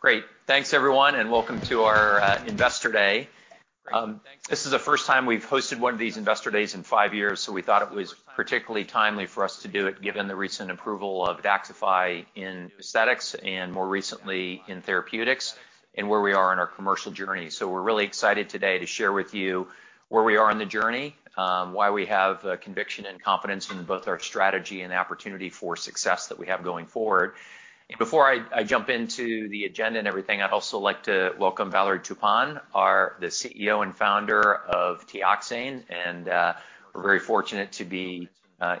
Great. Thanks everyone and welcome to our Investor Day. This is the first time we've hosted one of these investor days in 5 years, so we thought it was particularly timely for us to do it, given the recent approval of DAXXIFY in aesthetics and more recently in therapeutics, and where we are in our commercial journey. So we're really excited today to share with you where we are on the journey, why we have conviction and confidence in both our strategy and opportunity for success that we have going forward. And before I jump into the agenda and everything, I'd also like to welcome Valérie Taupin, our... The CEO and founder of Teoxane, and we're very fortunate to be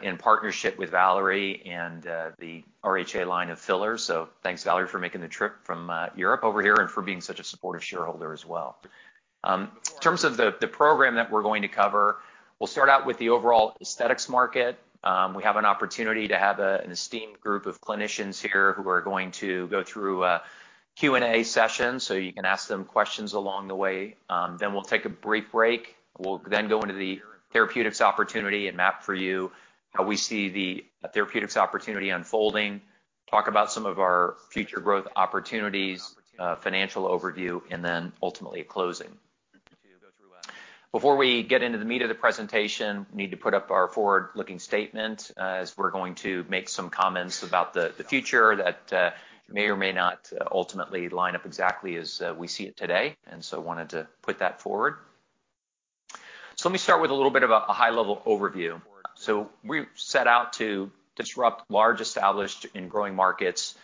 in partnership with Valérie and the RHA line of fillers. So thanks Valérie for making the trip from Europe over here and for being such a supportive shareholder as well. In terms of the program that we're going to cover, we'll start out with the overall aesthetics market. We have an opportunity to have an esteemed group of clinicians here who are going to go through a Q&A session, so you can ask them questions along the way. Then we'll take a brief break. We'll then go into the therapeutics opportunity and map for you how we see the therapeutics opportunity unfolding, talk about some of our future growth opportunities, financial overview, and then ultimately closing. Before we get into the meat of the presentation, we need to put up our forward-looking statement, as we're going to make some comments about the future that may or may not ultimately line up exactly as we see it today, and so wanted to put that forward. So let me start with a little bit of a high-level overview. So we've set out to disrupt large, established, and growing markets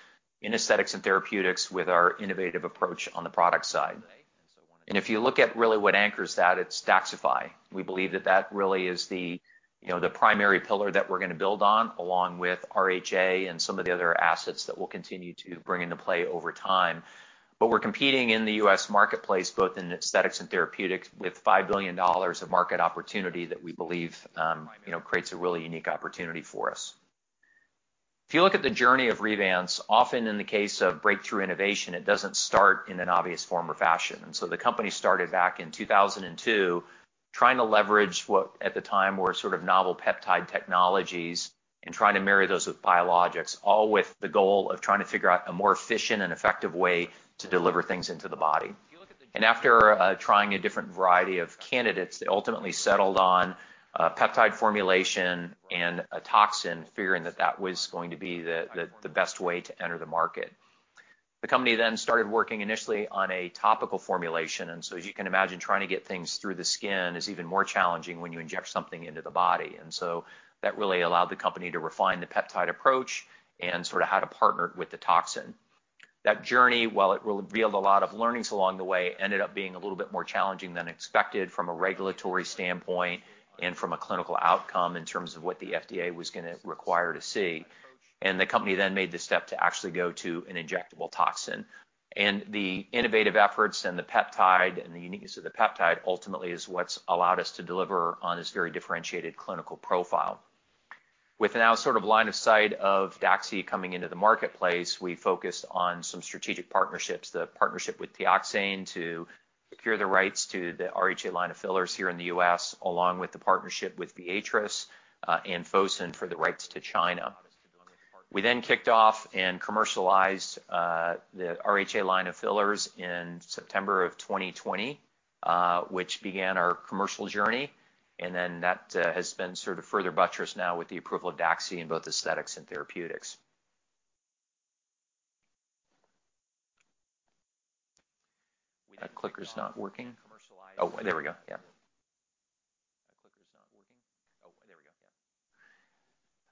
in aesthetics and therapeutics with our innovative approach on the product side. And if you look at really what anchors that, it's Daxxify. We believe that that really is the, you know, the primary pillar that we're going to build on, along with RHA and some of the other assets that we'll continue to bring into play over time. But we're competing in the US market place, both in aesthetics and therapeutics, with $5 billion of market opportunity that we believe, you know, creates a really unique opportunity for us. If you look at the journey of Revance, often in the case of breakthrough innovation, it doesn't start in an obvious form or fashion. And so the company started back in 2002, trying to leverage what at the time were sort of novel peptide technologies and trying to marry those with biologics, all with the goal of trying to figure out a more efficient and effective way to deliver things into the body. And after trying a different variety of candidates, they ultimately settled on a peptide formulation and a toxin, figuring that that was going to be the best way to enter the market. The company then started working initially on a topical formulation, and so as you can imagine, trying to get things through the skin is even more challenging when you inject something into the body. And so that really allowed the company to refine the peptide approach and sort of how to partner it with the toxin. That journey, while it revealed a lot of learnings along the way, ended up being a little bit more challenging than expected from a regulatory standpoint and from a clinical outcome in terms of what the FDA was going to require to see. And the company then made the step to actually go to an injectable toxin. And the innovative efforts and the peptide and the uniqueness of the peptide ultimately is what's allowed us to deliver on this very differentiated clinical profile. With now sort of line of sight of Daxi coming into the marketplace, we focused on some strategic partnerships, the partnership with TEOXANE to secure the rights to the RHA line of fillers here in the US, along with the partnership with Viatris and Fosun for the rights to China. We then kicked off and commercialized the RHA line of fillers in September of 2020, which began our commercial journey, and then that has been sort of further buttressed now with the approval of DAXI in both aesthetics and therapeutics. My clicker's not working. Oh, there we go. Yeah.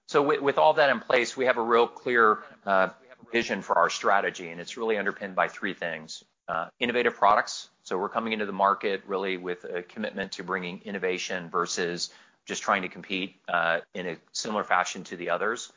So with all that in place, we have a real clear vision for our strategy, and it's really underpinned by three things: innovative products. So we're coming into the market really with a commitment to bringing innovation versus just trying to compete in a similar fashion to the others.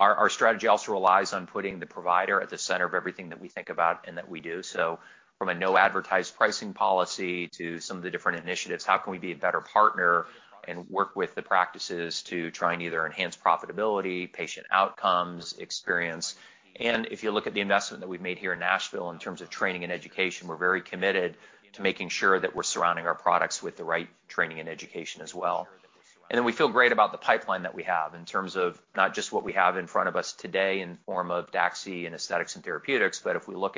Our strategy also relies on putting the provider at the center of everything that we think about and that we do. So from a no-advertised pricing policy to some of the different initiatives, how can we be a better partner and work with the practices to try and either enhance profitability, patient outcomes, experience? And if you look at the investment that we've made here in Nashville in terms of training and education, we're very committed to making sure that we're surrounding our products with the right training and education as well. We feel great about the pipeline that we have in terms of not just what we have in front of us today in the form of Daxi and aesthetics and therapeutics, but if we look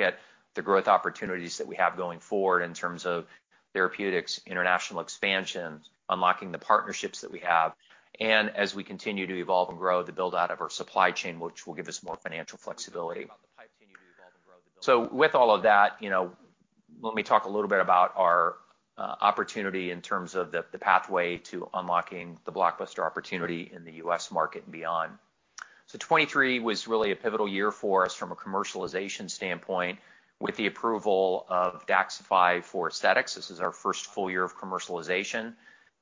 at the growth opportunities that we have going forward in terms of therapeutics, international expansion, unlocking the partnerships that we have, and as we continue to evolve and grow, the build-out of our supply chain, which will give us more financial flexibility. With all of that, you know, let me talk a little bit about our opportunity in terms of the pathway to unlocking the blockbuster opportunity in the US market and beyond. '23 was really a pivotal year for us from a commercialization standpoint with the approval of Daxxify for aesthetics. This is our first full year of commercialization.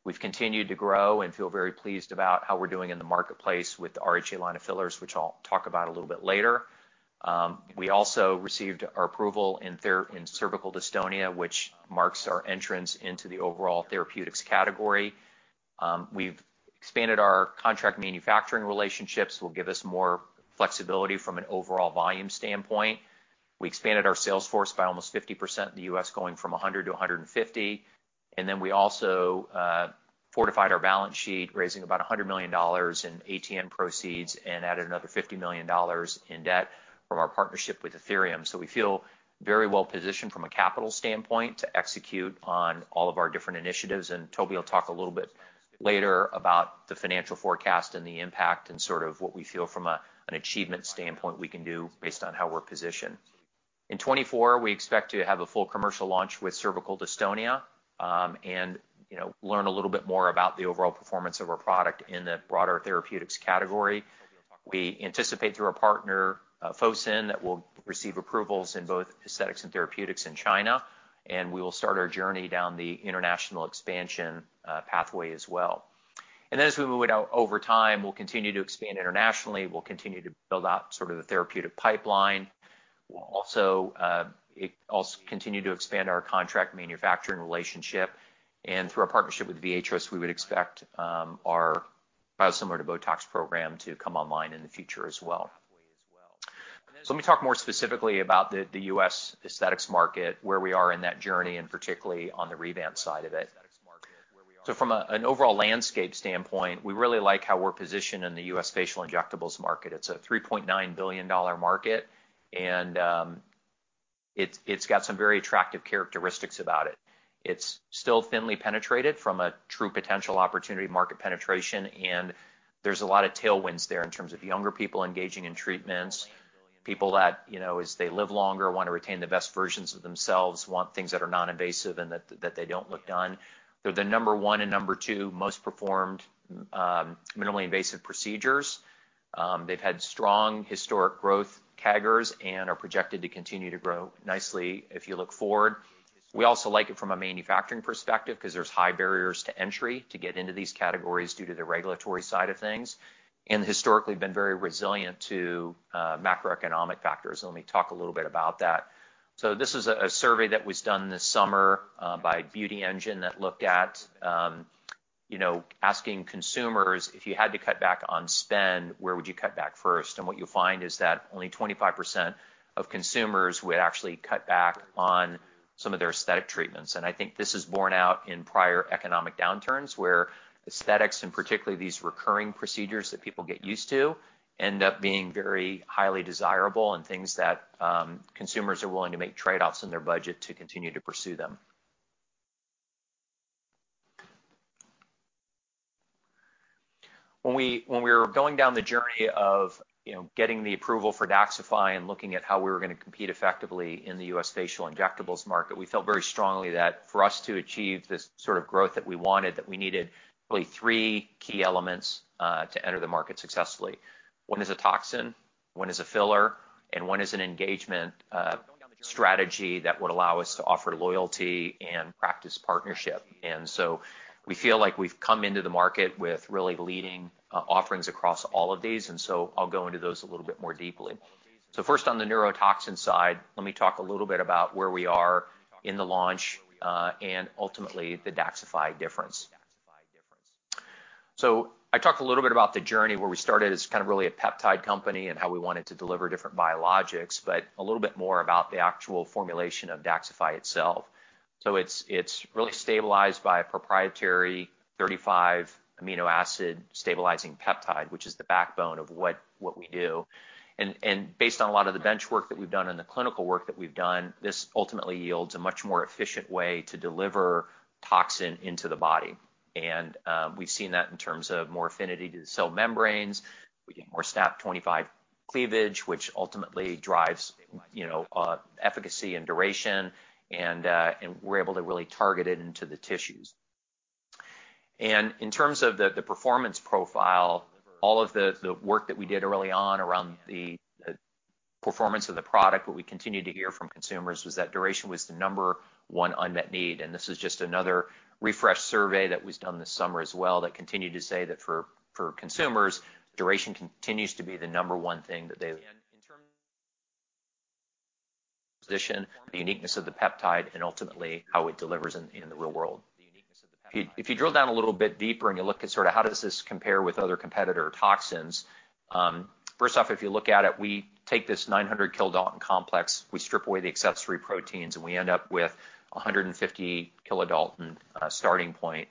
We've continued to grow and feel very pleased about how we're doing in the marketplace with the RHA line of fillers, which I'll talk about a little bit later. We also received our approval in cervical dystonia, which marks our entrance into the overall therapeutics category. We've expanded our contract manufacturing relationships, which will give us more flexibility from an overall volume standpoint. We expanded our sales force by almost 50% in the US, going from 100 to 150. We also fortified our balance sheet, raising about $100 million in ATM proceeds and added another $50 million in debt from our partnership with Ethereum. So we feel very well positioned from a capital standpoint to execute on all of our different initiatives, and Toby will talk a little bit later about the financial forecast and the impact and sort of what we feel from a, an achievement standpoint we can do based on how we're positioned. In 2024, we expect to have a full commercial launch with Cervical Dystonia, and, you know, learn a little bit more about the overall performance of our product in the broader therapeutics category. We anticipate through our partner, Fosun, that we'll receive approvals in both aesthetics and therapeutics in China, and we will start our journey down the international expansion pathway as well. And then as we move it out over time, we'll continue to expand internationally. We'll continue to build out sort of the therapeutic pipeline. We'll also continue to expand our contract manufacturing relationship, and through our partnership with Viatris, we would expect our biosimilar to BOTOX program to come online in the future as well. So let me talk more specifically about the US aesthetics market, where we are in that journey, and particularly on the Revance side of it. So from an overall landscape standpoint, we really like how we're positioned in the US facial injectables market. It's a $3.9 billion market, and it's got some very attractive characteristics about it. It's still thinly penetrated from a true potential opportunity market penetration, and there's a lot of tailwinds there in terms of younger people engaging in treatments. People that, you know, as they live longer want to retain the best versions of themselves, want things that are non-invasive, and that they don't look done. They're the number 1 and number 2 most performed minimally invasive procedures. They've had strong historic growth, CAGRs, and are projected to continue to grow nicely if you look forward. We also like it from a manufacturing perspective, 'cause there's high barriers to entry to get into these categories due to the regulatory side of things, and historically been very resilient to macroeconomic factors. Let me talk a little bit about that. So this is a survey that was done this summer by Beauty Engine that looked at, you know, asking consumers: If you had to cut back on spend, where would you cut back first? What you'll find is that only 25% of consumers would actually cut back on some of their aesthetic treatments. I think this is borne out in prior economic downturns, where aesthetics, and particularly these recurring procedures that people get used to, end up being very highly desirable and things that consumers are willing to make trade-offs in their budget to continue to pursue them. When we, when we were going down the journey of, you know, getting the approval for DAXXIFY and looking at how we were gonna compete effectively in the U.S. facial injectables market, we felt very strongly that for us to achieve this sort of growth that we wanted, that we needed really three key elements to enter the market successfully. 1 is a toxin, 1 is a filler and 1 is an engagement strategy that would allow us to offer loyalty and practice partnership. And so we feel like we've come into the market with really leading offerings across all of these, and so I'll go into those a little bit more deeply. So first, on the neurotoxin side, let me talk a little bit about where we are in the launch, and ultimately, the DAXXIFY difference. So I talked a little bit about the journey, where we started as kind of really a peptide company and how we wanted to deliver different biologics, but a little bit more about the actual formulation of DAXXIFY itself. So it's, it's really stabilized by a proprietary 35 amino acid stabilizing peptide, which is the backbone of what, what we do. And based on a lot of the bench work that we've done and the clinical work that we've done, this ultimately yields a much more efficient way to deliver toxin into the body. And we've seen that in terms of more affinity to the cell membranes. We get more SNAP-25 cleavage, which ultimately drives, you know, efficacy and duration, and, and we're able to really target it into the tissues. And in terms of the, the performance profile, all of the, the work that we did early on around the, the performance of the product, what we continued to hear from consumers was that duration was the number one unmet need. And this is just another refreshed survey that was done this summer as well, that continued to say that for, for consumers, duration continues to be the number one thing that they... Position, the uniqueness of the peptide, and ultimately, how it delivers in the real world. If you drill down a little bit deeper and you look at sort of how does this compare with other competitor toxins, first off, if you look at it, we take this 900 kilodalton complex, we strip away the accessory proteins, and we end up with a 150-kilodalton starting point.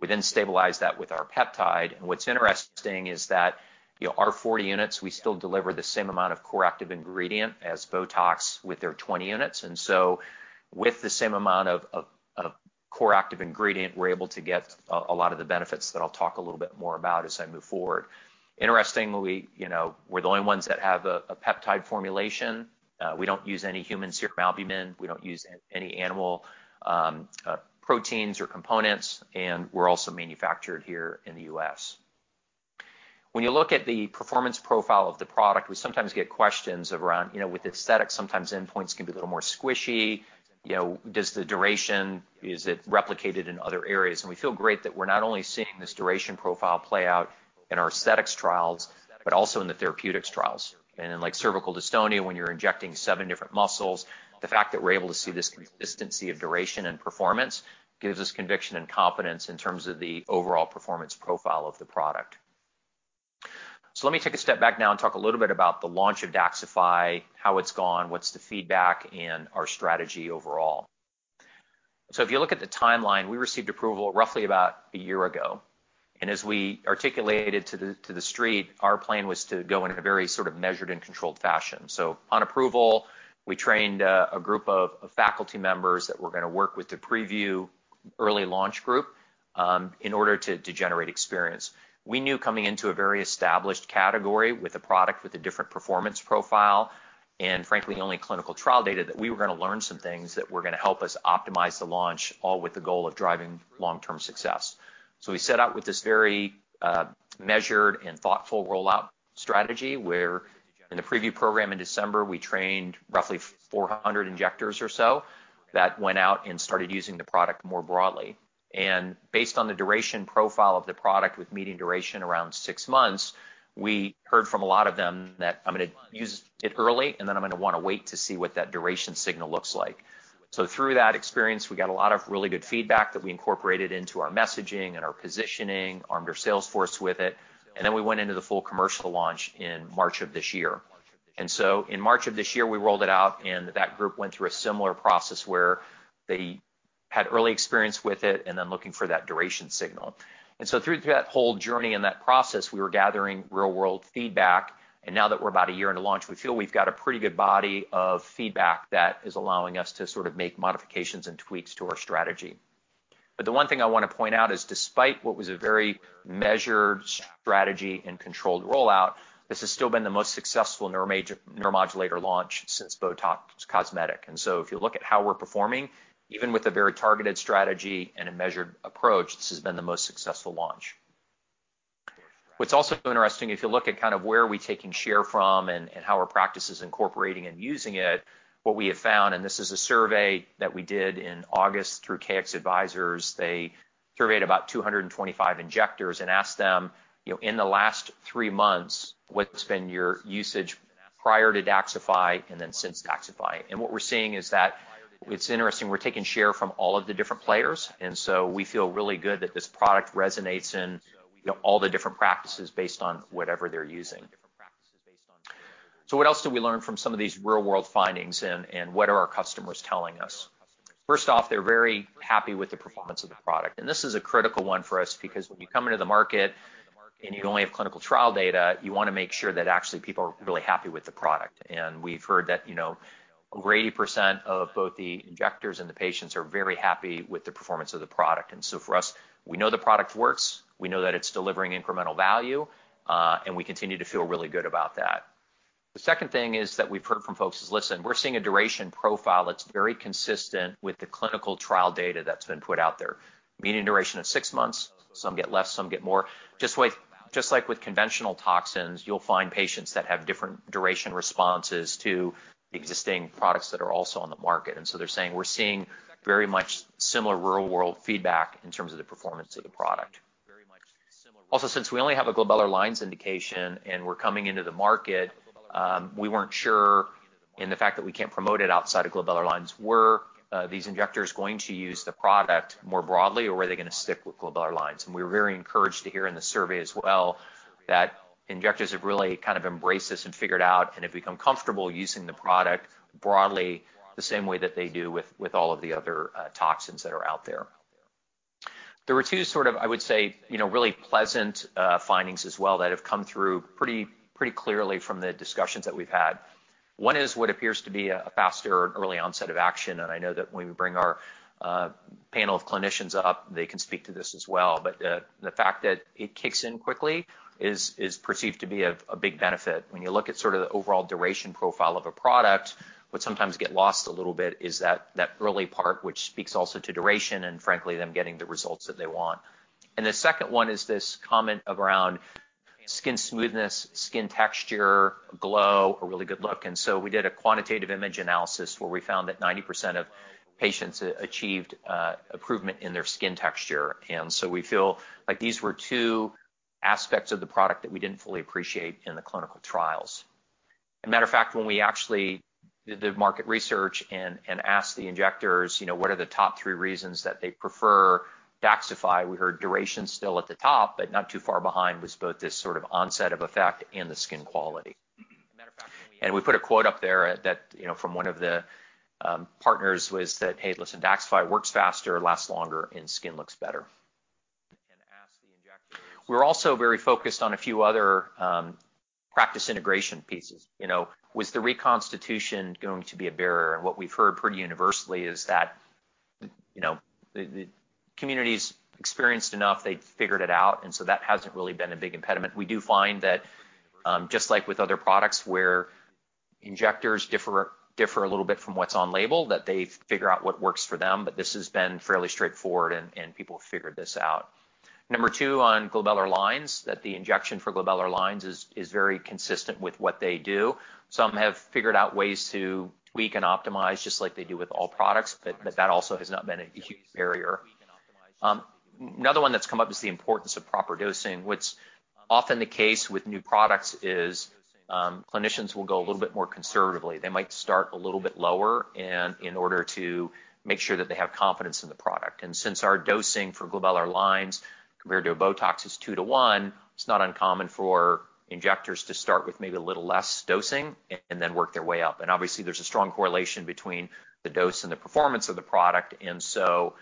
We then stabilize that with our peptide, and what's interesting is that, you know, our 40 units, we still deliver the same amount of core active ingredient as BOTOX with their 20 units. And so with the same amount of core active ingredient, we're able to get a lot of the benefits that I'll talk a little bit more about as I move forward. Interestingly, we, you know, we're the only ones that have a peptide formulation. We don't use any human serum albumin, we don't use any animal proteins or components, and we're also manufactured here in the US When you look at the performance profile of the product, we sometimes get questions around... You know, with aesthetics, sometimes endpoints can be a little more squishy. You know, does the duration, is it replicated in other areas? And we feel great that we're not only seeing this duration profile play out in our aesthetics trials, but also in the therapeutics trials. And in, like, cervical dystonia, when you're injecting seven different muscles, the fact that we're able to see this consistency of duration and performance gives us conviction and confidence in terms of the overall performance profile of the product.... So let me take a step back now and talk a little bit about the launch of DAXXIFY, how it's gone, what's the feedback, and our strategy overall. So if you look at the timeline, we received approval roughly about a year ago, and as we articulated to the street, our plan was to go in a very sort of measured and controlled fashion. So on approval, we trained a group of faculty members that were gonna work with to preview early launch group, in order to generate experience. We knew coming into a very established category with a product with a different performance profile, and frankly, only clinical trial data, that we were gonna learn some things that were gonna help us optimize the launch, all with the goal of driving long-term success. So we set out with this very, measured and thoughtful rollout strategy, where in the preview program in December, we trained roughly 400 injectors or so that went out and started using the product more broadly. And based on the duration profile of the product with median duration around six months, we heard from a lot of them that, "I'm gonna use it early, and then I'm gonna wanna wait to see what that duration signal looks like." So through that experience, we got a lot of really good feedback that we incorporated into our messaging and our positioning, armed our sales force with it, and then we went into the full commercial launch in March of this year. And so in March of this year, we rolled it out, and that group went through a similar process where they had early experience with it and then looking for that duration signal. And so through that whole journey and that process, we were gathering real-world feedback, and now that we're about a year into launch, we feel we've got a pretty good body of feedback that is allowing us to sort of make modifications and tweaks to our strategy. But the one thing I want to point out is, despite what was a very measured strategy and controlled rollout, this has still been the most successful neuromodulator launch since BOTOX Cosmetic. And so if you look at how we're performing, even with a very targeted strategy and a measured approach, this has been the most successful launch. What's also interesting, if you look at kind of where are we taking share from and, and how are practices incorporating and using it, what we have found, and this is a survey that we did in August through KLA Advisors, they surveyed about 225 injectors and asked them, you know, "In the last three months, what's been your usage prior to DAXXIFY and then since DAXXIFY?" And what we're seeing is that it's interesting, we're taking share from all of the different players, and so we feel really good that this product resonates in, you know, all the different practices based on whatever they're using. So what else did we learn from some of these real-world findings, and, and what are our customers telling us? First off, they're very happy with the performance of the product. This is a critical one for us because when you come into the market and you only have clinical trial data, you wanna make sure that actually people are really happy with the product. We've heard that, you know, over 80% of both the injectors and the patients are very happy with the performance of the product. So for us, we know the product works, we know that it's delivering incremental value, and we continue to feel really good about that. The second thing is that we've heard from folks is, listen, we're seeing a duration profile that's very consistent with the clinical trial data that's been put out there. Median duration of 6 months, some get less, some get more. Just like with conventional toxins, you'll find patients that have different duration responses to existing products that are also on the market. And so they're saying we're seeing very much similar real-world feedback in terms of the performance of the product. Also, since we only have a glabellar lines indication and we're coming into the market, we weren't sure in the fact that we can't promote it outside of glabellar lines, were these injectors going to use the product more broadly, or were they gonna stick with glabellar lines? And we were very encouraged to hear in the survey as well, that injectors have really kind of embraced this and figured out, and have become comfortable using the product broadly, the same way that they do with, with all of the other toxins that are out there. There were two sort of, I would say, you know, really pleasant findings as well, that have come through pretty, pretty clearly from the discussions that we've had. One is what appears to be a faster early onset of action, and I know that when we bring our panel of clinicians up, they can speak to this as well. But the fact that it kicks in quickly is perceived to be a big benefit. When you look at sort of the overall duration profile of a product, what sometimes get lost a little bit is that early part, which speaks also to duration and frankly, them getting the results that they want. And the second one is this comment around skin smoothness, skin texture, glow, a really good look. And so we did a quantitative image analysis, where we found that 90% of patients achieved improvement in their skin texture. And so we feel like these were two aspects of the product that we didn't fully appreciate in the clinical trials. As a matter of fact, when we actually did the market research and asked the injectors, you know, what are the top three reasons that they prefer DAXXIFY, we heard duration still at the top, but not too far behind was both this sort of onset of effect and the skin quality. And we put a quote up there that, you know, from one of the partners, was that, "Hey, listen, DAXXIFY works faster, lasts longer, and skin looks better." We're also very focused on a few other practice integration pieces. You know, was the reconstitution going to be a barrier? What we've heard pretty universally is that, you know, the community's experienced enough, they'd figured it out, and so that hasn't really been a big impediment. We do find that, just like with other products, where injectors differ a little bit from what's on label, that they figure out what works for them, but this has been fairly straightforward, and people have figured this out. Number two, on Glabellar Lines, that the injection for Glabellar Lines is very consistent with what they do. Some have figured out ways to tweak and optimize, just like they do with all products, but that also has not been a huge barrier. Another one that's come up is the importance of proper dosing. What's often the case with new products is clinicians will go a little bit more conservatively. They might start a little bit lower and in order to make sure that they have confidence in the product. Since our dosing for glabellar lines compared to a BOTOX is 2-to-1, it's not uncommon for injectors to start with maybe a little less dosing and then work their way up. And obviously, there's a strong correlation between the dose and the performance of the product, and so,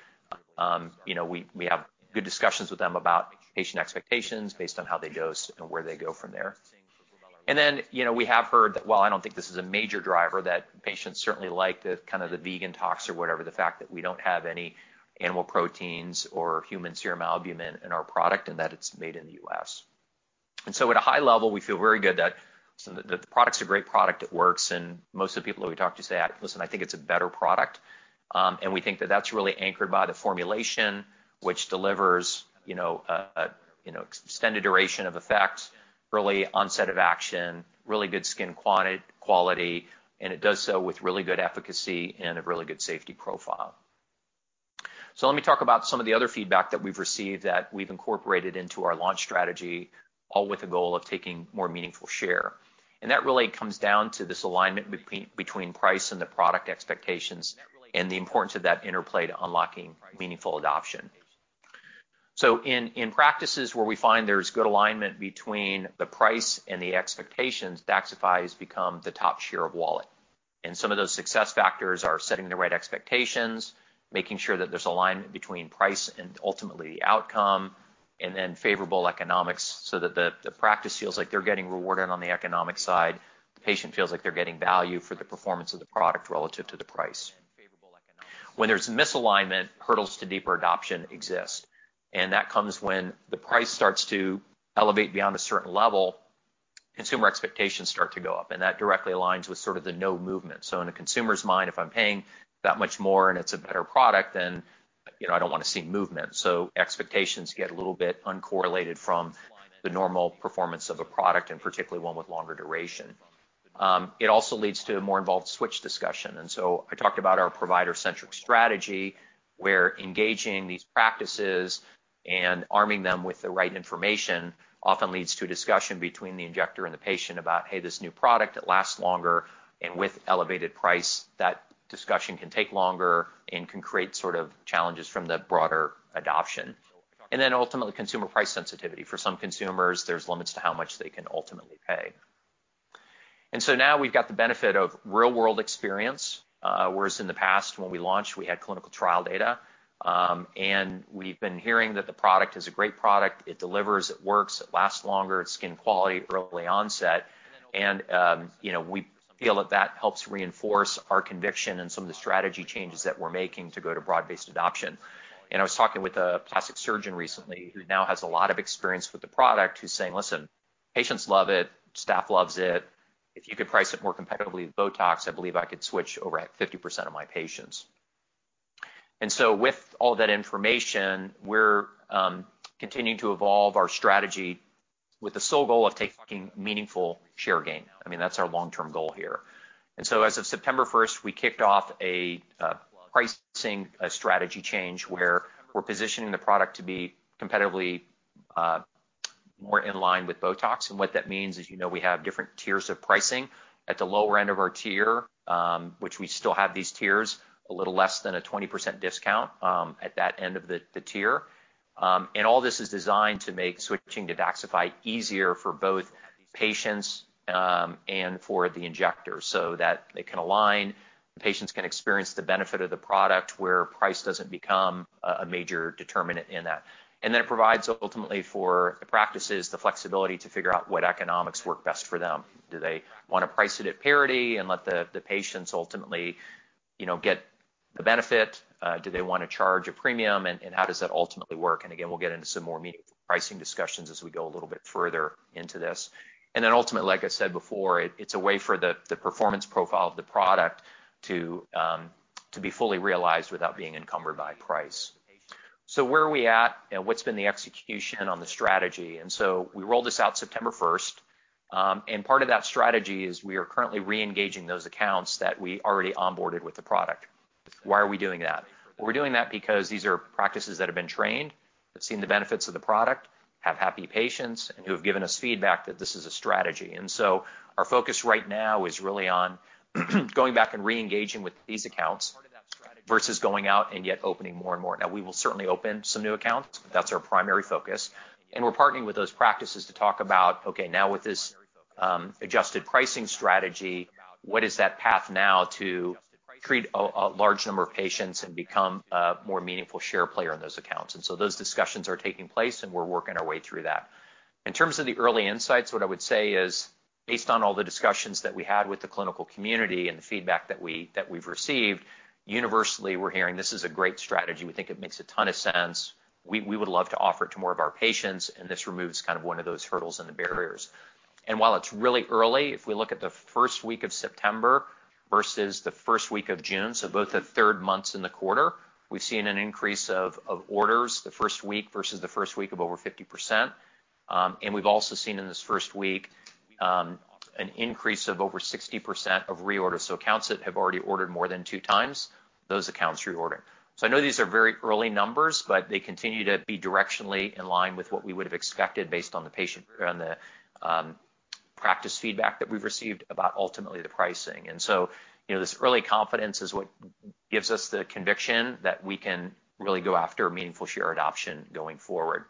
you know, we, we have good discussions with them about patient expectations based on how they dose and where they go from there. And then, you know, we have heard that, while I don't think this is a major driver, that patients certainly like the kind of the vegan toxin or whatever, the fact that we don't have any animal proteins or human serum albumin in our product, and that it's made in the US And so at a high level, we feel very good that the product's a great product. It works, and most of the people that we talk to say, "Listen, I think it's a better product." And we think that that's really anchored by the formulation, which delivers, you know, extended duration of effect, rapid onset of action, really good skin quality, and it does so with really good efficacy and a really good safety profile. So let me talk about some of the other feedback that we've received that we've incorporated into our launch strategy, all with the goal of taking more meaningful share. And that really comes down to this alignment between price and the product expectations, and the importance of that interplay to unlocking meaningful adoption. So in practices where we find there's good alignment between the price and the expectations, DAXXIFY's become the top share of wallet. And some of those success factors are setting the right expectations, making sure that there's alignment between price and ultimately the outcome, and then favorable economics, so that the practice feels like they're getting rewarded on the economic side. The patient feels like they're getting value for the performance of the product relative to the price. When there's misalignment, hurdles to deeper adoption exist, and that comes when the price starts to elevate beyond a certain level, consumer expectations start to go up, and that directly aligns with sort of the no movement. So in a consumer's mind, if I'm paying that much more and it's a better product, then, you know, I don't want to see movement. So expectations get a little bit uncorrelated from the normal performance of a product, and particularly one with longer duration. It also leads to a more involved switch discussion. And so I talked about our provider-centric strategy, where engaging these practices and arming them with the right information often leads to a discussion between the injector and the patient about, "Hey, this new product that lasts longer," and with elevated price, that discussion can take longer and can create sort of challenges from the broader adoption. And then ultimately, consumer price sensitivity. For some consumers, there's limits to how much they can ultimately pay. And so now we've got the benefit of real-world experience, whereas in the past, when we launched, we had clinical trial data. And we've been hearing that the product is a great product. It delivers, it works, it lasts longer, its skin quality, early onset, and, you know, we feel that that helps reinforce our conviction and some of the strategy changes that we're making to go to broad-based adoption. And I was talking with a plastic surgeon recently, who now has a lot of experience with the product, who's saying: "Listen, patients love it, staff loves it. If you could price it more competitively with BOTOX, I believe I could switch over at 50% of my patients." And so with all that information, we're continuing to evolve our strategy with the sole goal of taking meaningful share gain. I mean, that's our long-term goal here. And so as of September first, we kicked off a pricing strategy change, where we're positioning the product to be competitively more in line with BOTOX. What that means is, you know, we have different tiers of pricing. At the lower end of our tier, which we still have these tiers, a little less than a 20% discount at that end of the tier. All this is designed to make switching to DAXXIFY easier for both patients and for the injectors, so that they can align, the patients can experience the benefit of the product, where price doesn't become a major determinant in that. Then it provides ultimately for the practices the flexibility to figure out what economics work best for them. Do they want to price it at parity and let the patients ultimately, you know, get the benefit? Do they want to charge a premium, and how does that ultimately work? And again, we'll get into some more meaningful pricing discussions as we go a little bit further into this. And then ultimately, like I said before, it's a way for the performance profile of the product to be fully realized without being encumbered by price. So where are we at, and what's been the execution on the strategy? And so we rolled this out September first, and part of that strategy is we are currently reengaging those accounts that we already onboarded with the product. Why are we doing that? Well, we're doing that because these are practices that have been trained, that's seen the benefits of the product, have happy patients, and who have given us feedback that this is a strategy. Our focus right now is really on going back and reengaging with these accounts versus going out and yet opening more and more. Now, we will certainly open some new accounts. That's our primary focus, and we're partnering with those practices to talk about, okay, now with this adjusted pricing strategy, what is that path now to treat a large number of patients and become a more meaningful share player in those accounts? Those discussions are taking place, and we're working our way through that. In terms of the early insights, what I would say is, based on all the discussions that we had with the clinical community and the feedback that we've received, universally, we're hearing, "This is a great strategy. We think it makes a ton of sense. We would love to offer it to more of our patients, and this removes kind of one of those hurdles and the barriers." And while it's really early, if we look at the first week of September versus the first week of June, so both the third months in the quarter, we've seen an increase of orders the first week versus the first week of over 50%. And we've also seen in this first week, an increase of over 60% of reorders. So accounts that have already ordered more than two times, those accounts reordered. So I know these are very early numbers, but they continue to be directionally in line with what we would have expected based on the patient—on the practice feedback that we've received about ultimately the pricing. And so, you know, this early confidence is what gives us the conviction that we can really go after a meaningful share adoption going forward.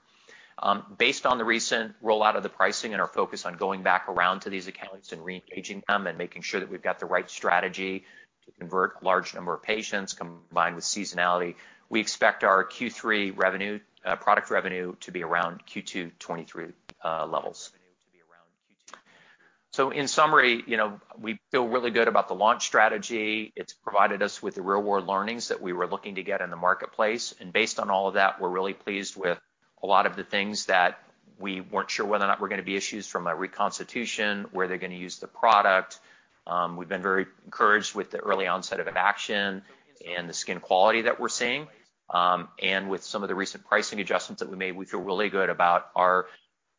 Based on the recent rollout of the pricing and our focus on going back around to these accounts and re-engaging them and making sure that we've got the right strategy to convert a large number of patients, combined with seasonality, we expect our Q3 revenue, product revenue to be around Q2 2023 levels. So in summary, you know, we feel really good about the launch strategy. It's provided us with the real-world learnings that we were looking to get in the marketplace, and based on all of that, we're really pleased with a lot of the things that we weren't sure whether or not were gonna be issues from a reconstitution, where they're gonna use the product. We've been very encouraged with the early onset of action and the skin quality that we're seeing. And with some of the recent pricing adjustments that we made, we feel really good about our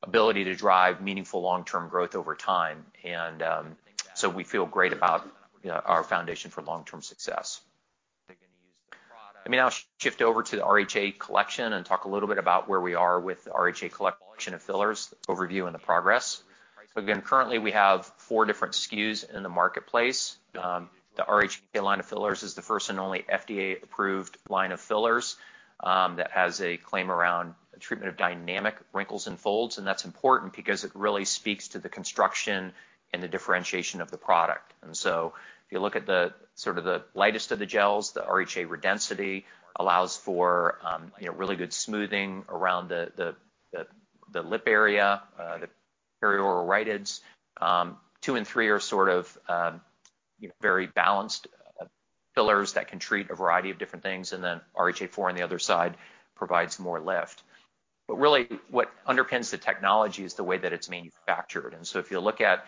ability to drive meaningful long-term growth over time. So we feel great about our foundation for long-term success. Let me now shift over to the RHA Collection and talk a little bit about where we are with the RHA Collection of fillers, overview and the progress. So again, currently, we have four different SKUs in the marketplace. The RHA line of fillers is the first and only FDA-approved line of fillers that has a claim around the treatment of dynamic wrinkles and folds, and that's important because it really speaks to the construction and the differentiation of the product. If you look at the sort of the lightest of the gels, the RHA Redensity allows for, you know, really good smoothing around the lip area, the perioral rhytids. 2 and 3 are sort of, you know, very balanced fillers that can treat a variety of different things, and then RHA 4 on the other side provides more lift. But really, what underpins the technology is the way that it's manufactured. If you look at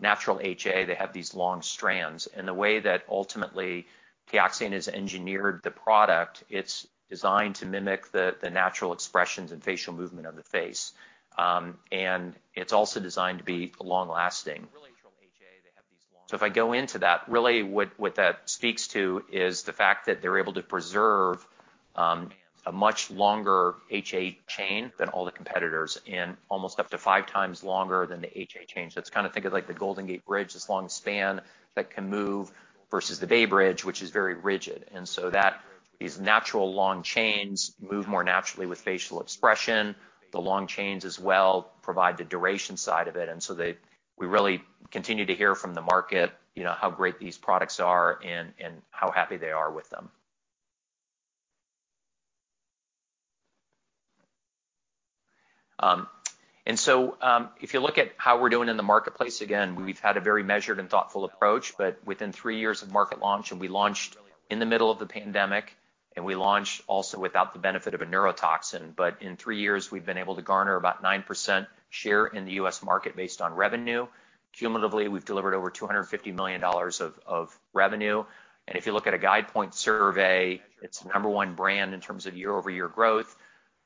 natural HA, they have these long strands, and the way that ultimately TEOXANE has engineered the product, it's designed to mimic the natural expressions and facial movement of the face. And it's also designed to be long-lasting. Really natural HA, they have these long... So if I go into that, really, what that speaks to is the fact that they're able to preserve a much longer HA chain than all the competitors, and almost up to five times longer than the HA chain. So let's kinda think of, like, the Golden Gate Bridge, this long span that can move, versus the Bay Bridge, which is very rigid. And so that these natural long chains move more naturally with facial expression. The long chains as well provide the duration side of it, and so we really continue to hear from the market, you know, how great these products are and how happy they are with them. And so, if you look at how we're doing in the marketplace, again, we've had a very measured and thoughtful approach. But within three years of market launch, and we launched in the middle of the pandemic, and we launched also without the benefit of a neurotoxin. But in three years, we've been able to garner about 9% share in the U.S. market based on revenue. Cumulatively, we've delivered over $250 million of revenue. And if you look at a Guidepoint survey, it's the number one brand in terms of year-over-year growth,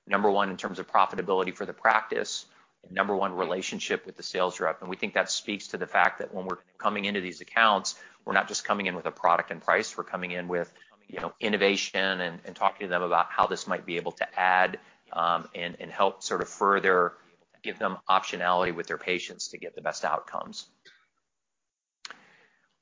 number one in terms of profitability for the practice, and number one relationship with the sales rep. We think that speaks to the fact that when we're coming into these accounts, we're not just coming in with a product and price; we're coming in with, you know, innovation and talking to them about how this might be able to add and help sort of further give them optionality with their patients to get the best outcomes.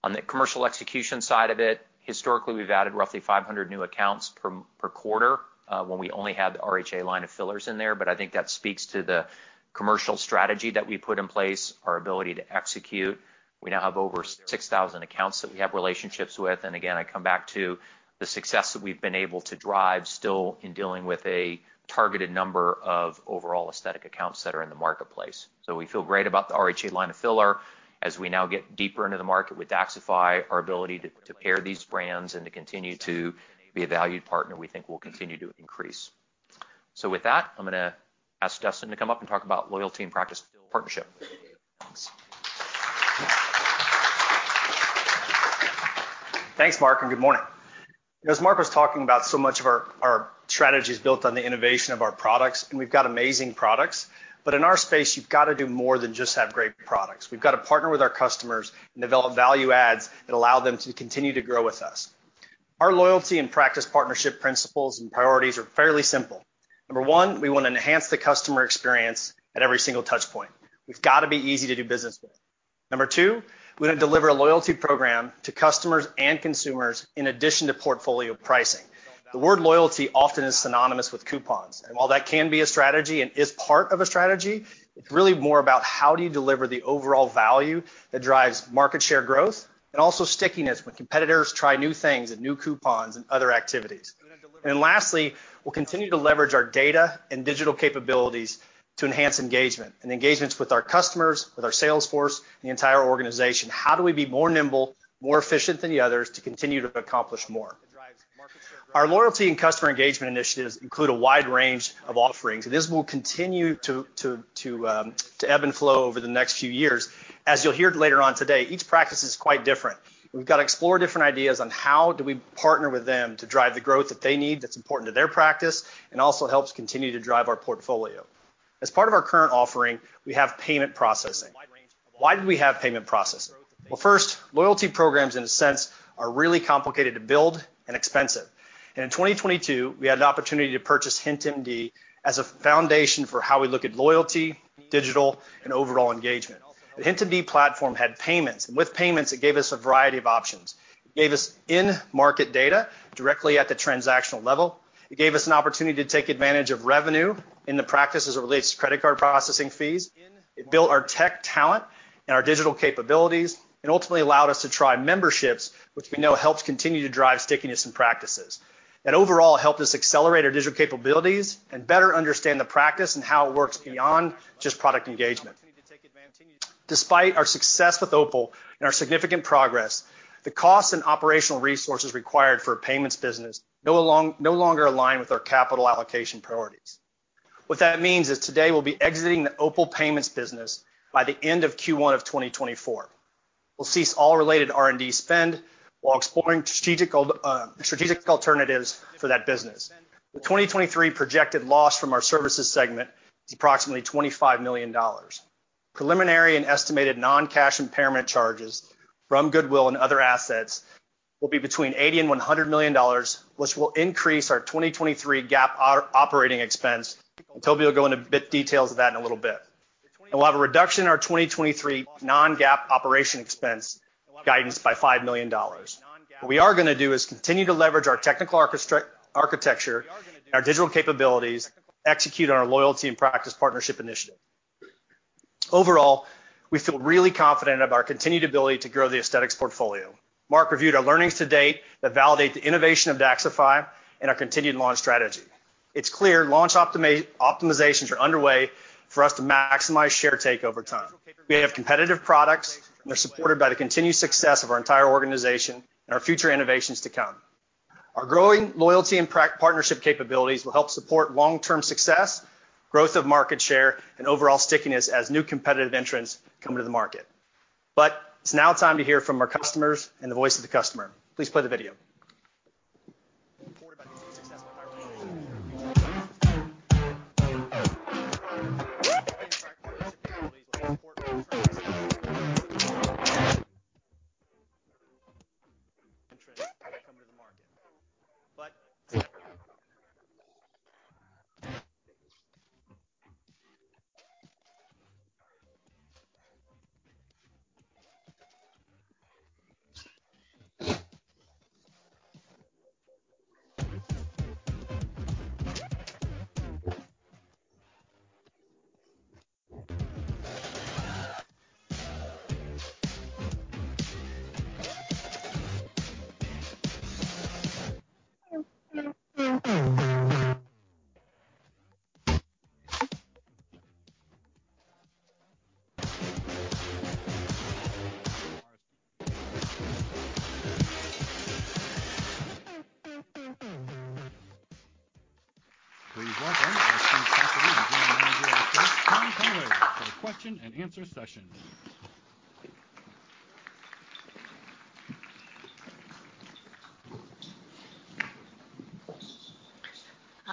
On the commercial execution side of it, historically, we've added roughly 500 new accounts per quarter when we only had the RHA line of fillers in there. But I think that speaks to the commercial strategy that we put in place, our ability to execute. We now have over 6,000 accounts that we have relationships with, and again, I come back to the success that we've been able to drive still in dealing with a targeted number of overall aesthetic accounts that are in the marketplace. So we feel great about the RHA line of filler. As we now get deeper into the market with DAXXIFY, our ability to pair these brands and to continue to be a valued partner, we think will continue to increase. So with that, I'm gonna ask Dustin to come up and talk about loyalty and practice partnership. Thanks Mark and good morning. As Mark was talking about, so much of our strategy is built on the innovation of our products, and we've got amazing products. But in our space, you've got to do more than just have great products. We've got to partner with our customers and develop value adds that allow them to continue to grow with us. Our loyalty and practice partnership principles and priorities are fairly simple. Number 1, we want to enhance the customer experience at every single touch point. We've got to be easy to do business with. Number 2, we're gonna deliver a loyalty program to customers and consumers in addition to portfolio pricing. The word loyalty often is synonymous with coupons, and while that can be a strategy and is part of a strategy, it's really more about how do you deliver the overall value that drives market share growth and also stickiness when competitors try new things and new coupons and other activities. And then lastly, we'll continue to leverage our data and digital capabilities to enhance engagement, and engagements with our customers, with our sales force, and the entire organization. How do we be more nimble, more efficient than the others to continue to accomplish more? Our loyalty and customer engagement initiatives include a wide range of offerings, and this will continue to ebb and flow over the next few years. As you'll hear later on today, each practice is quite different. We've got to explore different ideas on how do we partner with them to drive the growth that they need that's important to their practice and also helps continue to drive our portfolio. As part of our current offering, we have payment processing. Why do we have payment processing? Well, first, loyalty programs, in a sense, are really complicated to build and expensive.... In 2022, we had an opportunity to purchase HintMD as a foundation for how we look at loyalty, digital, and overall engagement. The HintMD platform had payments, and with payments, it gave us a variety of options. It gave us in-market data directly at the transactional level. It gave us an opportunity to take advantage of revenue in the practice as it relates to credit card processing fees. It built our tech talent and our digital capabilities and ultimately allowed us to try memberships, which we know helps continue to drive stickiness in practices. And overall, helped us accelerate our digital capabilities and better understand the practice and how it works beyond just product engagement. Despite our success with OPUL and our significant progress, the costs and operational resources required for a payments business no longer align with our capital allocation priorities. What that means is today we'll be exiting the OPUL payments business by the end of Q1 of 2024. We'll cease all related R&D spend while exploring strategic alternatives for that business. The 2023 projected loss from our services segment is approximately $25 million. Preliminary and estimated non-cash impairment charges from goodwill and other assets will be between $80 and 100 million, which will increase our 2023 GAAP operating expense, and Toby will go into a bit details of that in a little bit. We'll have a reduction in our 2023 non-GAAP operating expense guidance by $5 million. What we are gonna do is continue to leverage our technical architecture and our digital capabilities, execute on our loyalty and practice partnership initiative. Overall, we feel really confident about our continued ability to grow the aesthetics portfolio. Mark reviewed our learnings to date that validate the innovation of DAXXIFY and our continued launch strategy. It's clear launch optimizations are underway for us to maximize share take over time. We have competitive products, and they're supported by the continued success of our entire organization and our future innovations to come. Our growing loyalty and partnership capabilities will help support long-term success, growth of market share, and overall stickiness as new competitive entrants come into the market. But it's now time to hear from our customers and the voice of the customer. Please play the video. Please welcome our senior faculty and joining me on stage, Jessica Fye, for the question and answer session.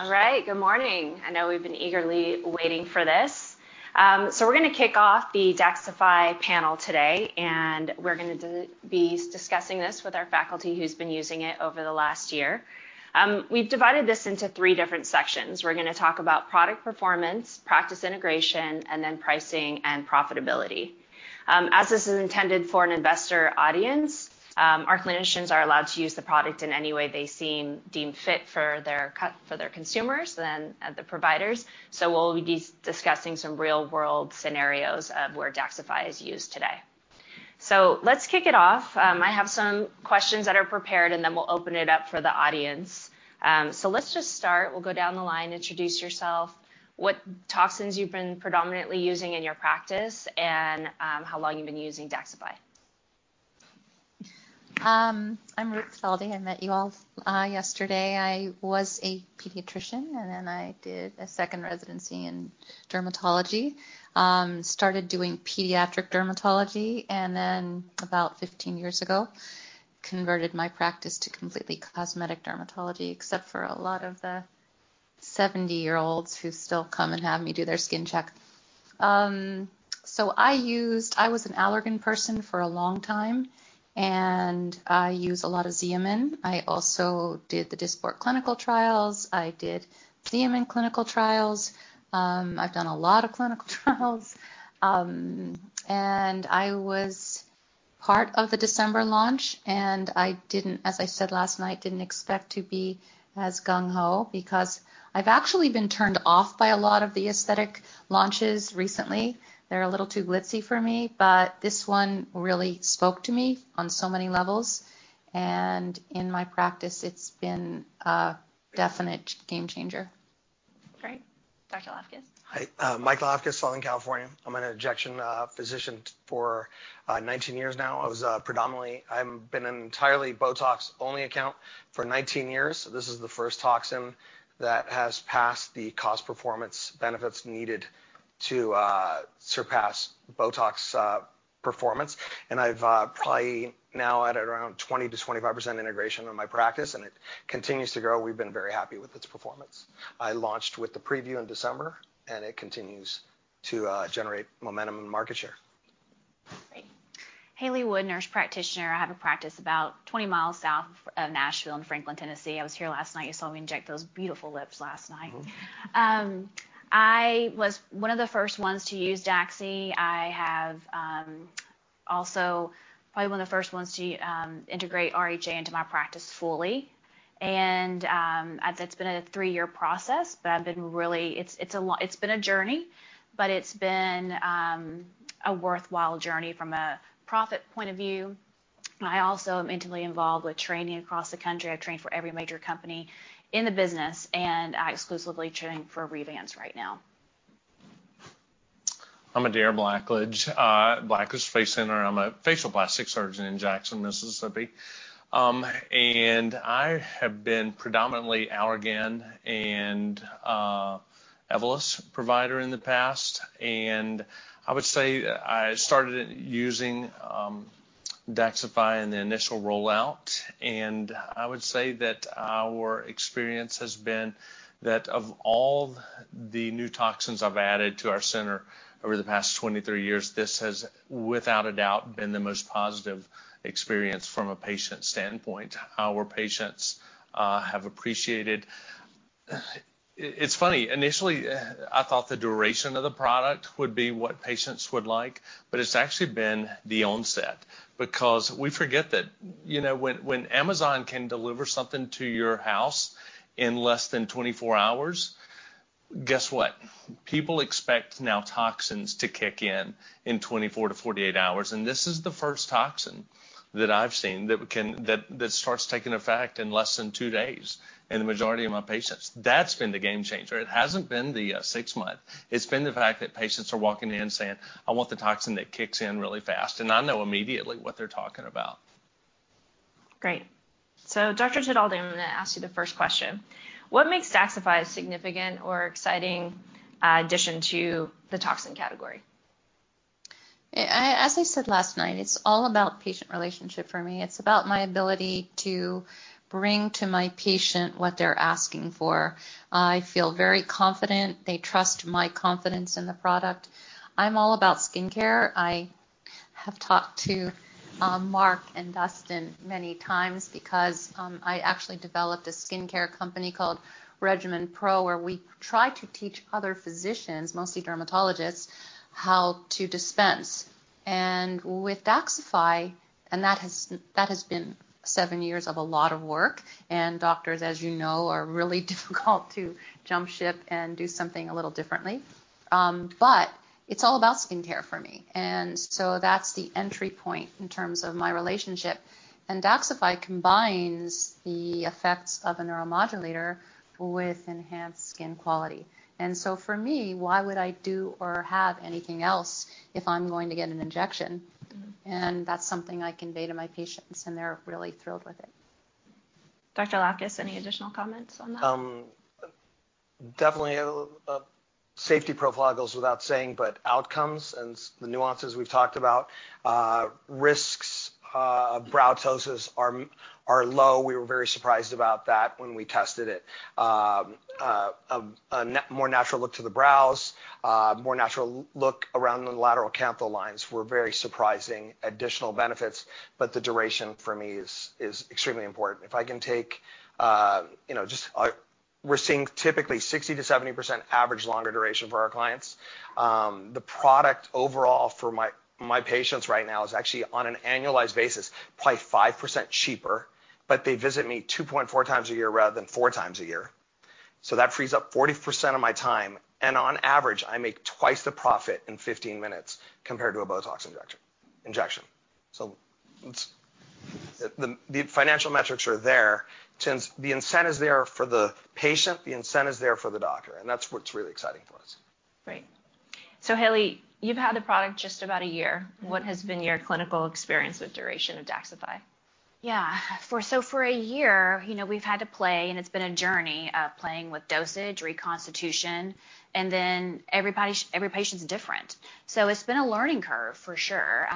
All right. Good morning. I know we've been eagerly waiting for this. So we're gonna kick off the DAXXIFY panel today, and we're gonna be discussing this with our faculty who's been using it over the last year. We've divided this into three different sections. We're gonna talk about product performance, practice integration, and then pricing and profitability. As this is intended for an investor audience, our clinicians are allowed to use the product in any way they deem fit for their consumers, then the providers. So we'll be discussing some real-world scenarios of where DAXXIFY is used today. So let's kick it off. I have some questions that are prepared, and then we'll open it up for the audience. So let's just start. We'll go down the line, introduce yourself, what toxins you've been predominantly using in your practice, and how long you've been using DAXXIFY. I'm Ruth Tedaldi. I met you all yesterday. I was a pediatrician, and then I did a second residency in dermatology. Started doing pediatric dermatology, and then about 15 years ago, converted my practice to completely cosmetic dermatology, except for a lot of the 70-year-olds who still come and have me do their skin check. So I was an Allergan person for a long time, and I use a lot of Xeomin. I also did the Dysport clinical trials. I did Xeomin clinical trials. I've done a lot of clinical trials. And I was part of the December launch, and I didn't, as I said last night, didn't expect to be as gung ho because I've actually been turned off by a lot of the aesthetic launches recently. They're a little too glitzy for me, but this one really spoke to me on so many levels, and in my practice, it's been a definite game changer. Great. Dr. Lafkas? Hi Michael Lafkas, Southern California. I'm an injection physician for 19 years now. I've been an entirely BOTOX-only account for 19 years. This is the first toxin that has passed the cost performance benefits needed to surpass BOTOX performance. And I've probably now at around 20 to 25% integration in my practice, and it continues to grow. We've been very happy with its performance. I launched with the preview in December, and it continues to generate momentum and market share. Haley Wood, nurse practitioner. I have a practice about 20 miles south of Nashville in Franklin, Tennessee. I was here last night. You saw me inject those beautiful lips last night. Mm-hmm. I was 1 of the first ones to use Daxxify. I have also probably one of the first ones to integrate RHA into my practice fully. And that's been a 3-year process, but I've been really it's been a journey, but it's been a worthwhile journey from a profit point of view. I also am intimately involved with training across the country. I've trained for every major company in the business, and I exclusively training for Revance right now. I'm Adair Blackledge, Blackledge Face Center. I'm a facial plastic surgeon in Jackson, Mississippi. And I have been predominantly Allergan and, Evolus provider in the past and I would say I started using, DAXXIFY in the initial rollout. And I would say that our experience has been that of all the new toxins I've added to our center over the past 23 years, this has, without a doubt, been the most positive experience from a patient standpoint. Our patients, have appreciated... it's funny, initially, I thought the duration of the product would be what patients would like, but it's actually been the onset. Because we forget that, you know, when, when Amazon can deliver something to your house in less than 24 hours, guess what? People expect now toxins to kick in in 24 to 48 hours, and this is the first toxin that I've seen that starts taking effect in less than two days in the majority of my patients. That's been the game changer. It hasn't been the 6month. It's been the fact that patients are walking in saying: "I want the toxin that kicks in really fast," and I know immediately what they're talking about. Great. So Dr. Tedaldi, I'm gonna ask you the first question: What makes DAXXIFY a significant or exciting addition to the toxin category? As I said last night, it's all about patient relationship for me. It's about my ability to bring to my patient what they're asking for. I feel very confident. They trust my confidence in the product. I'm all about skincare. I have talked to Mark and Dustin many times because I actually developed a skincare company called RegimenPro, where we try to teach other physicians, mostly dermatologists, how to dispense. And with DAXXIFY... And that has been 7 years of a lot of work and doctors, as you know, are really difficult to jump ship and do something a little differently. But it's all about skincare for me, and so that's the entry point in terms of my relationship. And DAXXIFY combines the effects of a neuromodulator with enhanced skin quality. For me, why would I do or have anything else if I'm going to get an injection? Mm-hmm. That's something I convey to my patients, and they're really thrilled with it. Dr. Lafkas, any additional comments on that? Definitely, safety profile goes without saying, but outcomes and the nuances we've talked about, risks, brow ptosis are low. We were very surprised about that when we tested it. A more natural look to the brows, more natural look around the lateral canthal lines were very surprising additional benefits, but the duration for me is extremely important. If I can take, you know, just... We're seeing typically 60 to 70% average longer duration for our clients. The product overall for my patients right now is actually, on an annualized basis, probably 5% cheaper, but they visit me 2.4 times a year rather than 4 times a year. So that frees up 40% of my time, and on average, I make twice the profit in 15 minutes compared to a BOTOX injection. So it's the financial metrics are there. Since the incentive is there for the patient, the incentive is there for the doctor, and that's what's really exciting for us. Great. So Haley, you've had the product just about a year. Mm-hmm. What has been your clinical experience with duration of DAXXIFY? Yeah. So for a year, you know, we've had to play, and it's been a journey, playing with dosage, reconstitution, and then every patient's different. So it's been a learning curve, for sure,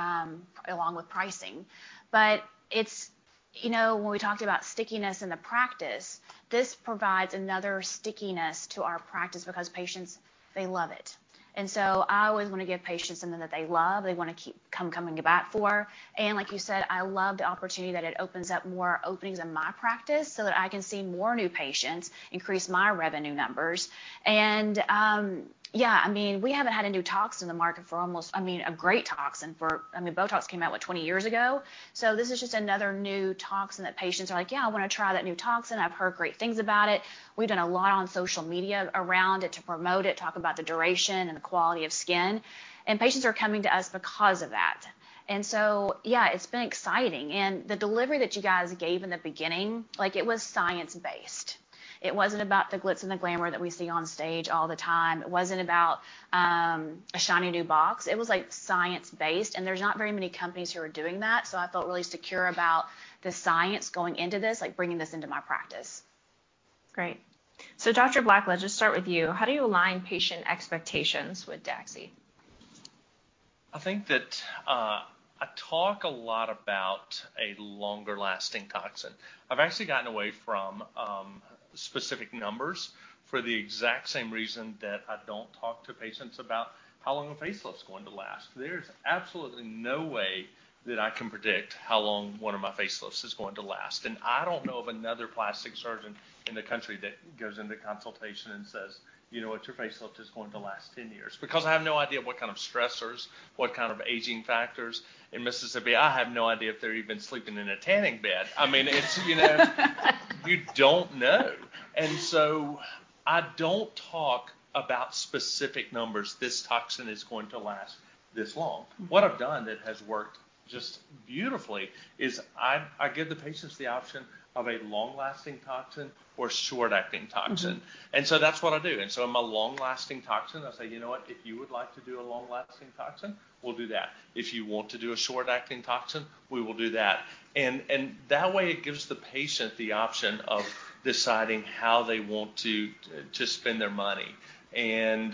along with pricing. But it's... You know, when we talked about stickiness in the practice, this provides another stickiness to our practice because patients, they love it. And so I always want to give patients something that they love, they wanna keep coming back for. And like you said, I love the opportunity that it opens up more openings in my practice, so that I can see more new patients, increase my revenue numbers. And, yeah, I mean, we haven't had a new toxin in the market for almost... I mean, a great toxin for-- I mean, BOTOX came out, what, 20 years ago? So this is just another new toxin that patients are like: "Yeah, I wanna try that new toxin. I've heard great things about it." We've done a lot on social media around it to promote it, talk about the duration and the quality of skin, and patients are coming to us because of that. And so, yeah, it's been exciting. And the delivery that you guys gave in the beginning, like, it was science-based. It wasn't about the glitz and the glamour that we see on stage all the time. It wasn't about, a shiny new box. It was, like, science-based, and there's not very many companies who are doing that, so I felt really secure about the science going into this, like, bringing this into my practice. Great. So, Dr. Blackledge, let's start with you. How do you align patient expectations with DAXXIFY? I think that I talk a lot about a longer-lasting toxin. I've actually gotten away from specific numbers for the exact same reason that I don't talk to patients about how long a facelift's going to last. There's absolutely no way that I can predict how long one of my facelifts is going to last, and I don't know of another plastic surgeon in the country that goes into consultation and says, "You know what? Your facelift is going to last 10 years." Because I have no idea what kind of stressors, what kind of aging factors. In Mississippi, I have no idea if they're even sleeping in a tanning bed. I mean, it's, you know, you don't know. And so I don't talk about specific numbers, "This toxin is going to last this long. Mm-hmm. What I've done that has worked just beautifully is I give the patients the option of a long-lasting toxin or short-acting toxin. Mm-hmm. And so that's what I do. And so I'm a long-lasting toxin, I say, "You know what? If you would like to do a long-lasting toxin, we'll do that. If you want to do a short-acting toxin, we will do that." And that way, it gives the patient the option of deciding how they want to spend their money. And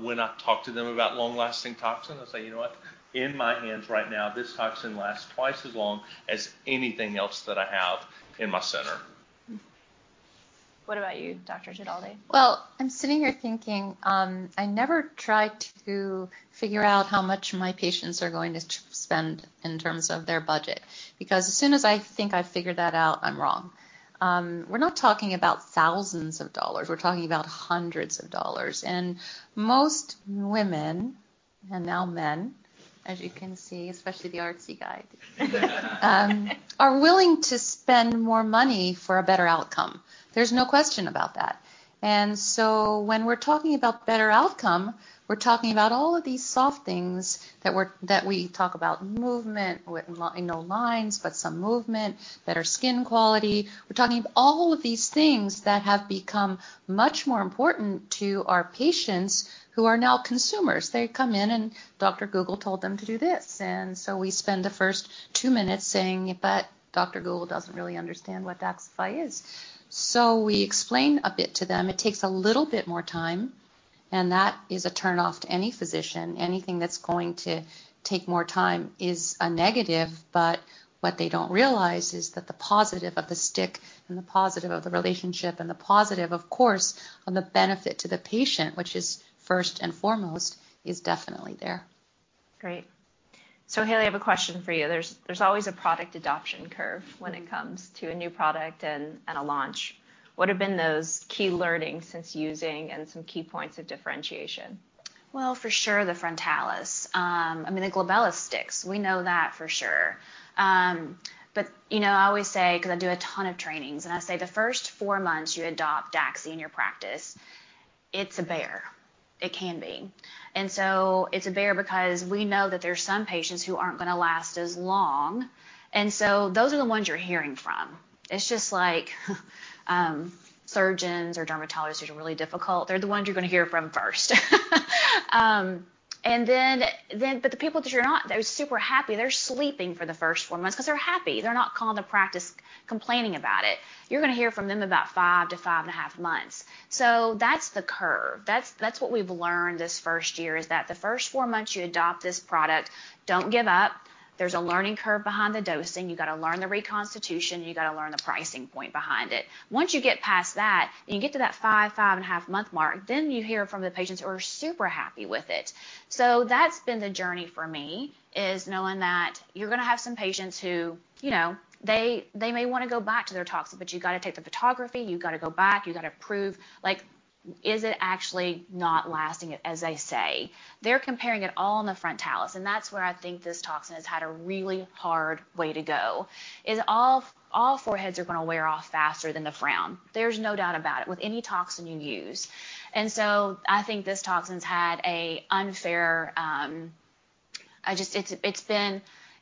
when I talk to them about long-lasting toxin, I say, "You know what? In my hands right now, this toxin lasts twice as long as anything else that I have in my center. Mm. What about you Dr. Tedaldi? Well, I'm sitting here thinking, I never try to figure out how much my patients are going to spend in terms of their budget, because as soon as I think I've figured that out, I'm wrong. We're not talking about thousands of dollars, we're talking about hundreds of dollars. And most women, and now men, as you can see, especially the artsy guy, are willing to spend more money for a better outcome. There's no question about that. And so when we're talking about better outcome, we're talking about all of these soft things that we talk about: movement, with no lines, but some movement, better skin quality. We're talking all of these things that have become much more important to our patients, who are now consumers. They come in and Dr. Google told them to do this. So we spend the first 2 minutes saying, "But Dr. Google doesn't really understand what DAXXIFY is." We explain a bit to them. It takes a little bit more time, and that is a turnoff to any physician. Anything that's going to take more time is a negative, but what they don't realize is that the positive of the stick and the positive of the relationship and the positive, of course, on the benefit to the patient, which is first and foremost, is definitely there. Great. So Haley I have a question for you. There's always a product adoption curve- Mm-hmm When it comes to a new product and a launch. What have been those key learnings since using and some key points of differentiation? Well, for sure, the frontalis. I mean, the glabella sticks. We know that for sure. But, you know, I always say, 'cause I do a ton of trainings, and I say the first 4 months you adopt DAXXIFY in your practice, it's a bear. It can be. And so it's a bear because we know that there are some patients who aren't gonna last as long, and so those are the ones you're hearing from. It's just like, surgeons or dermatologists who are really difficult, they're the ones you're gonna hear from first. And then, but the people that you're not, they're super happy. They're sleeping for the first 4 months 'cause they're happy. They're not calling the practice complaining about it. You're gonna hear from them about 5 to 5.5 months. So that's the curve. That's, that's what we've learned this first year, is that the first 4 months you adopt this product, don't give up. There's a learning curve behind the dosing. You gotta learn the reconstitution, you gotta learn the pricing point behind it. Once you get past that, and you get to that 5.5 month mark, then you hear from the patients who are super happy with it. So that's been the journey for me, is knowing that you're gonna have some patients who, you know, they, they may wanna go back to their toxin, but you've gotta take the photography, you've gotta go back, you gotta prove, like, is it actually not lasting as they say? They're comparing it all in the Frontalis, and that's where I think this toxin has had a really hard way to go, is all foreheads are gonna wear off faster than the frown. There's no doubt about it, with any toxin you use. And so I think this toxin's had an unfair... I just,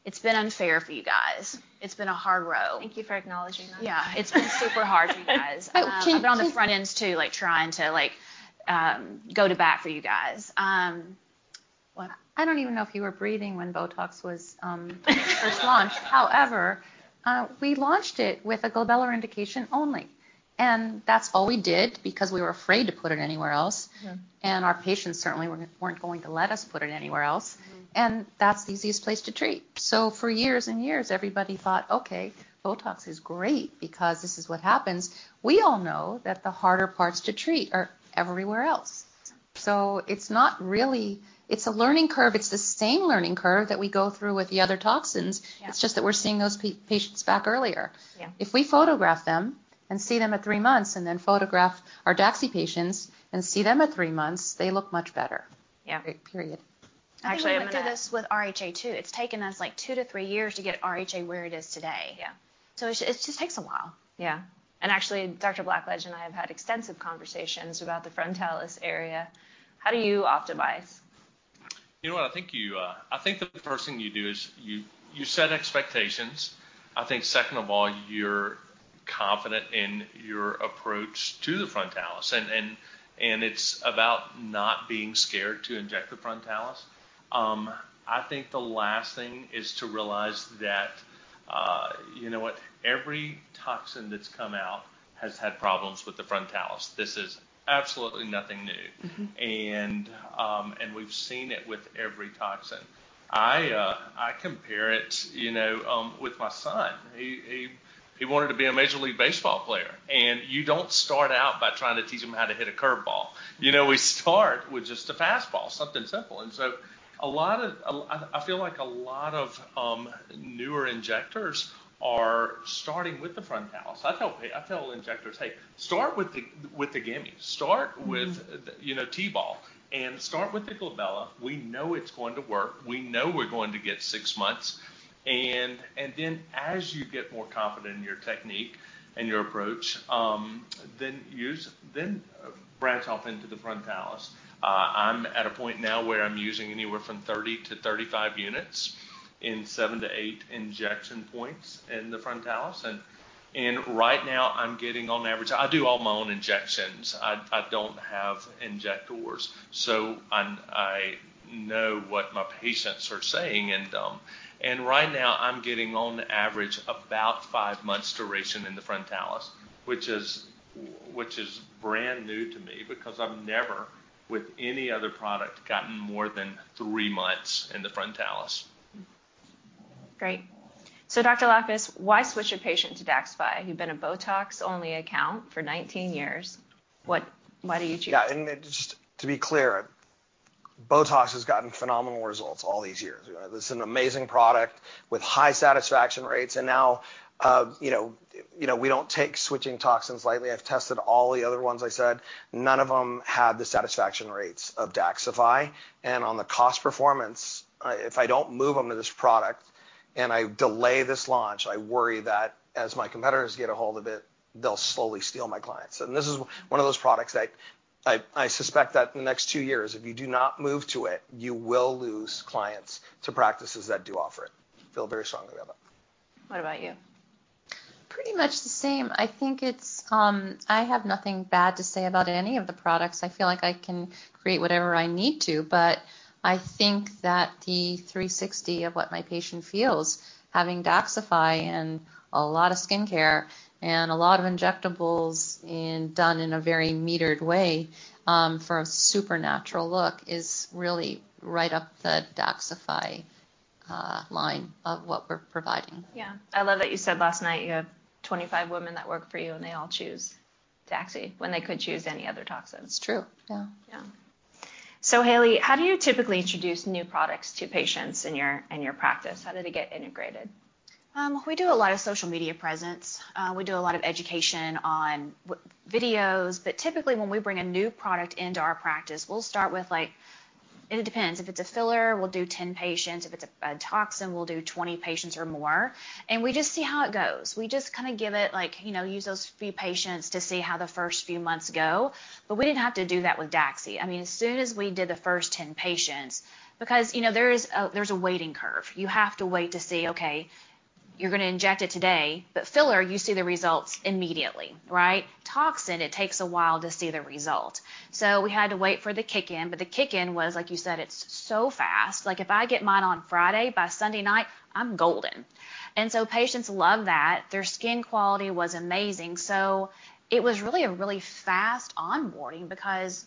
it's been unfair for you guys. It's been a hard row. Thank you for acknowledging that. Yeah. It's been super hard for you guys. But can- But on the front ends, too, like, trying to, like, go to bat for you guys. Well- I don't even know if you were breathing when BOTOX was first launched. However, we launched it with a glabellar indication only, and that's all we did because we were afraid to put it anywhere else. Yeah. Our patients certainly weren't going to let us put it anywhere else. Mm-hmm. That's the easiest place to treat. For years and years, everybody thought, "Okay, BOTOX is great because this is what happens." We all know that the harder parts to treat are everywhere else. Yeah. It's not really... It's a learning curve. It's the same learning curve that we go through with the other toxins. Yeah. It's just that we're seeing those patients back earlier. Yeah. If we photograph them and see them at three months, and then photograph our DAXXIFY patients and see them at 3 months, they look much better. Yeah. Period. Actually, I'm gonna- I think we went through this with RHA too. It's taken us, like, 2 to 3 years to get RHA where it is today. Yeah. It just, it just takes a while. Yeah. And actually, Dr. Blackledge and I have had extensive conversations about the Frontalis area. How do you optimize? You know what? I think you, I think that the first thing you do is you set expectations. I think, second of all, you're confident in your approach to the Frontalis, and it's about not being scared to inject the Frontalis. I think the last thing is to realize that you know what? Every toxin that's come out has had problems with the Frontalis. This is absolutely nothing new. Mm-hmm. And we've seen it with every toxin. I compare it, you know, with my son. He wanted to be a Major League Baseball player and you don't start out by trying to teach him how to hit a curve ball. You know, we start with just a fast ball, something simple. And so a lot of... I feel like a lot of newer injectors are starting with the frontalis. I tell injectors: "Hey, start with the, with the glabellar. Start with- Mm. You know, T-ball, and start with the glabella. We know it's going to work. We know we're going to get 6 months. And then, as you get more confident in your technique and your approach, then branch off into the frontalis." I'm at a point now where I'm using anywhere from 30 to 35 units in 7 to 8 injection points in the frontalis, and right now, I'm getting on average... I do all my own injections. I don't have injectors, so I know what my patients are saying, and right now, I'm getting on average about 5 months duration in the frontalis, which is brand new to me because I've never, with any other product, gotten more than 3 months in the frontalis. Great. So Dr. Lapos why switch a patient to DAXXIFY? You've been a BOTOX-only account for 19 years. Why do you choose it? Yeah, and then just to be clear, BOTOX has gotten phenomenal results all these years. It's an amazing product with high satisfaction rates, and now, you know, we don't take switching toxins lightly. I've tested all the other ones I said. None of them had the satisfaction rates of DAXXIFY, and on the cost performance, if I don't move them to this product, and I delay this launch, I worry that as my competitors get a hold of it, they'll slowly steal my clients. And this is one of those products that I suspect that in the next two years, if you do not move to it, you will lose clients to practices that do offer it. Feel very strongly about that. What about you? Pretty much the same. I think it's, I have nothing bad to say about any of the products. I feel like I can create whatever I need to, but I think that the 360 of what my patient feels, having DAXXIFY and a lot of skincare and a lot of injectables and done in a very metered way for a supernatural look, is really right up the DAXXIFY line of what we're providing. Yeah. I love that you said last night you have 25 women that work for you, and they all choose DAXI when they could choose any other toxins. It's true, yeah. Yeah. So Haley, how do you typically introduce new products to patients in your, in your practice? How do they get integrated? We do a lot of social media presence. We do a lot of education on videos, but typically, when we bring a new product into our practice, we'll start with like... It depends. If it's a filler, we'll do 10 patients; if it's a toxin, we'll do 20 patients or more, and we just see how it goes. We just kinda give it like, you know, use those few patients to see how the first few months go, but we didn't have to do that with DAXI. I mean, as soon as we did the first 10 patients... Because, you know, there is a, there's a waiting curve. You have to wait to see, okay, you're gonna inject it today, but filler, you see the results immediately, right? Toxin, it takes a while to see the result. So we had to wait for the kick in, but the kick in was, like you said, it's so fast. Like, if I get mine on Friday, by Sunday night, I'm golden. And so patients love that. Their skin quality was amazing. So it was really a really fast onboarding because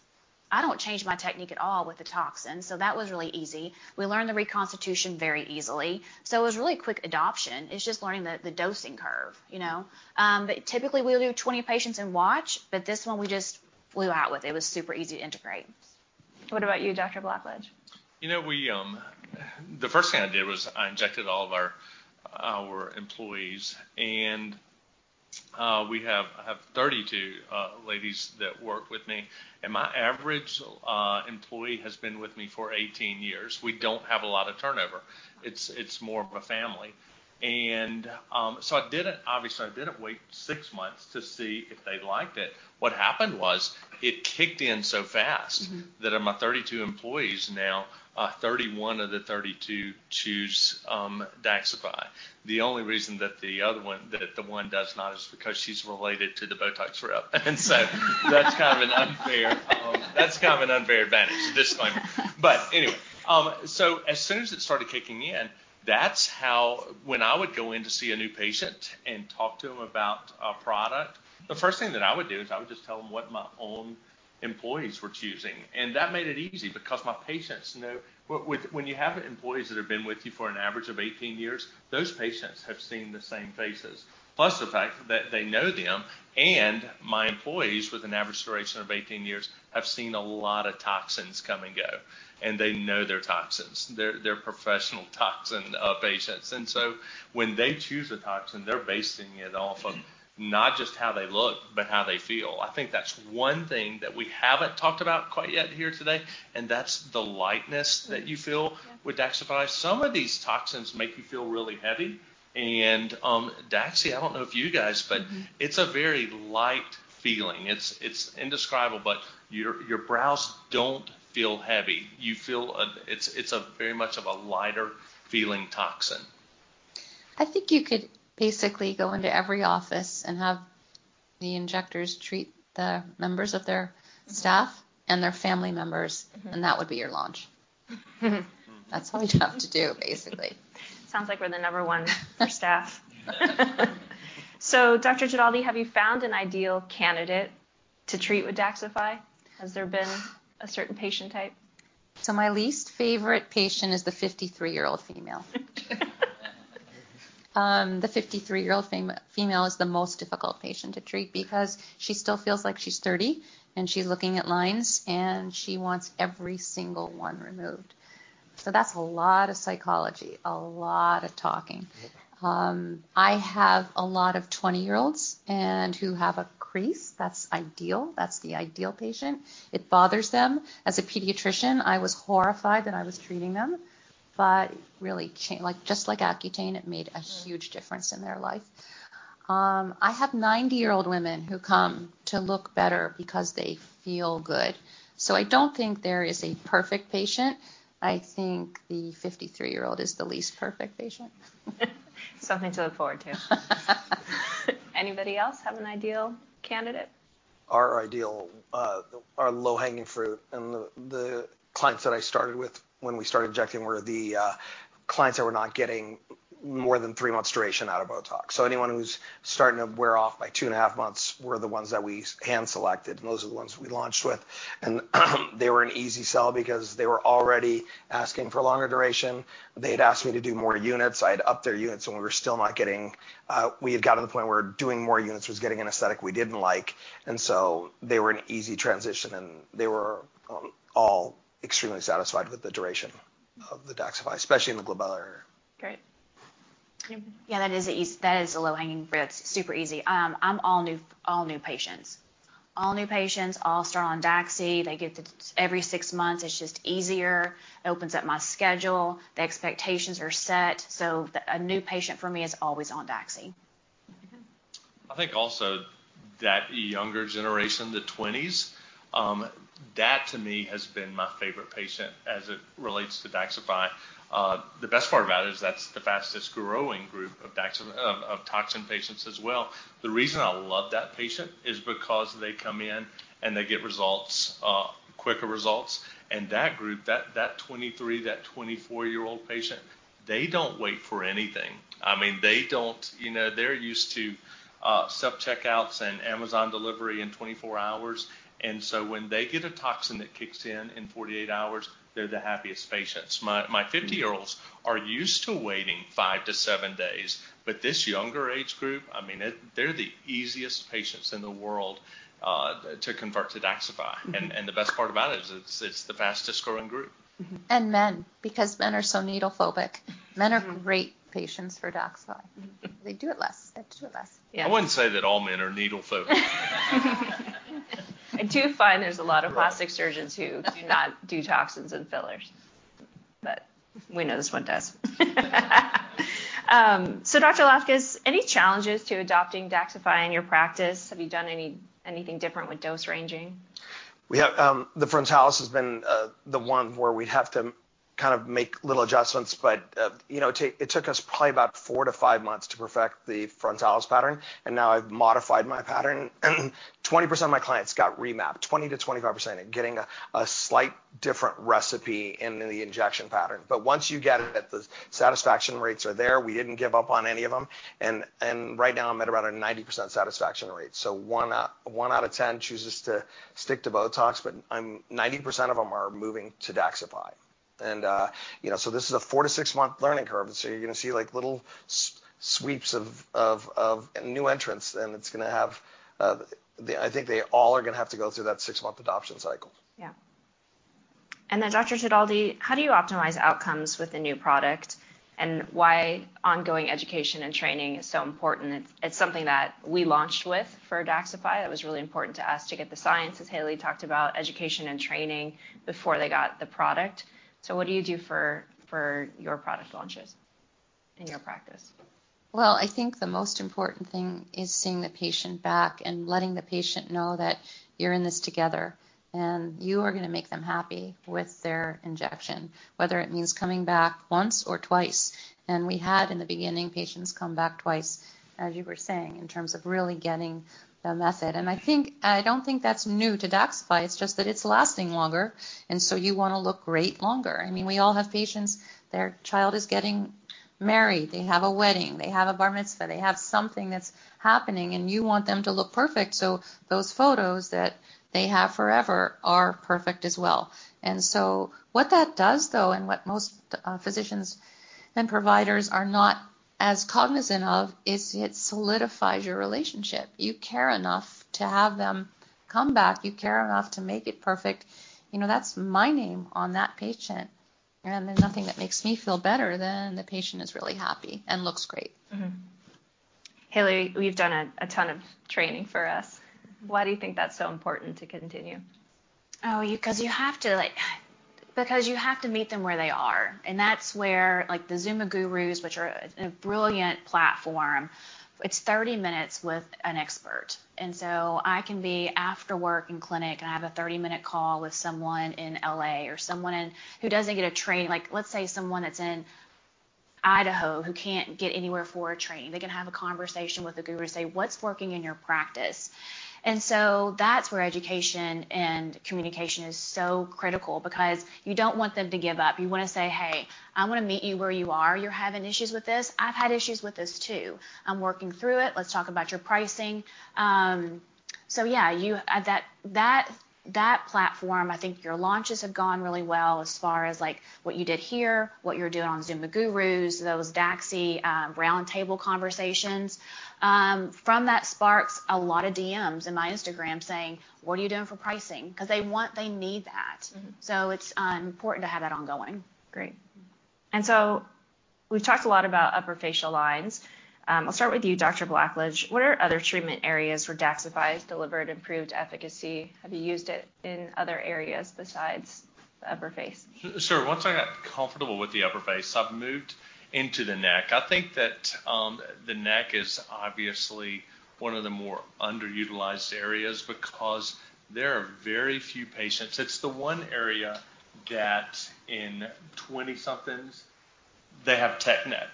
I don't change my technique at all with the toxin, so that was really easy. We learned the reconstitution very easily, so it was really quick adoption. It's just learning the, the dosing curve, you know? But typically, we'll do 20 patients and watch, but this one we just flew out with. It was super easy to integrate. What about you, Dr. Blackledge? You know, we, the first thing I did was I injected all of our employees, and I have 32 ladies that work with me, and my average employee has been with me for 18 years. We don't have a lot of turnover. It's more of a family. So I didn't... Obviously, I didn't wait 6 months to see if they liked it. What happened was, it kicked in so fast. Mm-hmm... that of my 32 employees now, 31 of the 32 choose DAXXIFY. The only reason that the one does not is because she's related to the BOTOX rep. And so... that's kind of an unfair advantage. Disclaimer. But anyway, so as soon as it started kicking in, that's how—when I would go in to see a new patient and talk to them about a product, the first thing that I would do is I would just tell them what my own employees were choosing, and that made it easy because my patients know... When you have employees that have been with you for an average of 18 years, those patients have seen the same faces, plus the fact that they know them, and my employees, with an average duration of 18 years, have seen a lot of toxins come and go and they know their toxins. They're professional toxin patients. And so when they choose a toxin, they're basing it off of- Mm... not just how they look, but how they feel. I think that' thing that we haven't talked about quite yet here today, and that's the lightness that you feel- Yeah... with DAXXIFY. Some of these toxins make you feel really heavy and DAXI, I don't know if you guys, but- Mm-hmm... it's a very light feeling. It's indescribable, but your brows don't feel heavy. You feel a... It's a very much of a lighter-feeling toxin. I think you could basically go into every office and have the injectors treat the members of their staff and their family members. Mm-hmm. And that would be your launch. Mm. That's all you have to do, basically. Sounds like we're the number one for staff. So Dr. Tedaldi, have you found an ideal candidate to treat with DAXXIFY? Has there been a certain patient type? So my least favorite patient is the 53 year-old female. The 53 year-old female is the most difficult patient to treat because she still feels like she's 30, and she's looking at lines, and she wants every single one removed. So that's a lot of psychology, a lot of talking. Yep. I have a lot of 20 year-olds and who have a crease. That's ideal. That's the ideal patient. It bothers them. As a pediatrician, I was horrified that I was treating them, but really. Like, just like Accutane, it made- Mm... a huge difference in their life. I have 90 year-old women who come to look better because they feel good. So I don't think there is a perfect patient. I think the 53 year-old is the least perfect patient. Something to look forward to. Anybody else have an ideal candidate? Our ideal, our low-hanging fruit and the clients that I started with when we started injecting were the clients that were not getting more than 3 months duration out of BOTOX. So anyone who's starting to wear off by 2.5 months were the ones that we hand-selected, and those are the ones we launched with. And they were an easy sell because they were already asking for a longer duration. They had asked me to do more units. I had upped their units, and we were still not getting. We had gotten to the point where doing more units was getting an aesthetic we didn't like, and so they were an easy transition, and they were all extremely satisfied with the duration of the DAXXIFY, especially in the glabellar area. Great. Mm-hmm. Yeah, that is a low-hanging fruit. It's super easy. I'm all new, all new patients. All new patients all start on DAXI. They get to... Every 6 months, it's just easier. It opens up my schedule. The expectations are set, so the... A new patient for me is always on DAXI. Mm-hmm. I think also that the younger generation, the 20s, that to me has been my favorite patient as it relates to DAXXIFY. The best part about it is that's the fastest-growing group of toxin patients as well. The reason I love that patient is because they come in, and they get results, quicker results, and that group, that 23 that 24 year-old patient, they don't wait for anything. I mean, they don't... You know, they're used to self checkouts and Amazon delivery in 24 hours, and so when they get a toxin that kicks in in 48 hours, they're the happiest patients. My 50 year-olds are used to waiting 5 to 7 days, but this younger age group, I mean, they're the easiest patients in the world, to convert to DAXXIFY. Mm-hmm. The best part about it is it's the fastest-growing group. Mm-hmm. And men, because men are so needle-phobic. Mm. Men are great patients for DAXXIFY. Mm-hmm. They do it less. They do it less. Yeah. I wouldn't say that all men are needle-phobic. I do find there's a lot of plastic surgeons. Right... who do not do toxins and fillers, but we know this one does. So, Dr. Lafkas, any challenges to adopting DAXXIFY in your practice? Have you done anything different with dose ranging? We have the frontalis has been the one where we have to kind of make little adjustments, but you know, it took us probably about 4 to 5 months to perfect the frontalis pattern, and now I've modified my pattern. 20% of my clients got remapped. 20 to 25% are getting a slight different recipe in the injection pattern. But once you get it, the satisfaction rates are there. We didn't give up on any of them, and right now, I'm at around a 90% satisfaction rate. So one out, one out of 10 chooses to stick to BOTOX, but I'm... 90% of them are moving to DAXXIFY. You know, so this is a 4 to 6 months learning curve, and so you're gonna see, like, little sweeps of new entrants, and it's gonna have the... I think they all are gonna have to go through that 6-month adoption cycle. Yeah. And then Dr. Jedalji, how do you optimize outcomes with a new product, and why ongoing education and training is so important? It's, it's something that we launched with for DAXXIFY. That was really important to us to get the science, as Haley talked about, education and training before they got the product. So what do you do for, for your product launches in your practice? Well, I think the most important thing is seeing the patient back and letting the patient know that you're in this together, and you are gonna make them happy with their injection, whether it means coming back once or twice. And we had, in the beginning, patients come back twice, as you were saying, in terms of really getting the method. And I think... I don't think that's new to DAXXIFY. It's just that it's lasting longer, and so you wanna look great longer. I mean, we all have patients, their child is getting married. They have a wedding. They have a bar mitzvah. They have something that's happening, and you want them to look perfect, so those photos that they have forever are perfect as well. And so what that does, though, and what most physicians and providers are not as cognizant of, is it solidifies your relationship. You care enough to have them come back. You care enough to make it perfect. You know, that's my name on that patient, and there's nothing that makes me feel better than the patient is really happy and looks great. Mm-hmm. Haley, we've done a ton of training for us. Why do you think that's so important to continue? Oh, because you have to, like... Because you have to meet them where they are, and that's where, like, the Zoom a Gurus, which are a brilliant platform, it's 30 minutes with an expert. And so I can be after work in clinic, and I have a 30-minute call with someone in LA or someone in... who doesn't get a train. Like, let's say someone that's in-... Idaho who can't get anywhere for a training. They can have a conversation with a guru and say, "What's working in your practice?" And so that's where education and communication is so critical because you don't want them to give up. You wanna say: Hey, I'm gonna meet you where you are. You're having issues with this? I've had issues with this, too. I'm working through it. Let's talk about your pricing. So yeah, you, that platform, I think your launches have gone really well as far as, like, what you did here, what you're doing on Zoom the Gurus, those DAXXIFY roundtable conversations. From that sparks a lot of DMs in my Instagram saying: What are you doing for pricing? 'Cause they want - they need that. Mm-hmm. It's important to have that ongoing. Great. And so we've talked a lot about upper facial lines. I'll start with you, Dr. Blackledge. What are other treatment areas where DAXXIFY's delivered improved efficacy? Have you used it in other areas besides the upper face? Sure. Once I got comfortable with the upper face, I've moved into the neck. I think that the neck is obviously one of the more underutilized areas because there are very few patients... It's the one area that in 20-somethings, they have tech neck.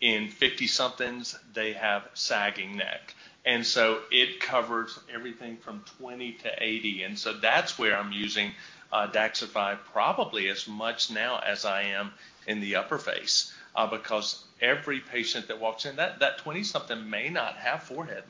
In 50-somethings, they have sagging neck, and so it covers everything from 20 to 80, and so that's where I'm using DAXXIFY probably as much now as I am in the upper face. Because every patient that walks in, that 20-something may not have forehead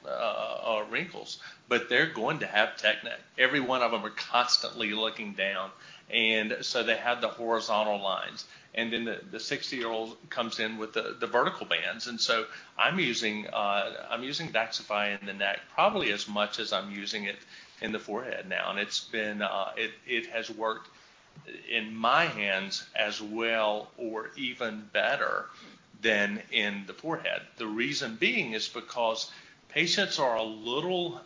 wrinkles, but they're going to have tech neck. Every one of them are constantly looking down, and so they have the horizontal lines. And then the 60 year-old comes in with the vertical bands, and so I'm using DAXXIFY in the neck probably as much as I'm using it in the forehead now, and it has worked in my hands as well or even better than in the forehead. The reason being is because patients are a little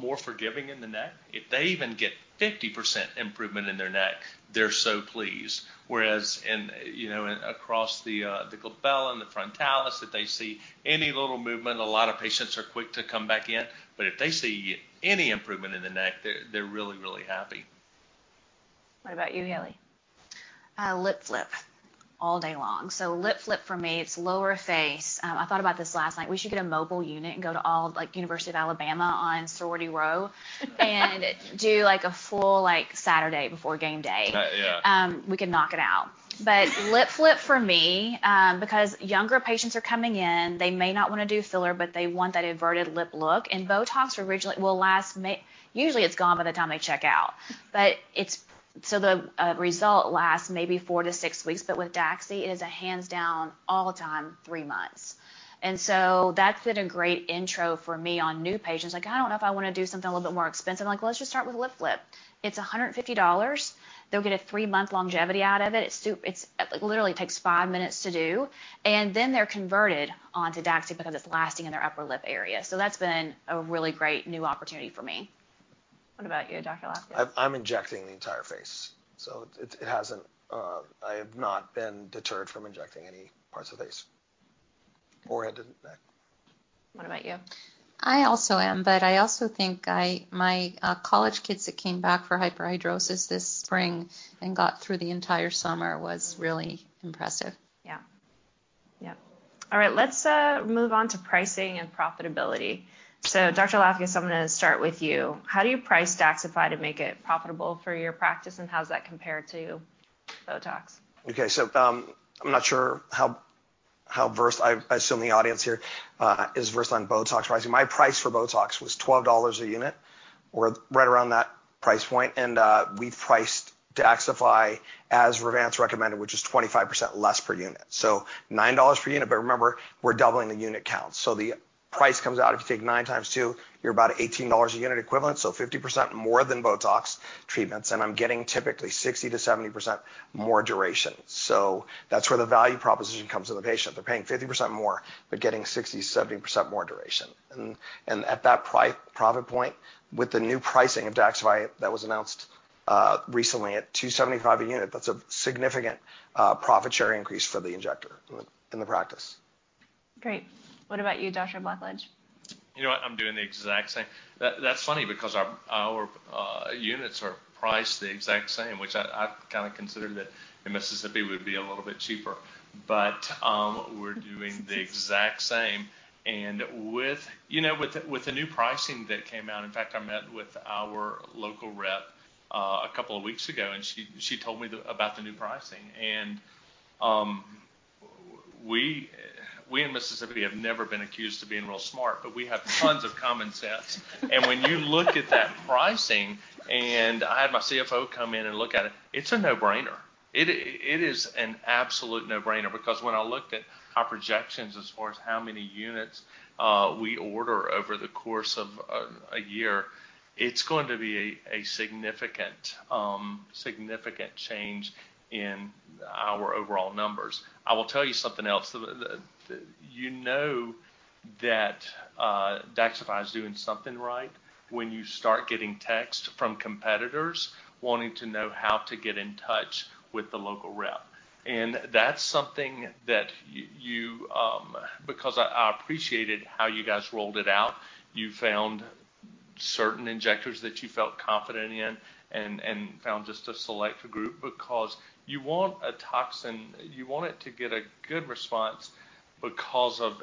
more forgiving in the neck. If they even get 50% improvement in their neck, they're so pleased. Whereas in, you know, in across the glabella and the frontalis, if they see any little movement, a lot of patients are quick to come back in, but if they see any improvement in the neck, they're really, really happy. What about you, Haley? Lip flip, all day long. So lip flip for me, it's lower face. I thought about this last night. We should get a mobile unit and go to all, like, University of Alabama on Sorority Row and do, like, a full, like, Saturday before game day. Yeah, yeah. We can knock it out. But lip flip for me, because younger patients are coming in, they may not wanna do filler, but they want that everted lip look, and Botox originally will last usually, it's gone by the time they check out. But it's so the result lasts maybe 4 to 6 weeks, but with DAXXIFY, it is a hands-down, all the time, 3 months. And so that's been a great intro for me on new patients. Like, "I don't know if I wanna do something a little bit more expensive." I'm like: "Let's just start with lip flip." It's $150. They'll get a 3 month longevity out of it. It's literally takes 5 minutes to do, and then they're converted onto DAXXIFY because it's lasting in their upper lip area. So that's been a really great new opportunity for me. What about you, Dr. Lafkas? I'm injecting the entire face, so it hasn't... I have not been deterred from injecting any parts of the face, forehead and neck. What about you? I also am, but I also think my college kids that came back for hyperhidrosis this spring and got through the entire summer was really impressive. Yeah. Yeah. All right, let's move on to pricing and profitability. So, Dr. Lafkas, I'm gonna start with you. How do you price DAXXIFY to make it profitable for your practice, and how does that compare to BOTOX? Okay, so, I'm not sure how versed, I assume the audience here is versed on BOTOX pricing. My price for BOTOX was $12 a unit, or right around that price point, and we've priced DAXXIFY as Revance recommended, which is 25% less per unit, so $9 per unit. But remember, we're doubling the unit count, so the price comes out, if you take 9 times 2, you're about $18 a unit equivalent, so 50% more than BOTOX treatments, and I'm getting typically 60 to 70% more duration. So that's where the value proposition comes to the patient. They're paying 50% more, but getting 60 to 70% more duration. And at that profit point, with the new pricing of DAXXIFY that was announced recently at $275 a unit, that's a significant profit share increase for the injector in the practice. Great. What about you, Dr. Blackledge? You know what? I'm doing the exact same. That's funny because our units are priced the exact same, which I kinda considered that in Mississippi, we'd be a little bit cheaper. But we're doing the exact same, and with you know, with the new pricing that came out. In fact, I met with our local rep a couple of weeks ago, and she told me about the new pricing. And we in Mississippi have never been accused of being real smart, but we have tons of common sense. And when you look at that pricing, and I had my CFO come in and look at it, it's a no-brainer. It is an absolute no-brainer because when I looked at our projections as far as how many units we order over the course of a year, it's going to be a significant change in our overall numbers. I will tell you something else. You know that DAXXIFY is doing something right when you start getting texts from competitors wanting to know how to get in touch with the local rep. And that's something that you. Because I appreciated how you guys rolled it out. You found certain injectors that you felt confident in, and found just a select group. Because you want a toxin, you want it to get a good response because of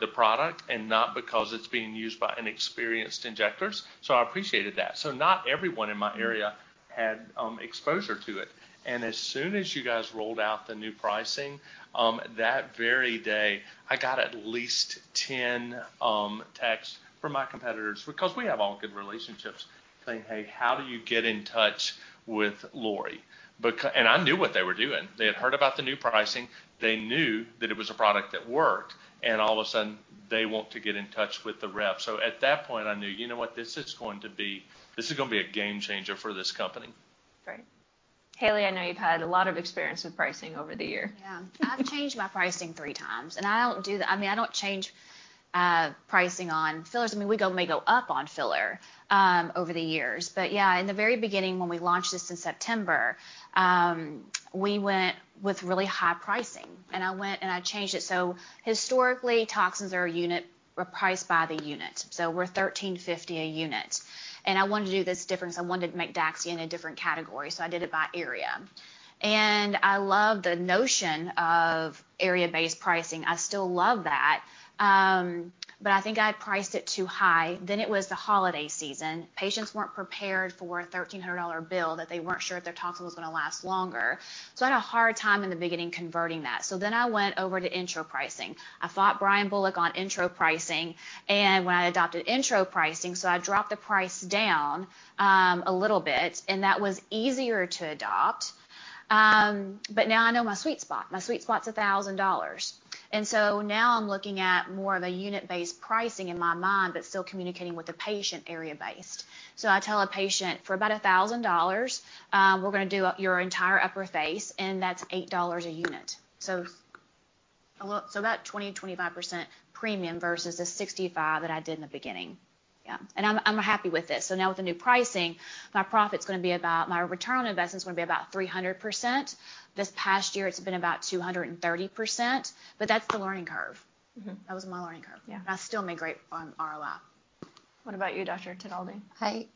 the product, and not because it's being used by inexperienced injectors, so I appreciated that. So not everyone in my area had exposure to it. And as soon as you guys rolled out the new pricing, that very day, I got at least 10 texts from my competitors, because we have all good relationships, saying, "Hey, how do you get in touch with Lori?" And I knew what they were doing. They had heard about the new pricing. They knew that it was a product that worked, and all of a sudden, they want to get in touch with the rep. So at that point, I knew, you know what? This is going to be- this is gonna be a game changer for this company. Great. Haley, I know you've had a lot of experience with pricing over the year. Yeah. I've changed my pricing three times, and I don't do that. I mean, I don't change pricing on fillers. I mean, we may go up on filler over the years. But yeah, in the very beginning, when we launched this in September, we went with really high pricing, and I went and I changed it. So historically, toxins were priced by the unit, so were $1,350 a unit. And I wanted to do this different, so I wanted to make DAXXIFY in a different category, so I did it by area. And I love the notion of area-based pricing. I still love that, but I think I had priced it too high. Then it was the holiday season. Patients weren't prepared for a $1,300 bill, that they weren't sure if their toxin was gonna last longer. So I had a hard time in the beginning converting that. So then I went over to intro pricing. I fought Brian Bullock on intro pricing, and when I adopted intro pricing, so I dropped the price down, a little bit, and that was easier to adopt. But now I know my sweet spot. My sweet spot's $1,000. And so now I'm looking at more of a unit-based pricing in my mind, but still communicating with the patient area-based. So I tell a patient, "For about $1,000, we're gonna do your entire upper face, and that's $8 a unit." So about 20 to 25% premium versus the $6.5 that I did in the beginning. Yeah, and I'm happy with this. So now with the new pricing, my profit's gonna be about, my return on investment is gonna be about 300%. This past year, it's been about 230%, but that's the learning curve. Mm-hmm. That was my learning curve. Yeah. I still made great on ROI. What about you, Dr. Tedaldi?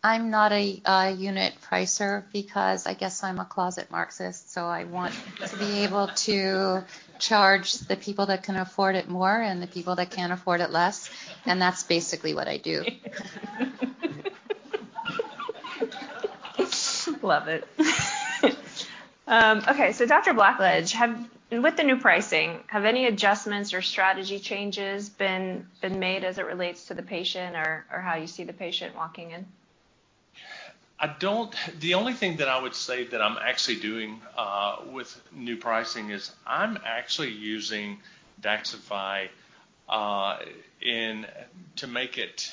I'm not a unit pricer because I guess I'm a closet Marxist, so I want to be able to charge the people that can afford it more, and the people that can't afford it less, and that's basically what I do. Love it. Okay, so Dr. Blackledge, with the new pricing, have any adjustments or strategy changes been made as it relates to the patient or how you see the patient walking in? I don't. The only thing that I would say that I'm actually doing with new pricing is I'm actually using DAXXIFY to make it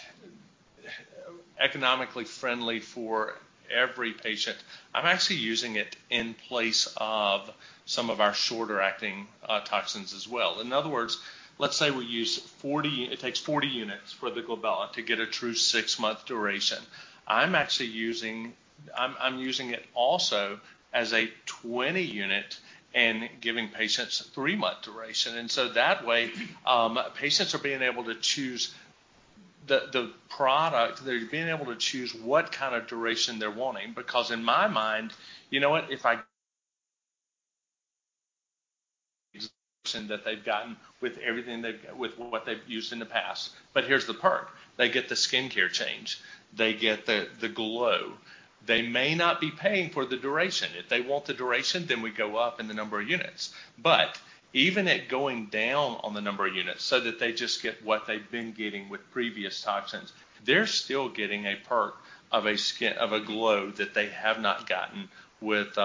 economically friendly for every patient. I'm actually using it in place of some of our shorter-acting toxins as well. In other words, let's say we use 40. It takes 40 units for the glabella to get a true 6 month duration. I'm using it also as a 20 unit and giving patients a 3 month duration. And so that way, patients are being able to choose the product. They're being able to choose what kind of duration they're wanting because in my mind, you know what? If I and that they've gotten with everything they've used in the past. But here's the perk: They get the skin care change. They get the glow. They may not be paying for the duration. If they want the duration, then we go up in the number of units. But even at going down on the number of units, so that they just get what they've been getting with previous toxins, they're still getting a perk of a skin glow that they have not gotten with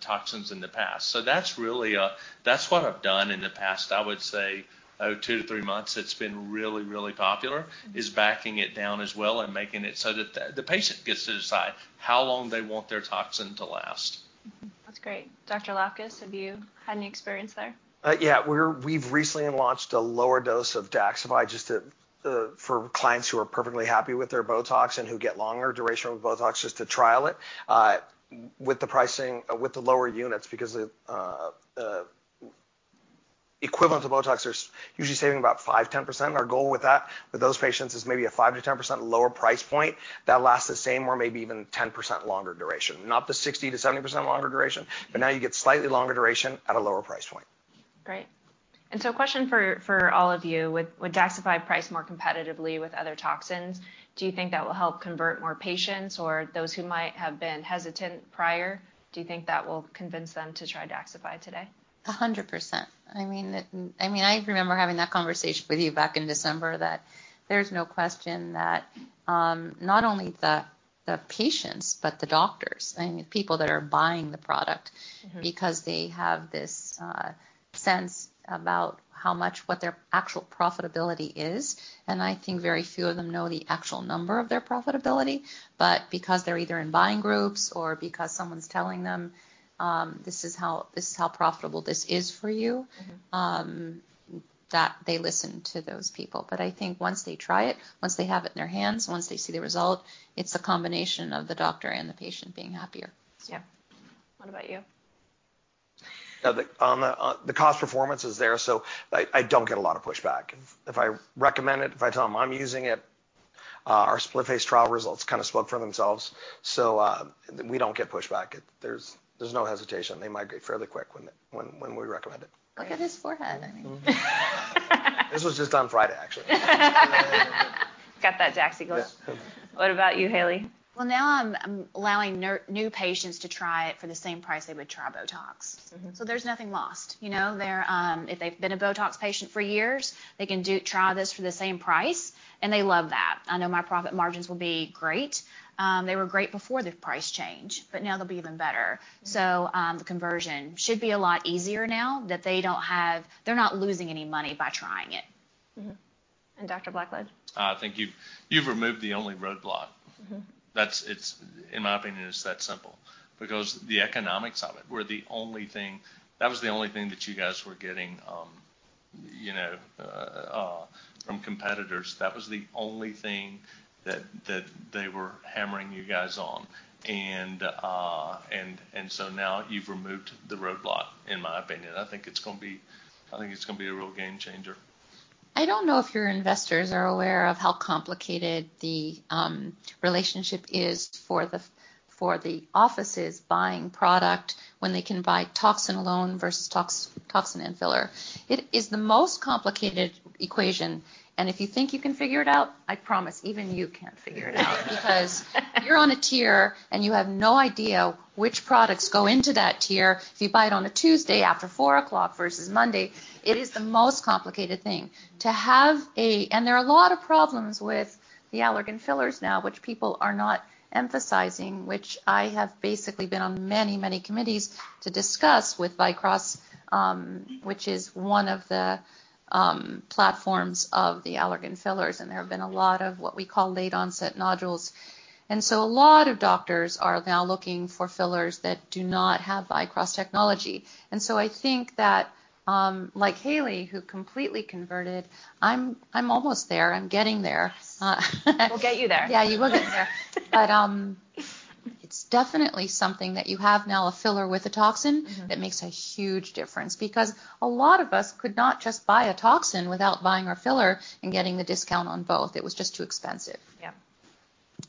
toxins in the past. So that's really what I've done in the past. I would say, oh, two to three months, it's been really, really popular. Mm-hmm... is backing it down as well and making it so that the patient gets to decide how long they want their toxin to last. Mm-hmm. That's great. Dr. Lapkus, have you had any experience there? Yeah, we've recently launched a lower dose of DAXXIFY just to, for clients who are perfectly happy with their BOTOX and who get longer duration of BOTOX just to trial it, with the pricing- with the lower units because the, the equivalent of BOTOX, they're usually saving about 5 to 10%. Our goal with that, with those patients, is maybe a 5 to 10% lower price point that lasts the same or maybe even 10% longer duration. Not the 60 to 70% longer duration, but now you get slightly longer duration at a lower price point. Great. A question for all of you: With DAXXIFY priced more competitively with other toxins, do you think that will help convert more patients or those who might have been hesitant prior? Do you think that will convince them to try DAXXIFY today? 100%. I mean, I remember having that conversation with you back in December, that there's no question that, not only the, the patients, but the doctors, I mean, people that are buying the product- Mm-hmm... because they have this sense about how much—what their actual profitability is, and I think very few of them know the actual number of their profitability. But because they're either in buying groups or because someone's telling them, this is how—this is how profitable this is for you- Mm-hmm... that they listen to those people. But I think once they try it, once they have it in their hands, once they see the result, it's a combination of the doctor and the patient being happier. Yeah. What about you? ... Now the cost performance is there, so I don't get a lot of pushback. If I recommend it, if I tell them I'm using it, our split-face trial results kinda spoke for themselves. So, we don't get pushback. There's no hesitation. They migrate fairly quick when we recommend it. Look at his forehead, I mean! This was just on Friday, actually. Got that Daxi glow. Yeah. What about you, Haley? Well, now I'm allowing new patients to try it for the same price they would try BOTOX. Mm-hmm. So there's nothing lost. You know, they're... If they've been a BOTOX patient for years, they can try this for the same price, and they love that. I know my profit margins will be great. They were great before the price change, but now they'll be even better. Mm-hmm. So, the conversion should be a lot easier now that they're not losing any money by trying it. Mm-hmm. And Dr. Blackledge? I think you've removed the only roadblock. Mm-hmm. It's, in my opinion, it's that simple because the economics of it were the only thing. That was the only thing that you guys were getting, you know, from competitors. That was the only thing that they were hammering you guys on. And so now you've removed the roadblock, in my opinion. I think it's gonna be a real game changer. I don't know if your investors are aware of how complicated the relationship is for the offices buying product when they can buy toxin alone versus toxin and filler. It is the most complicated equation, and if you think you can figure it out, I promise, even you can't figure it out. Because you're on a tier, and you have no idea which products go into that tier. If you buy it on a Tuesday after four o'clock versus Monday, it is the most complicated thing. And there are a lot of problems with the Allergan fillers now, which people are not emphasizing, which I have basically been on many, many committees to discuss with Vycross, which is one of the platforms of the Allergan fillers, and there have been a lot of what we call late-onset nodules. And so a lot of doctors are now looking for fillers that do not have Vycross technology. And so I think that, like Haley, who completely converted, I'm almost there. I'm getting there. Yes. Uh, We'll get you there. Yeah, you will get me there. But, it's definitely something that you have now, a filler with a toxin- Mm-hmm... that makes a huge difference because a lot of us could not just buy a toxin without buying our filler and getting the discount on both. It was just too expensive. Yeah.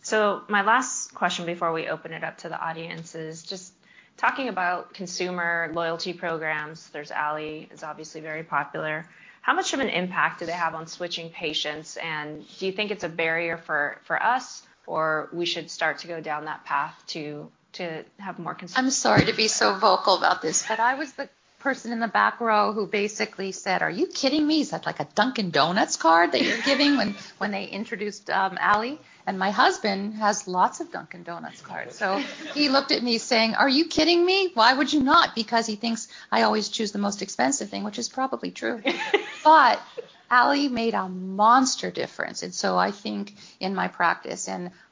So my last question before we open it up to the audience is just talking about consumer loyalty programs. There's Alle, it's obviously very popular. How much of an impact do they have on switching patients, and do you think it's a barrier for us, or we should start to go down that path to have more cons- I'm sorry to be so vocal about this, but I was the person in the back row who basically said: "Are you kidding me? Is that like a Dunkin' Donuts card that you're giving?" When they introduced Alle. And my husband has lots of Dunkin' Donuts cards. Yeah. So he looked at me saying: "Are you kidding me? Why would you not?" Because he thinks I always choose the most expensive thing, which is probably true. But Alle made a monster difference, and so I think in my practice...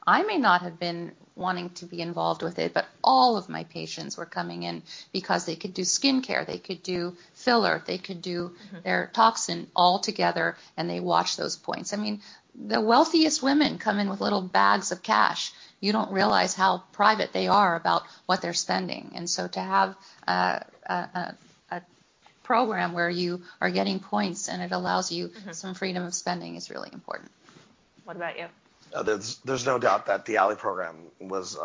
I may not have been wanting to be involved with it, but all of my patients were coming in because they could do skincare, they could do filler, they could do- Mm-hmm... their toxin all together, and they watch those points. I mean, the wealthiest women come in with little bags of cash. You don't realize how private they are about what they're spending. And so to have a program where you are getting points, and it allows you- Mm-hmm... some freedom of spending is really important. What about you? There's no doubt that the Alle program was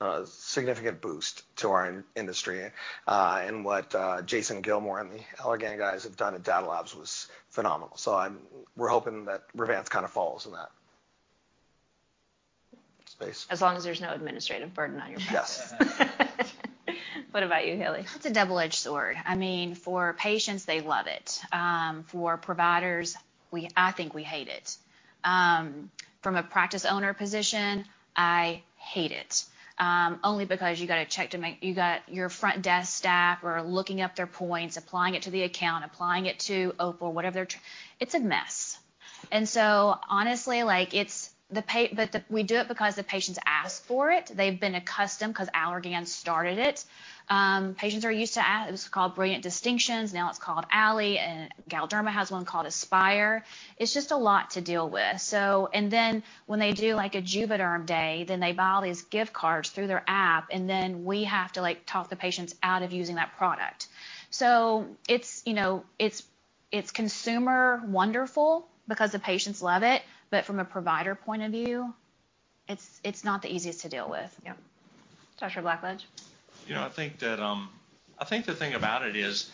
a significant boost to our industry, and what Jason Gilmore and the Allergan guys have done at Data Labs was phenomenal. So we're hoping that Revance kinda falls in that space. As long as there's no administrative burden on you. Yes. What about you, Haley? It's a double-edged sword. I mean, for patients, they love it. For providers, I think we hate it. From a practice owner position, I hate it, only because you got to check to make... You got your front desk staff who are looking up their points, applying it to the account, applying it to OPUL, whatever their... It's a mess. And so honestly, like, it's the patients but the- we do it because the patients ask for it. They've been accustomed 'cause Allergan started it. Patients are used to it was called Brilliant Distinctions, now it's called Alle, and Galderma has one called Aspire. It's just a lot to deal with. So... And then, when they do like a Juvéderm day, then they buy all these gift cards through their app, and then we have to, like, talk the patients out of using that product. So it's, you know, it's, it's consumer wonderful because the patients love it, but from a provider point of view, it's, it's not the easiest to deal with. Yep. Dr. Blackledge? You know, I think that, I think the thing about it is,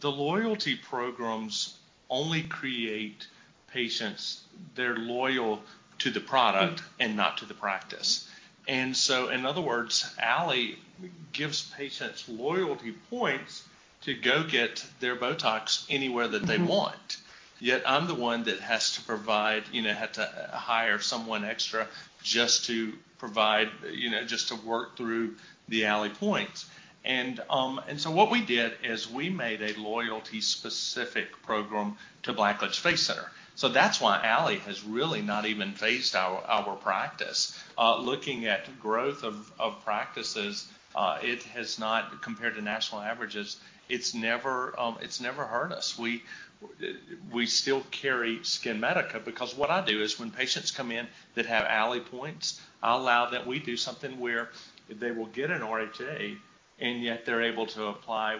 the loyalty programs only create patients, they're loyal to the product- Mm-hmm... and not to the practice. Mm-hmm. And so in other words, Alle gives patients loyalty points to go get their BOTOX anywhere that they want. Mm-hmm. Yet, I'm the one that has to provide, you know, have to hire someone extra just to provide, you know, just to work through the Alle points. And so what we did is we made a loyalty-specific program to Blackledge Face Center. So that's why Alle has really not even phased our practice. Looking at growth of practices, it has not... Compared to national averages, it's never hurt us. We still carry SkinMedica, because what I do is when patients come in that have Alle points, I allow that we do something where they will get an RHA, and yet they're able to apply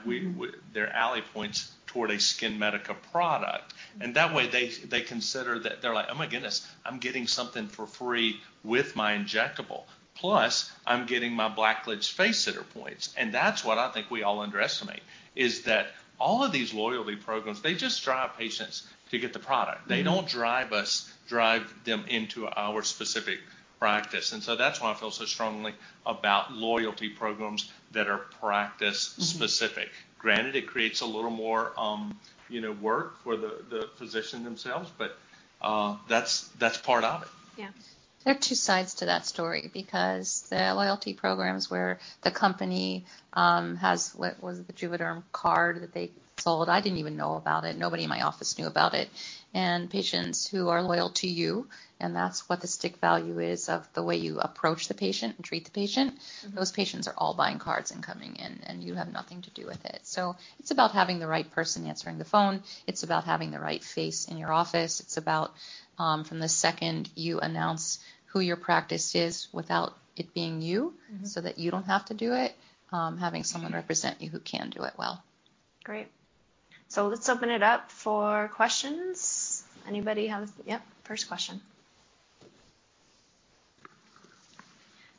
their Alle points toward a SkinMedica product. And that way, they consider that... They're like: "Oh, my goodness! I'm getting something for free with my injectable, plus I'm getting my Blackledge Face Center points." That's what I think we all underestimate, is that all of these loyalty programs, they just drive patients to get the product. Mm-hmm. They don't drive us, drive them into our specific practice, and so that's why I feel so strongly about loyalty programs that are practice-specific. Mm-hmm. Granted, it creates a little more, you know, work for the physician themselves, but that's part of it. Yeah. There are 2 sides to that story because the loyalty programs where the company, has... What was it? The Juvéderm card that they sold. I didn't even know about it. Nobody in my office knew about it. And patients who are loyal to you, and that's what the stick value is, of the way you approach the patient and treat the patient- Mm-hmm. Those patients are all buying cards and coming in, and you have nothing to do with it. So it's about having the right person answering the phone. It's about having the right face in your office. It's about, from the second you announce who your practice is, without it being you. Mm-hmm... so that you don't have to do it, having someone- Mm-hmm... represent you who can do it well. Great. So let's open it up for questions. Anybody have...? Yep, first question.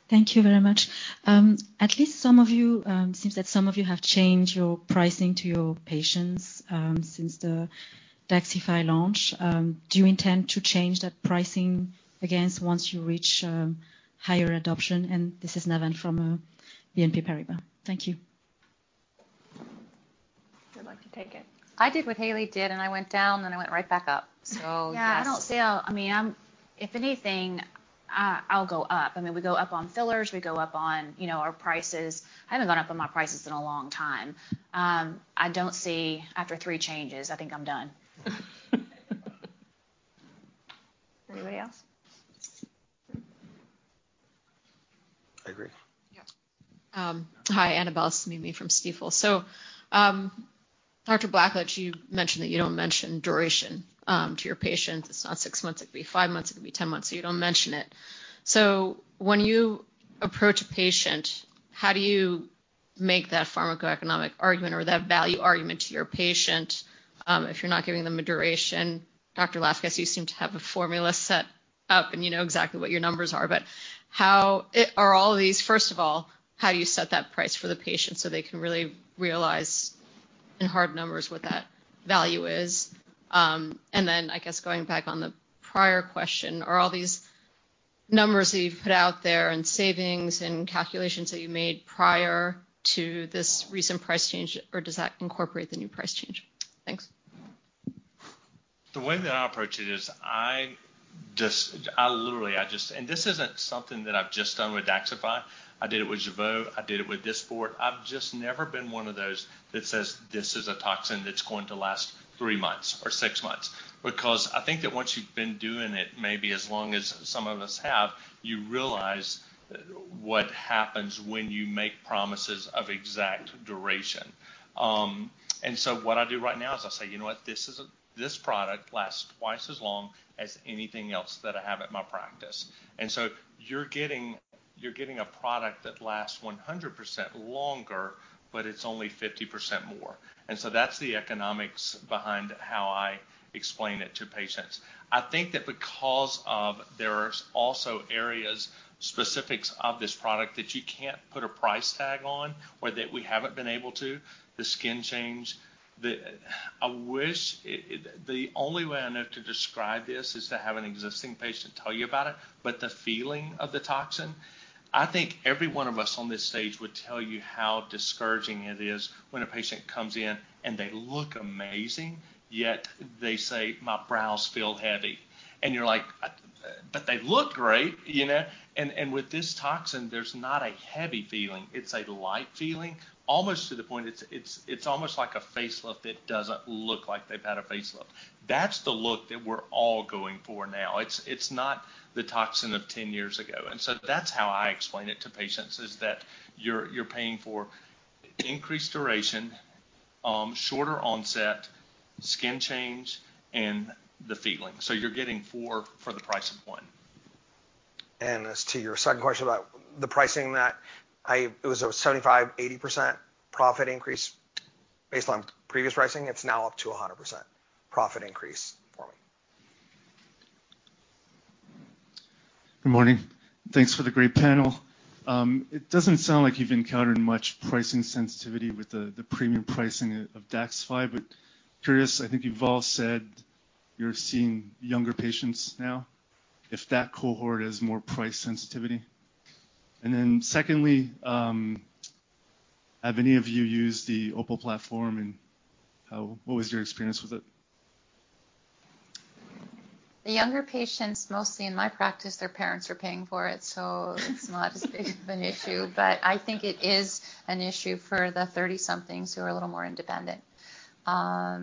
Thank you very much. At least some of you... Seems that some of you have changed your pricing to your patients, since the DAXXIFY launch. Do you intend to change that pricing again once you reach higher adoption? And this is Navann Ty from BNP Paribas. Thank you. Who'd like to take it? I did what Haley did, and I went down, and I went right back up. So yes- Yeah, I don't see how... I mean, I'm. If anything, I'll go up. I mean, we go up on fillers. We go up on, you know, our prices. I haven't gone up on my prices in a long time. I don't see... After 3 changes, I think I'm done. Anybody else? I agree. Yeah. Hi, Annabel Samimy from Stifel. So, Dr. Blackledge, you mentioned that you don't mention duration to your patients. It's not six months. It could be five months. It could be ten months. So you don't mention it. So when you approach a patient, how do you make that pharmacoeconomic argument or that value argument to your patient if you're not giving them a duration? Dr. Lafkas, you seem to have a formula set up, and you know exactly what your numbers are. But how are all these... First of all, how do you set that price for the patient, so they can really realize in hard numbers what that value is? And then, I guess, going back on the prior question, are all these numbers that you've put out there, and savings, and calculations that you made prior to this recent price change, or does that incorporate the new price change? Thanks. The way that I approach it is I literally, I just... And this isn't something that I've just done with DAXXIFY. I did it with Jeuveau. I did it with Dysport. I've just never been one of those that says, "This is a toxin that's going to last 3 months or 6 months," because I think that once you've been doing it, maybe as long as some of us have, you realize what happens when you make promises of exact duration. And so what I do right now is I say, "You know what? This is a... This product lasts twice as long as anything else that I have at my practice. And so you're getting, you're getting a product that lasts 100% longer, but it's only 50% more." And so that's the economics behind how I explain it to patients. I think that because there are also areas, specifics of this product, that you can't put a price tag on or that we haven't been able to, the skin change. The only way I know how to describe this is to have an existing patient tell you about it, but the feeling of the toxin, I think every one of us on this stage would tell you how discouraging it is when a patient comes in, and they look amazing, yet they say, "My brows feel heavy." And you're like: "Uh, but they look great," you know? And with this toxin, there's not a heavy feeling. It's a light feeling, almost to the point it's almost like a facelift that doesn't look like they've had a facelift. That's the look that we're all going for now. It's, it's not the toxin of 10 years ago. And so that's how I explain it to patients, is that you're, you're paying for increased duration, shorter onset, skin change, and the feeling. So you're getting 4 for the price of 1. As to your second question about the pricing, it was a 75 to 80% profit increase based on previous pricing. It's now up to a 100% profit increase for me. Good morning. Thanks for the great panel. It doesn't sound like you've encountered much pricing sensitivity with the premium pricing of DAXXIFY, but curious, I think you've all said you're seeing younger patients now, if that cohort has more price sensitivity? And then secondly, have any of you used the OPUL platform, and how... what was your experience with it? The younger patients, mostly in my practice, their parents are paying for it, so it's not as big of an issue. But I think it is an issue for the thirty-somethings who are a little more independent.... but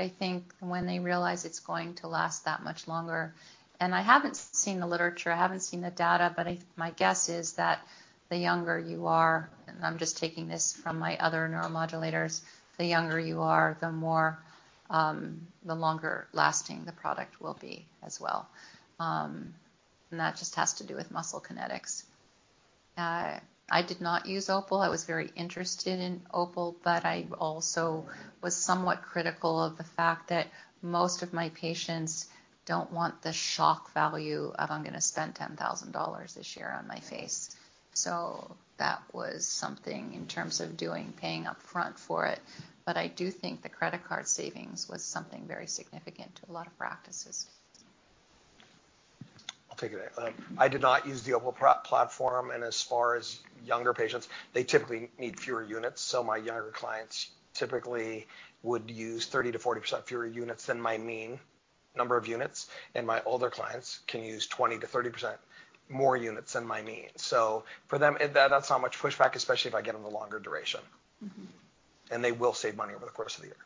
I think when they realize it's going to last that much longer, and I haven't seen the literature, I haven't seen the data, but my guess is that the younger you are, and I'm just taking this from my other neuromodulators, the younger you are, the more, the longer lasting the product will be as well. And that just has to do with muscle kinetics. I did not use OPUL. I was very interested in OPUL, but I also was somewhat critical of the fact that most of my patients don't want the shock value of: I'm gonna spend $10,000 this year on my face. So that was something in terms of doing, paying up front for it. But I do think the credit card savings was something very significant to a lot of practices. I'll take it. I did not use the OPUL platform, and as far as younger patients, they typically need fewer units, so my younger clients typically would use 30 to 40% fewer units than my mean number of units, and my older clients can use 20 to 30% more units than my mean. So for them, that's not much pushback, especially if I get them the longer duration. Mm-hmm. They will save money over the course of the year.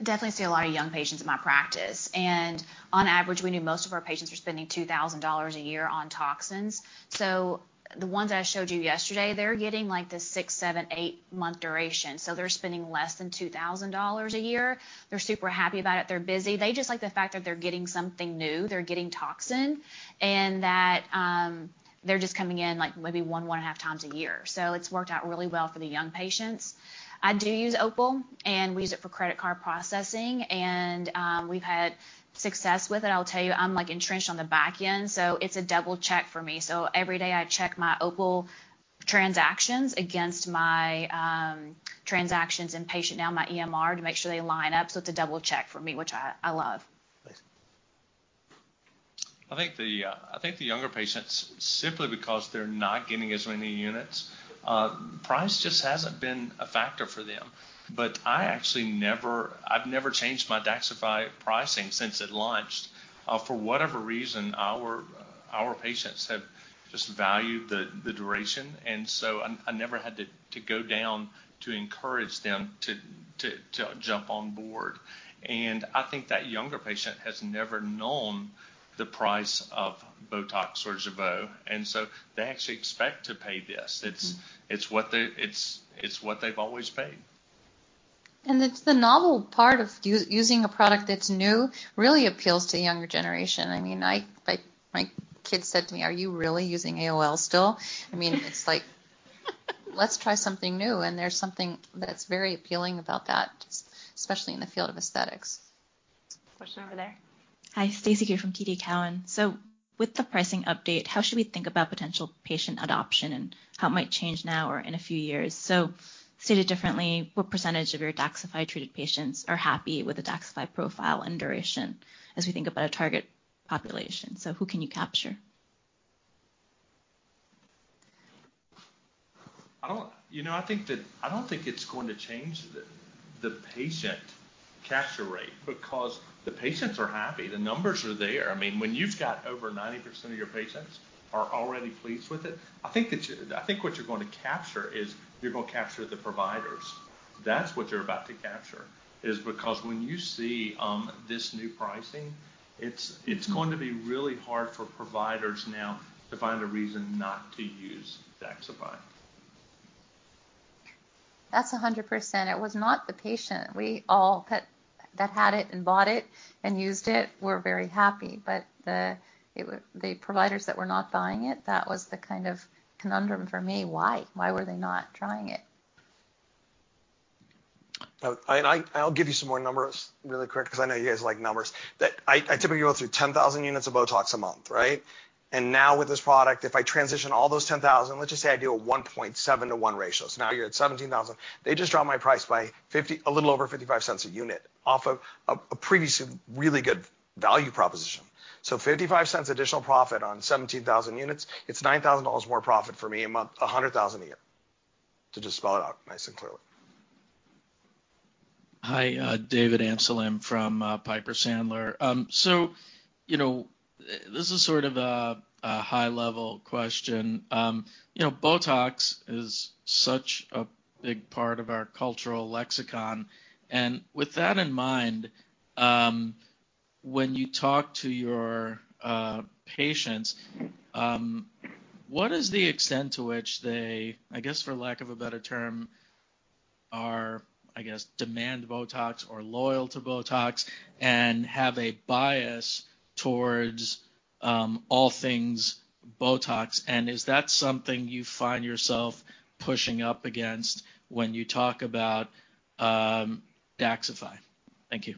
I definitely see a lot of young patients in my practice, and on average, we knew most of our patients were spending $2,000 a year on toxins. So the ones I showed you yesterday, they're getting, like, the 6, 7, 8 month duration, so they're spending less than $2,000 a year. They're super happy about it. They're busy. They just like the fact that they're getting something new, they're getting toxin, and that they're just coming in, like, maybe 1, 1.5 times a year. So it's worked out really well for the young patients. I do use OPUL, and we use it for credit card processing, and we've had success with it. I'll tell you, I'm, like, entrenched on the back end, so it's a double check for me. So every day I check my OPUL transactions against my, transactions in PatientNow, my EMR, to make sure they line up, so it's a double check for me, which I, I love. Nice. I think the younger patients, simply because they're not getting as many units, price just hasn't been a factor for them. But I actually never... I've never changed my DAXXIFY pricing since it launched. For whatever reason, our patients have just valued the duration, and so I never had to go down to encourage them to jump on board. And I think that younger patient has never known the price of BOTOX or Jeuveau, and so they actually expect to pay this. Mm-hmm. It's what they've always paid. It's the novel part of us using a product that's new, really appeals to a younger generation. I mean, my kids said to me, "Are you really using AOL still?" I mean, it's like, let's try something new, and there's something that's very appealing about that, especially in the field of aesthetics. Question over there. Hi, Stacy Ku from TD Cowen. So with the pricing update, how should we think about potential patient adoption and how it might change now or in a few years? So stated differently, what percentage of your DAXXIFY-treated patients are happy with the DAXXIFY profile and duration as we think about a target population? So who can you capture? I don't... You know, I think that-- I don't think it's going to change the, the patient capture rate because the patients are happy. The numbers are there. I mean, when you've got over 90% of your patients are already pleased with it, I think that you... I think what you're going to capture is, you're gonna capture the providers. That's what you're about to capture is because when you see, this new pricing, it's- Mm... it's going to be really hard for providers now to find a reason not to use DAXXIFY. That's 100%. It was not the patient. We all that had it and bought it and used it were very happy, but the providers that were not buying it, that was the kind of conundrum for me. Why? Why were they not trying it? I'll give you some more numbers really quick, 'cause I know you guys like numbers. I typically go through 10,000 units of BOTOX a month, right? And now with this product, if I transition all those 10,000, let's just say I do a 1.7 to 1 ratio, so now you're at 17,000. They just dropped my price by a little over 55 cents a unit off of a previously really good value proposition. So 55 cents additional profit on 17,000 units, it's $9,000 more profit for me a month, $100,000 a year, to just spell it out nice and clearly. Hi, David Amsellem from Piper Sandler. So, you know, this is sort of a high-level question. You know, Botox is such a big part of our cultural lexicon, and with that in mind, when you talk to your patients, what is the extent to which they, I guess, for lack of a better term, are, I guess, demand Botox or loyal to Botox and have a bias towards all things Botox? And is that something you find yourself pushing up against when you talk about DAXXIFY? Thank you.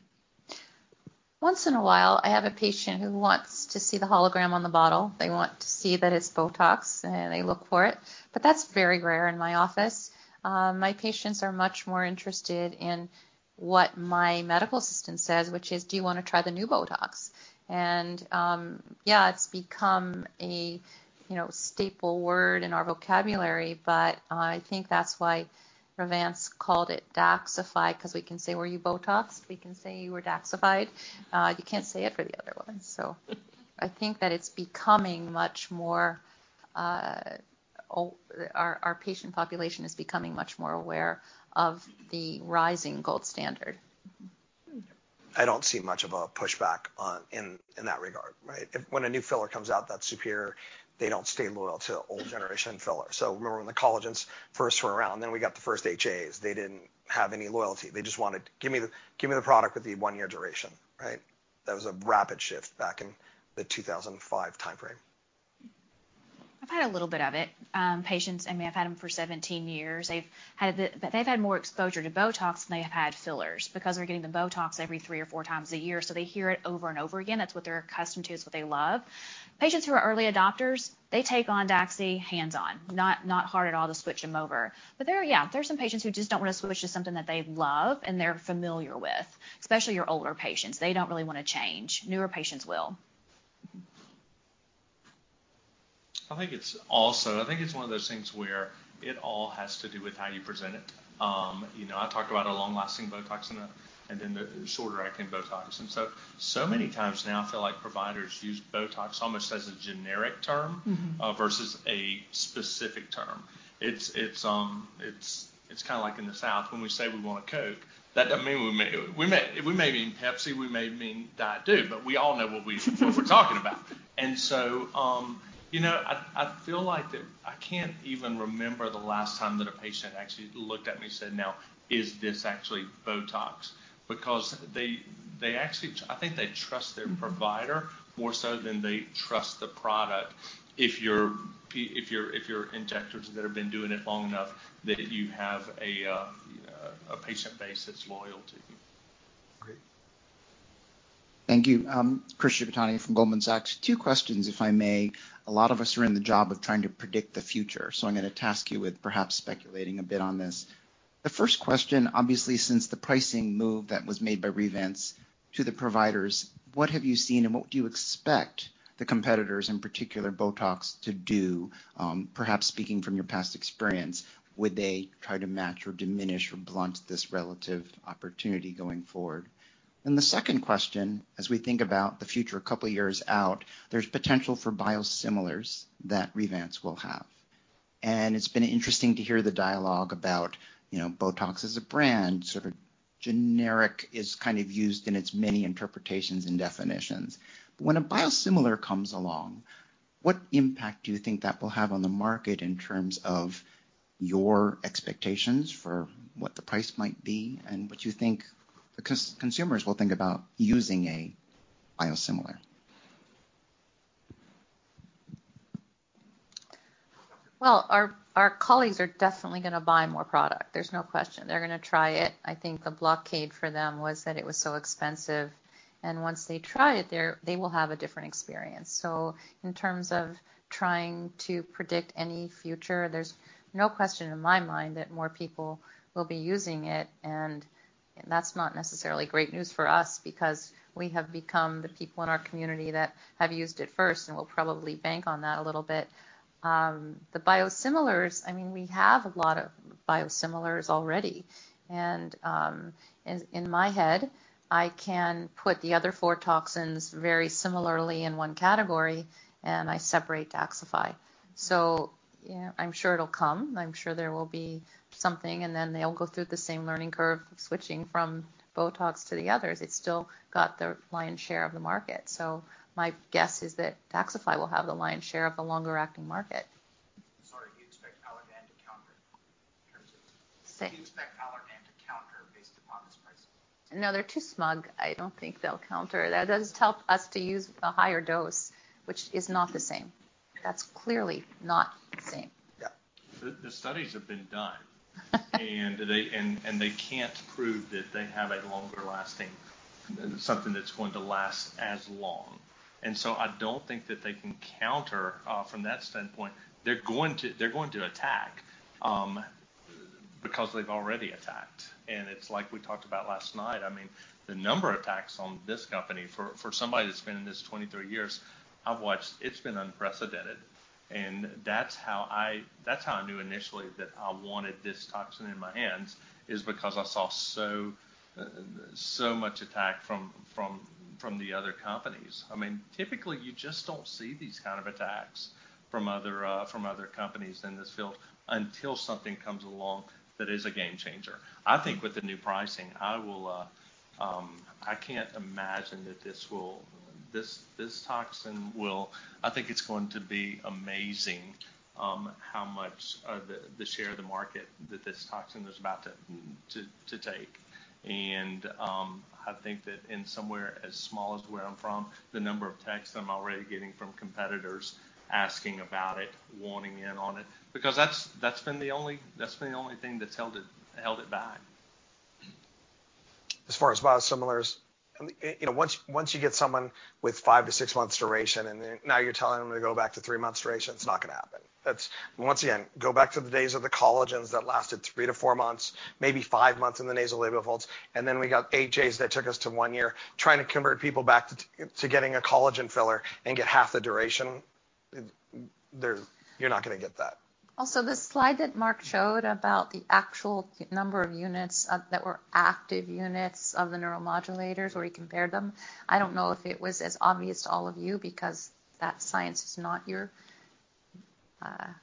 Once in a while, I have a patient who wants to see the hologram on the bottle. They want to see that it's BOTOX, and they look for it, but that's very rare in my office. My patients are much more interested in what my medical assistant says, which is, "Do you wanna try the new BOTOX?" Yeah, it's become a, you know, staple word in our vocabulary, but I think that's why Revance called it DAXXIFY, 'cause we can say, "Were you BOTOXed?" We can say, "You were DAXXIFIED." You can't say it for the other one. I think that it's becoming much more. Our patient population is becoming much more aware of the rising gold standard. I don't see much of a pushback in that regard, right? When a new filler comes out that's superior, they don't stay loyal to old generation filler. So remember when the collagens first were around, then we got the first HAs. They didn't have any loyalty. They just wanted: "Give me the, give me the product with the one-year duration," right? That was a rapid shift back in the 2005 timeframe. I've had a little bit of it. Patients, I mean, I've had them for 17 years. They've had but they've had more exposure to BOTOX than they have had fillers because they're getting the BOTOX every 3 or 4 times a year, so they hear it over and over again. That's what they're accustomed to. It's what they love. Patients who are early adopters, they take on DAXI hands-on. Not, not hard at all to switch them over. But there are, yeah, there are some patients who just don't want to switch to something that they love and they're familiar with, especially your older patients. They don't really want to change. Newer patients will. I think it's also... I think it's one of those things where it all has to do with how you present it. You know, I talked about a long-lasting Botox and then the shorter-acting Botox. And so, so many times now, I feel like providers use Botox almost as a generic term- Mm-hmm... versus a specific term. It's, it's kind of like in the South, when we say we want a Coke, that doesn't mean we may... We may, we may mean Pepsi, we may mean Diet Dew, but we all know what we—what we're talking about. You know, I feel like that I can't even remember the last time that a patient actually looked at me and said, "Now, is this actually BOTOX?" Because they actually t- I think they trust their provider more so than they trust the product. If you're p- if you're injectors that have been doing it long enough, that you have a patient base that's loyal to you. Great. Thank you. Chris Shibutani from Goldman Sachs. 2 questions, if I may. A lot of us are in the job of trying to predict the future, so I'm gonna task you with perhaps speculating a bit on this. The first question, obviously, since the pricing move that was made by Revance to the providers, what have you seen and what do you expect the competitors, in particular, Botox to do? Perhaps speaking from your past experience, would they try to match or diminish or blunt this relative opportunity going forward? And the second question, as we think about the future, a couple of years out, there's potential for biosimilars that Revance will have. And it's been interesting to hear the dialogue about, you know, Botox as a brand, sort of generic is kind of used in its many interpretations and definitions. When a biosimilar comes along, what impact do you think that will have on the market in terms of your expectations for what the price might be, and what you think the consumers will think about using a biosimilar? Well, our colleagues are definitely gonna buy more product. There's no question. They're gonna try it. I think the blockade for them was that it was so expensive, and once they try it, they will have a different experience. So in terms of trying to predict any future, there's no question in my mind that more people will be using it, and that's not necessarily great news for us because we have become the people in our community that have used it first, and we'll probably bank on that a little bit. The biosimilars, I mean, we have a lot of biosimilars already, and in my head, I can put the other 4 toxins very similarly in one category, and I separate DAXXIFY. So, yeah, I'm sure it'll come. I'm sure there will be something, and then they'll go through the same learning curve, switching from BOTOX to the others. It's still got the lion's share of the market. So my guess is that DAXXIFY will have the lion's share of the longer-acting market. Sorry, do you expect Allergan to counter in terms of- Say- Do you expect Allergan to counter based upon this pricing? No, they're too smug. I don't think they'll counter. That does help us to use a higher dose, which is not the same. That's clearly not the same. Yeah. The studies have been done and they can't prove that they have a longer-lasting something that's going to last as long. And so I don't think that they can counter from that standpoint. They're going to attack because they've already attacked, and it's like we talked about last night. I mean, the number of attacks on this company, for somebody that's been in this 23 years, I've watched. It's been unprecedented. And that's how I knew initially that I wanted this toxin in my hands, is because I saw so much attack from the other companies. I mean, typically, you just don't see these kind of attacks from other companies in this field until something comes along that is a game changer. I think with the new pricing, I will. I can't imagine that this toxin will. I think it's going to be amazing, how much the share of the market that this toxin is about to take. I think that in somewhere as small as where I'm from, the number of texts I'm already getting from competitors asking about it, wanting in on it, because that's been the only thing that's held it back. As far as biosimilars, you know, once you get someone with 5 to 6 months duration, and then now you're telling them to go back to 3 months duration, it's not gonna happen. That's... once again, go back to the days of the collagens that lasted 3 to 4 months, maybe 5 months in the nasolabial folds, and then we got HA's that took us to 1 year. Trying to convert people back to getting a collagen filler and get half the duration, there—you're not gonna get that. Also, the slide that Mark showed about the actual number of units that were active units of the neuromodulators, where he compared them, I don't know if it was as obvious to all of you because that science is not your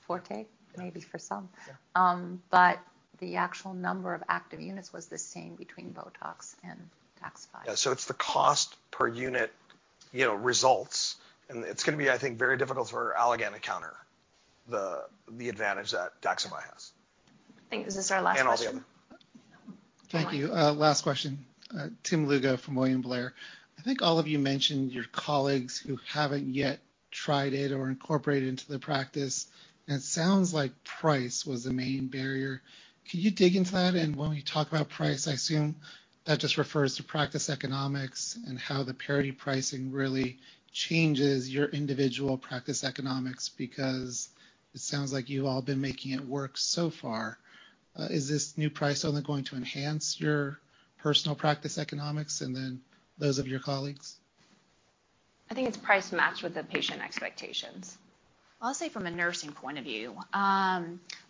forte, maybe for some. Yeah. The actual number of active units was the same between BOTOX and DAXXIFY. Yeah, so it's the cost per unit, you know, results, and it's gonna be, I think, very difficult for Allergan to counter the, the advantage that DAXXIFY has. I think this is our last question. And all the other- Thank you. Last question. Tim Lugo from William Blair. I think all of you mentioned your colleagues who haven't yet tried it or incorporated it into their practice, and it sounds like price was the main barrier. Can you dig into that? When we talk about price, I assume that just refers to practice economics and how the parity pricing really changes your individual practice economics, because it sounds like you've all been making it work so far. Is this new price only going to enhance your personal practice economics and then those of your colleagues? I think it's price matched with the patient expectations. I'll say from a nursing point of view,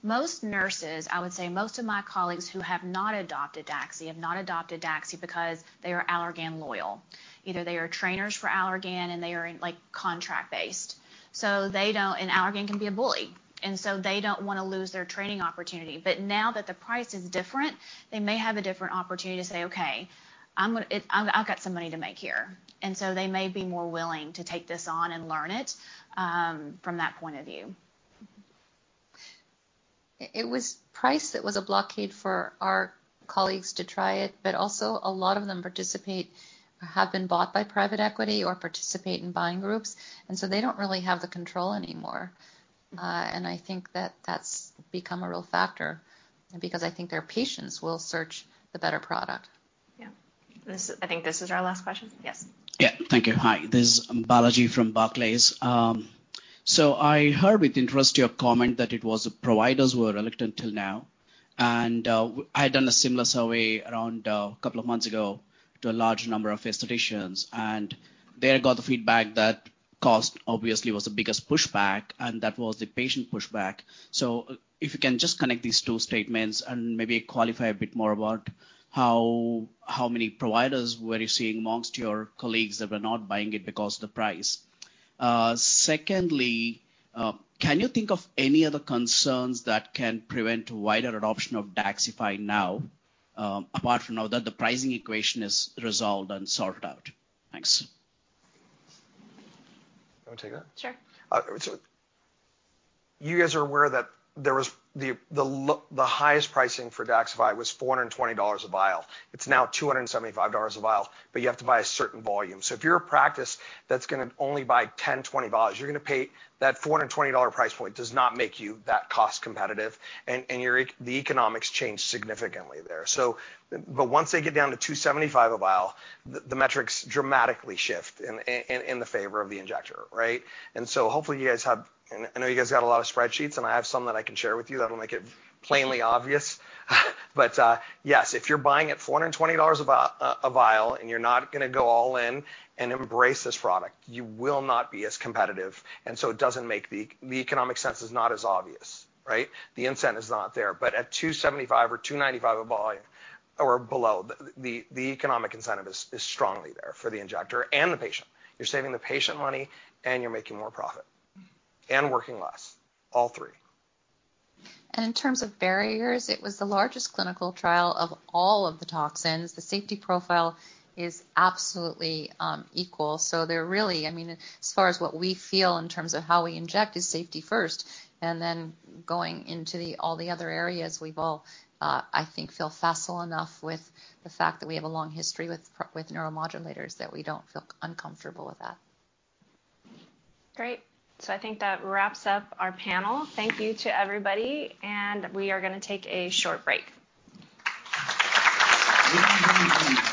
most nurses, I would say most of my colleagues who have not adopted Daxi, have not adopted Daxi because they are Allergan loyal. Either they are trainers for Allergan, and they are in, like, contract-based. So they don't... And Allergan can be a bully, and so they don't want to lose their training opportunity. But now that the price is different, they may have a different opportunity to say, "Okay, I'm gonna... I've got some money to make here." And so they may be more willing to take this on and learn it, from that point of view. It was price that was a blockade for our colleagues to try it, but also, a lot of them participate or have been bought by private equity or participate in buying groups, and so they don't really have the control anymore. And I think that that's become a real factor because I think their patients will search the better product. Yeah. This, I think this is our last question. Yes. Yeah. Thank you. Hi, this is Balaji from Barclays. So I heard with interest your comment that it was the providers who were reluctant till now, and I had done a similar survey around a couple of months ago to a large number of aestheticians, and there I got the feedback that cost obviously was the biggest pushback, and that was the patient pushback. So if you can just connect these two statements and maybe qualify a bit more about how, how many providers were you seeing amongst your colleagues that were not buying it because of the price? Secondly, can you think of any other concerns that can prevent wider adoption of DAXXIFY now, apart from now that the pricing equation is resolved and sorted out? Thanks. You want to take that? Sure. So you guys are aware that there was the highest pricing for DAXXIFY was $420 a vial. It's now $275 a vial, but you have to buy a certain volume. So if you're a practice that's gonna only buy 10, 20 vials, you're gonna pay. That $420 price point does not make you that cost competitive, and your economics change significantly there. So, but once they get down to $275 a vial, the metrics dramatically shift in the favor of the injector, right? And so hopefully, you guys have. And I know you guys got a lot of spreadsheets, and I have some that I can share with you that'll make it plainly obvious. But, yes, if you're buying at $420 a vial, and you're not gonna go all in and embrace this product, you will not be as competitive, and so it doesn't make... The economic sense is not as obvious, right? The incentive is not there. But at $275 or $295 a vial or below, the economic incentive is strongly there for the injector and the patient. You're saving the patient money, and you're making more profit, and working less. All three. In terms of barriers, it was the largest clinical trial of all of the toxins. The safety profile is absolutely equal, so there really—I mean, as far as what we feel in terms of how we inject, is safety first, and then going into all the other areas, we've all, I think, feel facile enough with the fact that we have a long history with neuromodulators, that we don't feel uncomfortable with that. Great. So I think that wraps up our panel. Thank you to everybody, and we are gonna take a short break. Take a short 10-minute break.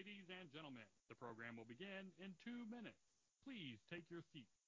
Ladies and gentlemen, the program will begin in 2 minutes. Please take your seats!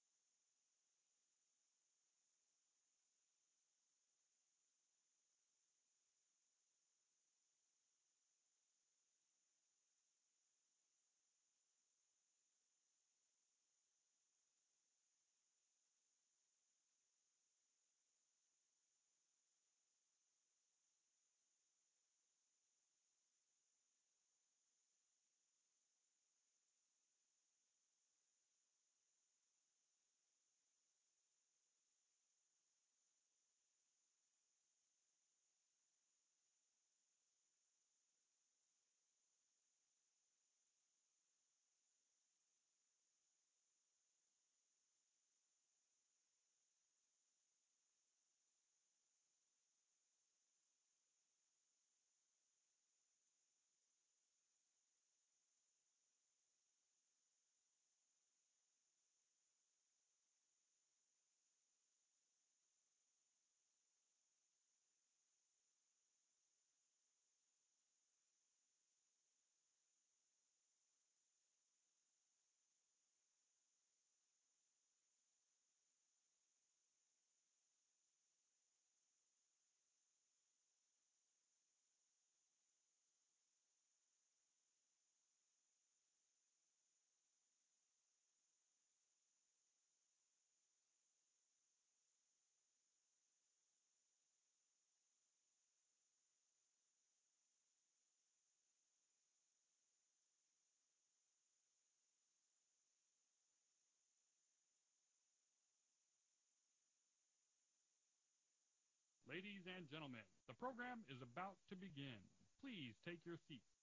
Ladies and gentlemen, the program is about to begin. Please take your seats.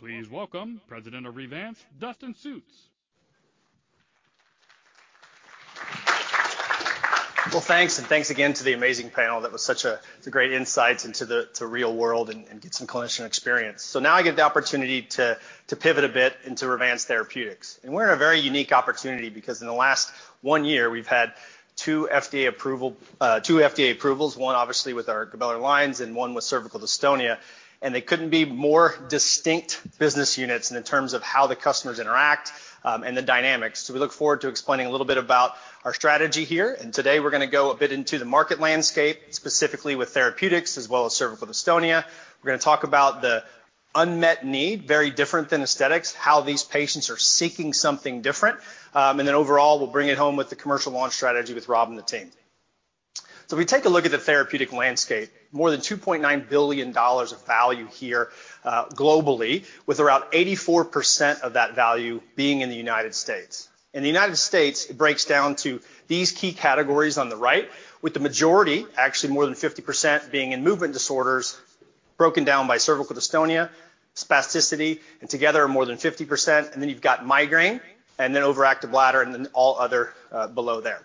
Please welcome President of Revance, Dustin Sjuts. Well, thanks, and thanks again to the amazing panel. That was such a some great insights into the real world and get some clinician experience. So now I get the opportunity to pivot a bit into Revance Therapeutics. And we're in a very unique opportunity, because in the last one year, we've had two FDA approvals, one obviously with our glabellar lines and one with cervical dystonia, and they couldn't be more distinct business units in terms of how the customers interact and the dynamics. So we look forward to explaining a little bit about our strategy here, and today we're going to go a bit into the market landscape, specifically with therapeutics as well as cervical dystonia. We're going to talk about the unmet need, very different than aesthetics, how these patients are seeking something different. And then overall, we'll bring it home with the commercial launch strategy with Rob and the team. So if we take a look at the therapeutic landscape, more than $2.9 billion of value here, globally, with around 84% of that value being in the United States. In the United States, it breaks down to these key categories on the right, with the majority, actually more than 50%, being in movement disorders, broken down by Cervical Dystonia, spasticity, and together more than 50%, and then you've got migraine, and then overactive bladder, and then all other, below there.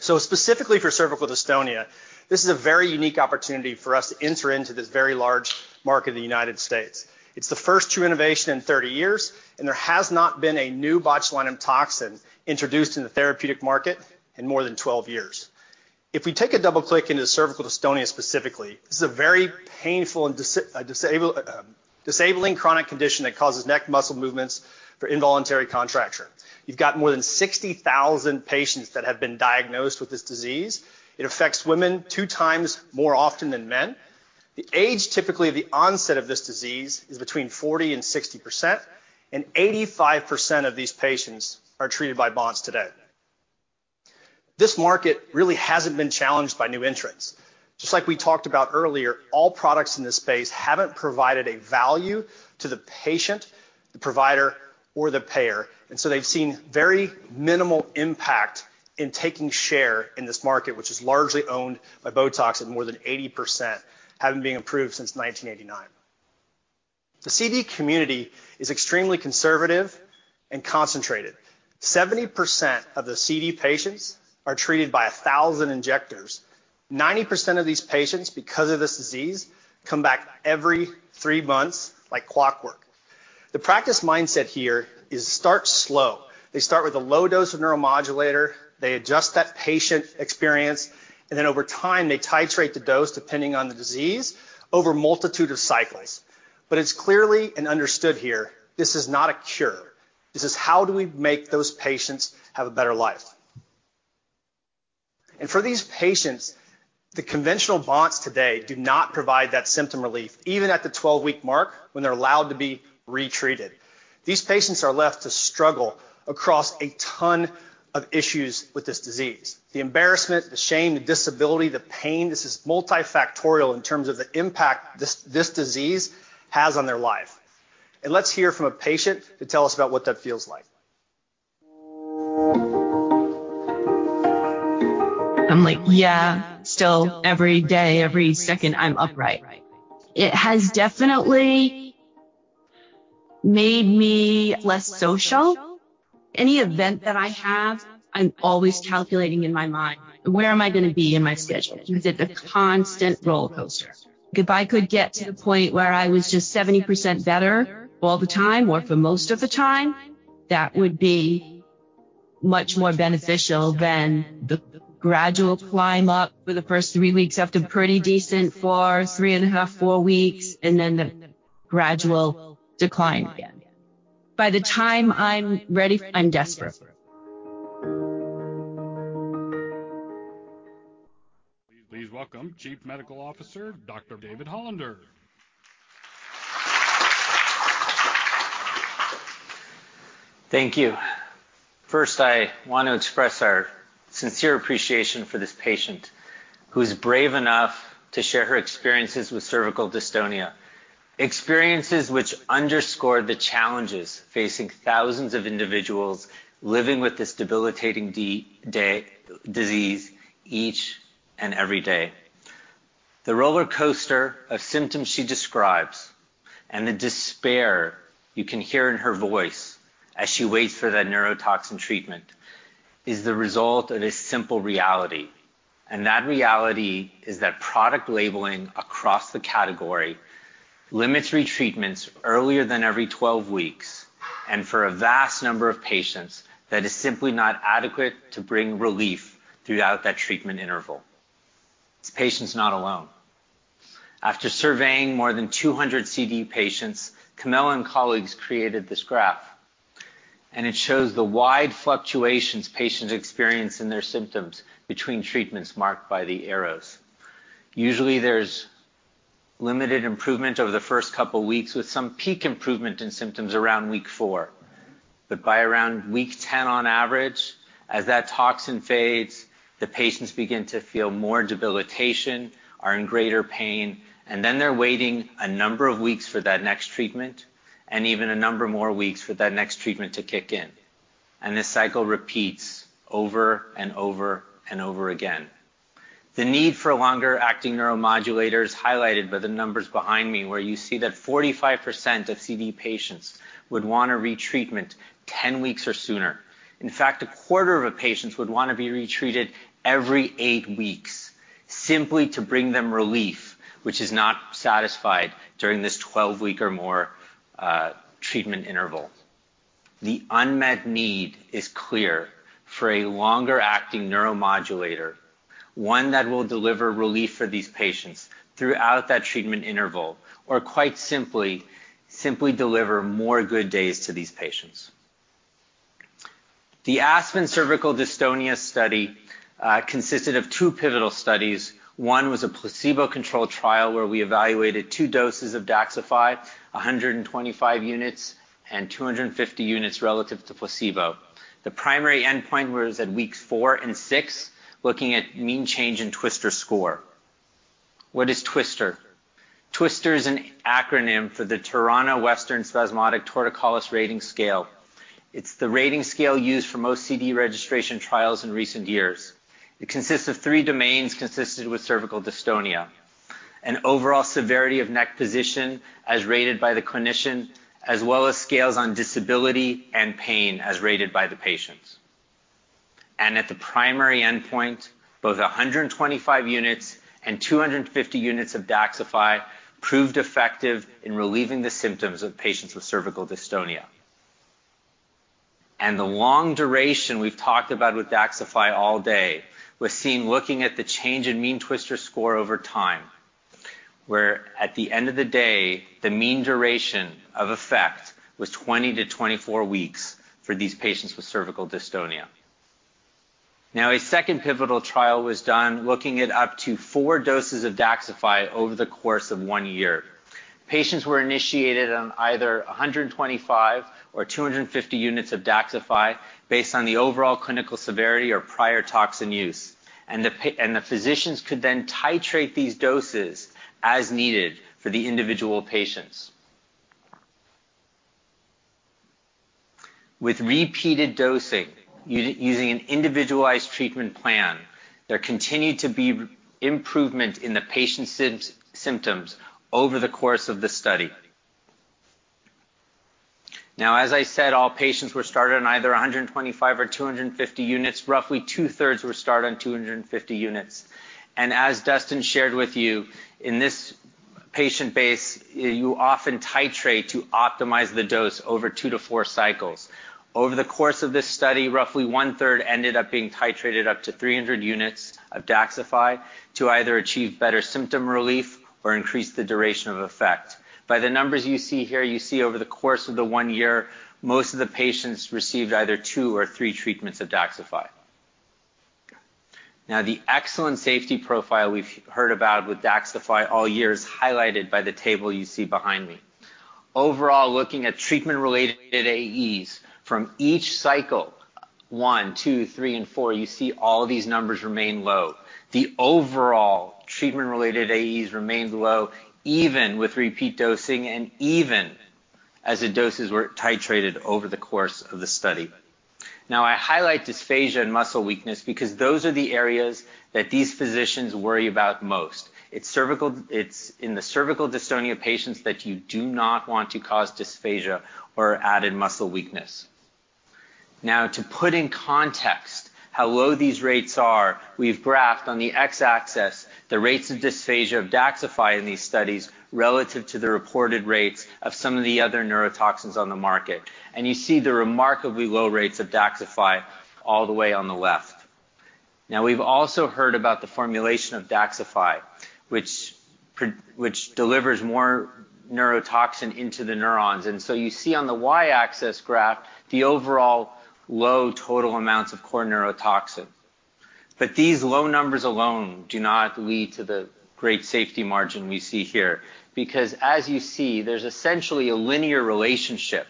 So specifically for Cervical Dystonia, this is a very unique opportunity for us to enter into this very large market in the United States. It's the first true innovation in 30 years, and there has not been a new botulinum toxin introduced in the therapeutic market in more than 12 years. If we take a double click into cervical dystonia specifically, this is a very painful and disabling chronic condition that causes neck muscle movements for involuntary contracture. You've got more than 60,000 patients that have been diagnosed with this disease. It affects women two times more often than men. The age, typically, the onset of this disease is between 40 and 60 and 85% of these patients are treated by bots today. This market really hasn't been challenged by new entrants. Just like we talked about earlier, all products in this space haven't provided a value to the patient, the provider, or the payer, and so they've seen very minimal impact in taking share in this market, which is largely owned by Botox, and more than 80% haven't been approved since 1989. The CD community is extremely conservative and concentrated. 70% of the CD patients are treated by 1,000 injectors. 90% of these patients, because of this disease, come back every 3 months like clockwork. The practice mindset here is start slow. They start with a low dose of neuromodulator, they adjust that patient experience, and then over time, they titrate the dose, depending on the disease, over a multitude of cycles. But it's clearly and understood here, this is not a cure. This is how do we make those patients have a better life? For these patients, the conventional bots today do not provide that symptom relief, even at the 1week mark, when they're allowed to be retreated. These patients are left to struggle across a ton of issues with this disease. The embarrassment, the shame, the disability, the pain, this is multifactorial in terms of the impact this, this disease has on their life. And let's hear from a patient to tell us about what that feels like. I'm like, "Yeah, still every day, every second, I'm upright." It has definitely made me less social. Any event that I have, I'm always calculating in my mind, where am I going to be in my schedule? Because it's a constant rollercoaster. If I could get to the point where I was just 70% better all the time, or for most of the time, that would be much more beneficial than the gradual climb up for the first three weeks after pretty decent for 3.5, 4 weeks, and then the gradual decline again. By the time I'm ready, I'm desperate. Please welcome Chief Medical Officer, Dr. David Hollander. Thank you. First, I want to express our sincere appreciation for this patient, who's brave enough to share her experiences with cervical dystonia. Experiences which underscore the challenges facing thousands of individuals living with this debilitating disease each and every day. The rollercoaster of symptoms she describes and the despair you can hear in her voice as she waits for that neurotoxin treatment is the result of a simple reality, and that reality is that product labeling across the category limits retreatment earlier than every 12 weeks, and for a vast number of patients, that is simply not adequate to bring relief throughout that treatment interval. This patient's not alone. After surveying more than 200 CD patients, Comella and colleagues created this graph, and it shows the wide fluctuations patients experience in their symptoms between treatments marked by the arrows. Usually, there's limited improvement over the first couple weeks, with some peak improvement in symptoms around week 4. But by around week 10, on average, as that toxin fades, the patients begin to feel more debilitation, are in greater pain, and then they're waiting a number of weeks for that next treatment, and even a number more weeks for that next treatment to kick in. And this cycle repeats over, and over, and over again. The need for a longer-acting neuromodulator is highlighted by the numbers behind me, where you see that 45% of CD patients would want a retreatment 10 weeks or sooner. In fact, a quarter of the patients would want to be retreated every 8 weeks simply to bring them relief, which is not satisfied during this 12-week or more, treatment interval. The unmet need is clear for a longer-acting neuromodulator, one that will deliver relief for these patients throughout that treatment interval, or quite simply, simply deliver more good days to these patients. The ASPEN cervical dystonia study consisted of two pivotal studies. One was a placebo-controlled trial where we evaluated 2 doses of DAXXIFY, 125 units and 250 units relative to placebo. The primary endpoint was at weeks 4 and 6, looking at mean change in TWSTRS score. What is TWSTRS? TWSTRS is an acronym for the Toronto Western Spasmodic Torticollis Rating Scale. It's the rating scale used for most CD registration trials in recent years. It consists of three domains consisted with cervical dystonia: an overall severity of neck position as rated by the clinician, as well as scales on disability and pain as rated by the patients. At the primary endpoint, both 125 units and 250 units of DAXXIFY proved effective in relieving the symptoms of patients with cervical dystonia. The long duration we've talked about with DAXXIFY all day was seen looking at the change in mean TWSTRS score over time, where, at the end of the day, the mean duration of effect was 20 to 24 weeks for these patients with cervical dystonia. Now, a second pivotal trial was done looking at up to four doses of DAXXIFY over the course of one year. Patients were initiated on either 125 or 250 units of DAXXIFY based on the overall clinical severity or prior toxin use, and the physicians could then titrate these doses as needed for the individual patients. With repeated dosing, using an individualized treatment plan, there continued to be improvement in the patient's symptoms over the course of the study. Now, as I said, all patients were started on either 125 or 250 units. Roughly two-thirds were started on 250 units. As Dustin shared with you, in this patient base, you often titrate to optimize the dose over two to four cycles. Over the course of this study, roughly one-third ended up being titrated up to 300 units of DAXXIFY to either achieve better symptom relief or increase the duration of effect. By the numbers you see here, you see over the course of the one year, most of the patients received either two or three treatments of DAXXIFY. Now, the excellent safety profile we've heard about with DAXXIFY all year is highlighted by the table you see behind me. Overall, looking at treatment-related AEs from each cycle 1, 2, 3, and 4, you see all of these numbers remain low. The overall treatment-related AEs remained low, even with repeat dosing and even as the doses were titrated over the course of the study. Now, I highlight dysphagia and muscle weakness because those are the areas that these physicians worry about most. It's in the cervical dystonia patients that you do not want to cause dysphagia or added muscle weakness. Now, to put in context how low these rates are, we've graphed on the X-axis the rates of dysphagia of DAXXIFY in these studies relative to the reported rates of some of the other neurotoxins on the market, and you see the remarkably low rates of DAXXIFY all the way on the left. Now, we've also heard about the formulation of DAXXIFY, which delivers more neurotoxin into the neurons. And so you see on the Y-axis graph, the overall low total amounts of core neurotoxin. But these low numbers alone do not lead to the great safety margin we see here, because as you see, there's essentially a linear relationship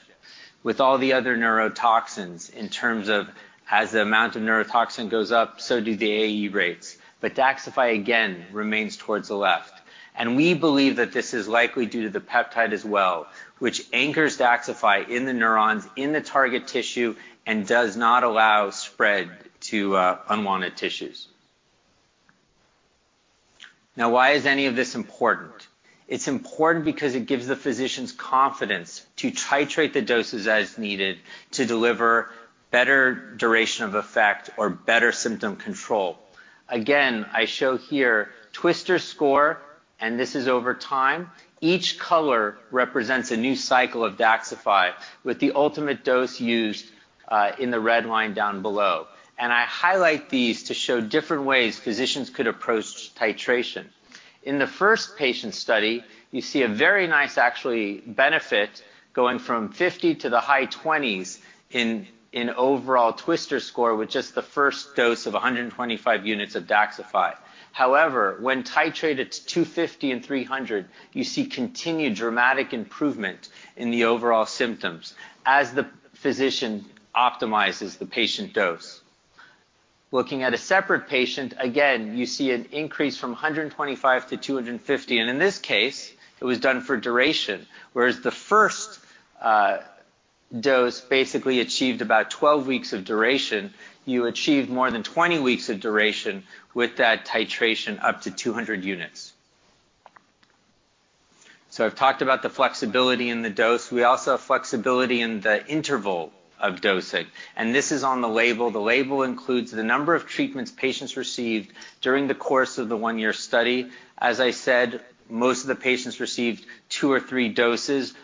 with all the other neurotoxins in terms of as the amount of neurotoxin goes up, so do the AE rates. But DAXXIFY, again, remains towards the left, and we believe that this is likely due to the peptide as well, which anchors DAXXIFY in the neurons, in the target tissue, and does not allow spread to unwanted tissues. Now, why is any of this important? It's important because it gives the physicians confidence to titrate the doses as needed to deliver better duration of effect or better symptom control. Again, I show here TWSTRS score, and this is over time. Each color represents a new cycle of DAXXIFY, with the ultimate dose used in the red line down below. And I highlight these to show different ways physicians could approach titration. In the first patient study, you see a very nice actually benefit going from 50 to the high 20s in overall TWSTRS score, with just the first dose of 125 units of DAXXIFY. However, when titrated to 250 and 300, you see continued dramatic improvement in the overall symptoms as the physician optimizes the patient dose. Looking at a separate patient, again, you see an increase from 125 to 250, and in this case, it was done for duration, whereas the first dose basically achieved about 12 weeks of duration. You achieved more than 20 weeks of duration with that titration up to 200 units. So I've talked about the flexibility in the dose. We also have flexibility in the interval of dosing, and this is on the label. The label includes the number of treatments patients received during the course of the one-year study. As I said, most of the patients received 2 or 3 doses.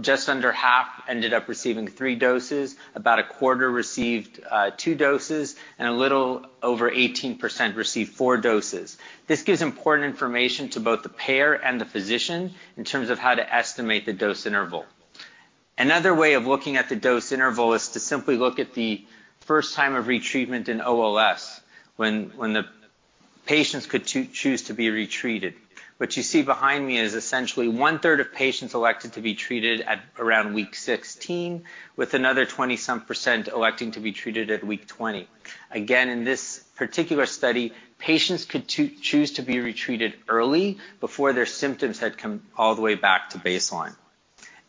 Just under half ended up receiving 3 doses, about a quarter received two doses, and a little over 18% received 4 doses. This gives important information to both the payer and the physician in terms of how to estimate the dose interval. Another way of looking at the dose interval is to simply look at the first time of retreatment in OLS, when the patients could choose to be retreated. What you see behind me is essentially one-third of patients elected to be treated at around week 16, with another 20-some % electing to be treated at week 20. Again, in this particular study, patients could choose to be retreated early before their symptoms had come all the way back to baseline.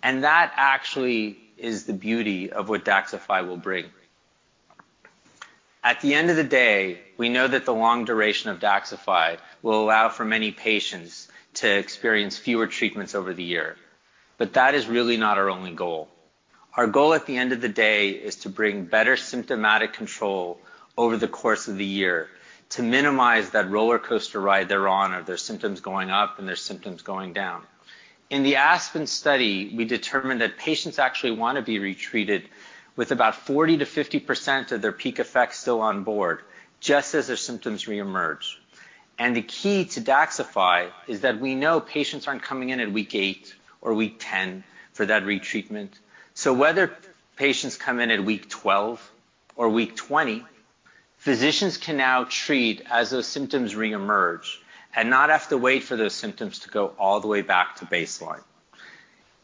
And that actually is the beauty of what DAXXIFY will bring. At the end of the day, we know that the long duration of DAXXIFY will allow for many patients to experience fewer treatments over the year, but that is really not our only goal. Our goal at the end of the day is to bring better symptomatic control over the course of the year, to minimize that rollercoaster ride they're on of their symptoms going up and their symptoms going down. In the ASPEN Study, we determined that patients actually wanna be retreated with about 40 to 50% of their peak effect still on board, just as their symptoms reemerge. The key to DAXXIFY is that we know patients aren't coming in at week 8 or week 10 for that retreatment. So whether patients come in at week 12 or week 20, physicians can now treat as those symptoms reemerge and not have to wait for those symptoms to go all the way back to baseline.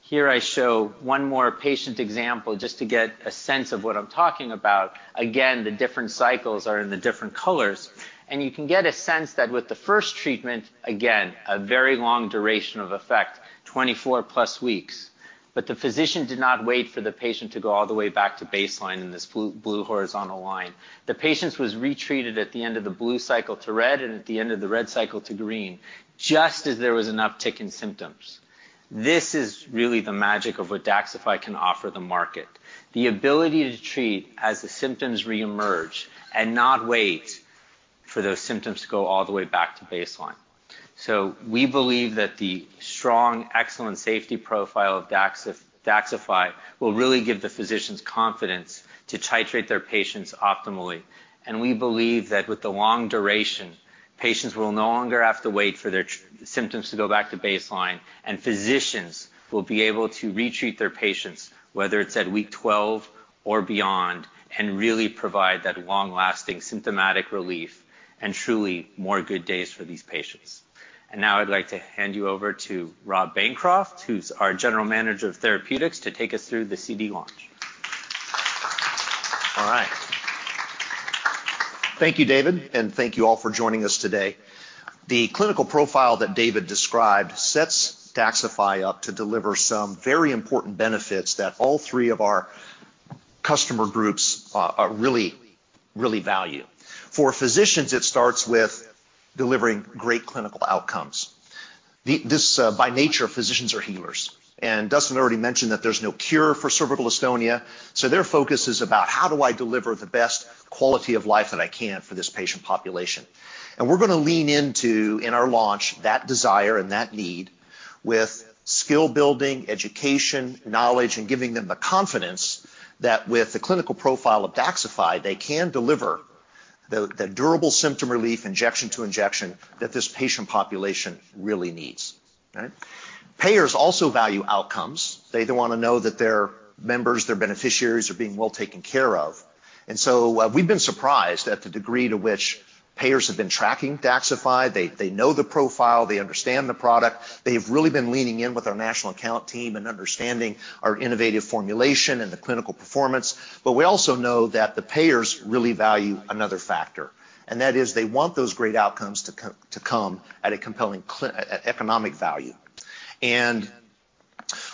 Here I show one more patient example, just to get a sense of what I'm talking about. Again, the different cycles are in the different colors, and you can get a sense that with the first treatment, again, a very long duration of effect, 24+ weeks. But the physician did not wait for the patient to go all the way back to baseline in this blue, blue horizontal line. The patient was retreated at the end of the blue cycle to red and at the end of the red cycle to green, just as there was an uptick in symptoms. This is really the magic of what DAXXIFY can offer the market. The ability to treat as the symptoms reemerge and not wait for those symptoms to go all the way back to baseline. So we believe that the strong, excellent safety profile of DAXXIFY will really give the physicians confidence to titrate their patients optimally. And we believe that with the long duration, patients will no longer have to wait for their symptoms to go back to baseline, and physicians will be able to retreat their patients, whether it's at week 12 or beyond, and really provide that long-lasting symptomatic relief and truly more good days for these patients. And now I'd like to hand you over to Rob Bancroft, who's our General Manager of Therapeutics, to take us through the CD launch. All right. Thank you David and thank you all for joining us today. The clinical profile that David described sets DAXXIFY up to deliver some very important benefits that all three of our customer groups really, really value. For physicians, it starts with delivering great clinical outcomes. This by nature, physicians are healers, and Dustin already mentioned that there's no cure for cervical dystonia, so their focus is about: How do I deliver the best quality of life that I can for this patient population? And we're gonna lean into, in our launch, that desire and that need with skill building, education, knowledge, and giving them the confidence that with the clinical profile of DAXXIFY, they can deliver the durable symptom relief, injection to injection, that this patient population really needs, right? Payers also value outcomes. They then wanna know that their members, their beneficiaries, are being well taken care of. So, we've been surprised at the degree to which payers have been tracking DAXXIFY. They, they know the profile, they understand the product. They've really been leaning in with our national account team and understanding our innovative formulation and the clinical performance. But we also know that the payers really value another factor, and that is they want those great outcomes to come at a compelling economic value. And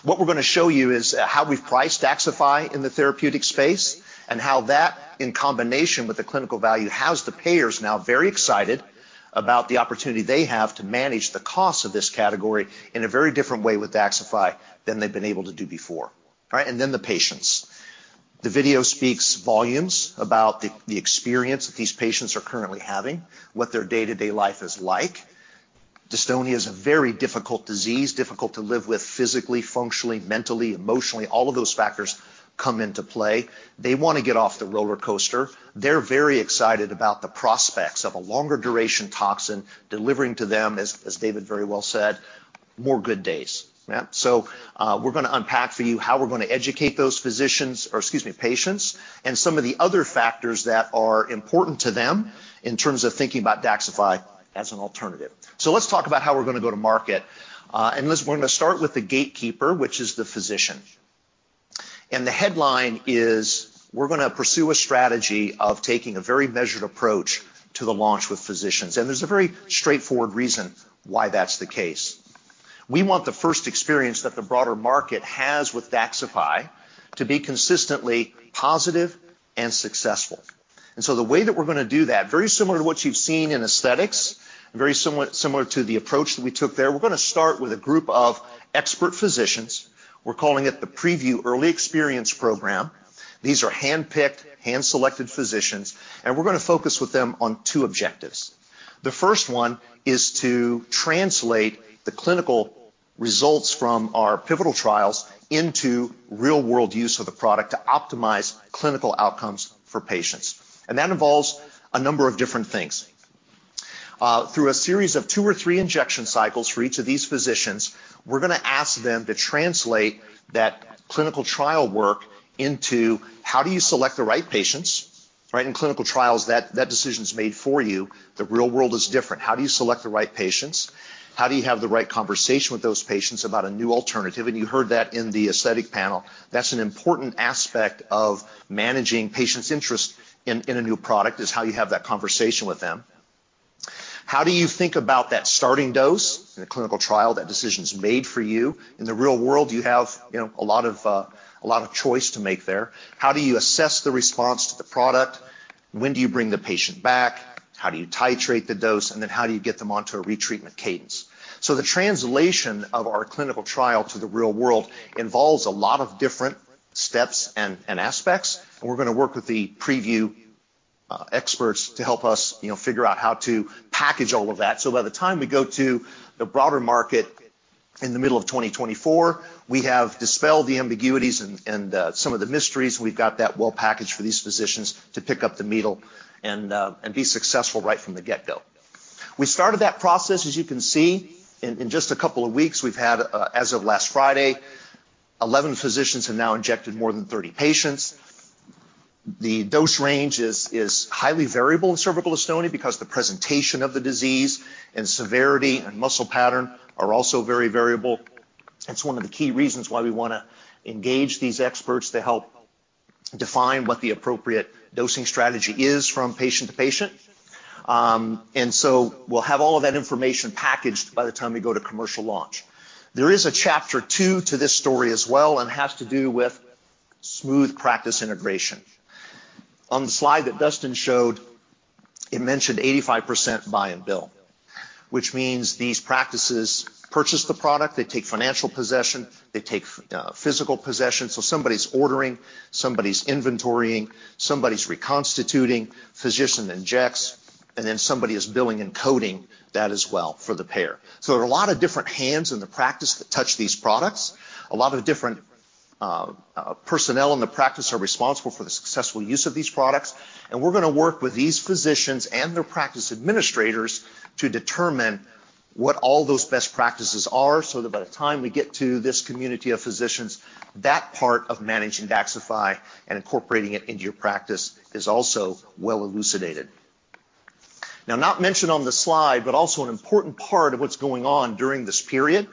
what we're gonna show you is how we've priced DAXXIFY in the therapeutic space, and how that, in combination with the clinical value, has the payers now very excited about the opportunity they have to manage the costs of this category in a very different way with DAXXIFY than they've been able to do before. All right? The video speaks volumes about the, the experience that these patients are currently having, what their day-to-day life is like. Dystonia is a very difficult disease, difficult to live with physically, functionally, mentally, emotionally. All of those factors come into play. They wanna get off the rollercoaster. They're very excited about the prospects of a longer duration toxin delivering to them, as, as David very well said, more good days. Yeah? We're gonna unpack for you how we're gonna educate those physicians, or excuse me, patients, and some of the other factors that are important to them in terms of thinking about DAXXIFY as an alternative. Let's talk about how we're gonna go to market. We're gonna start with the gatekeeper, which is the physician. And the headline is: We're gonna pursue a strategy of taking a very measured approach to the launch with physicians, and there's a very straightforward reason why that's the case. We want the first experience that the broader market has with DAXXIFY to be consistently positive and successful. And so the way that we're gonna do that, very similar to what you've seen in aesthetics, very similar, similar to the approach that we took there, we're gonna start with a group of expert physicians. We're calling it the Preview Early Experience Program. These are handpicked, hand-selected physicians, and we're gonna focus with them on two objectives. The first one is to translate the clinical results from our pivotal trials into real-world use of the product to optimize clinical outcomes for patients, and that involves a number of different things. Through a series of two or three injection cycles for each of these physicians, we're gonna ask them to translate that clinical trial work into: how do you select the right patients? Right, in clinical trials, that decision is made for you. The real world is different. How do you select the right patients? How do you have the right conversation with those patients about a new alternative? And you heard that in the aesthetic panel. That's an important aspect of managing patients' interest in a new product, is how you have that conversation with them. How do you think about that starting dose? In a clinical trial, that decision is made for you. In the real world, you have, you know, a lot of choice to make there. How do you assess the response to the product? When do you bring the patient back? How do you titrate the dose? And then how do you get them onto a retreatment cadence? So the translation of our clinical trial to the real world involves a lot of different steps and, and aspects, and we're gonna work with the preview, experts to help us, you know, figure out how to package all of that, so by the time we go to the broader market in the middle of 2024, we have dispelled the ambiguities and, and, some of the mysteries, we've got that well-packaged for these physicians to pick up the needle and, and be successful right from the get-go. We started that process, as you can see. In just a couple of weeks, we've had, as of last Friday, 11 physicians have now injected more than 30 patients. The dose range is highly variable in cervical dystonia because the presentation of the disease and severity and muscle pattern are also very variable. It's one of the key reasons why we wanna engage these experts to help define what the appropriate dosing strategy is from patient to patient. And so we'll have all of that information packaged by the time we go to commercial launch. There is a chapter two to this story as well, and it has to do with smooth practice integration. On the slide that Dustin showed, it mentioned 85% Buy and Bill, which means these practices purchase the product, they take financial possession, they take physical possession. So somebody's ordering, somebody's inventorying, somebody's reconstituting, physician injects, and then somebody is billing and coding that as well for the payer. So there are a lot of different hands in the practice that touch these products. A lot of different personnel in the practice are responsible for the successful use of these products, and we're gonna work with these physicians and their practice administrators to determine what all those best practices are, so that by the time we get to this community of physicians, that part of managing DAXXIFY and incorporating it into your practice is also well elucidated. Now, not mentioned on the slide, but also an important part of what's going on during this period,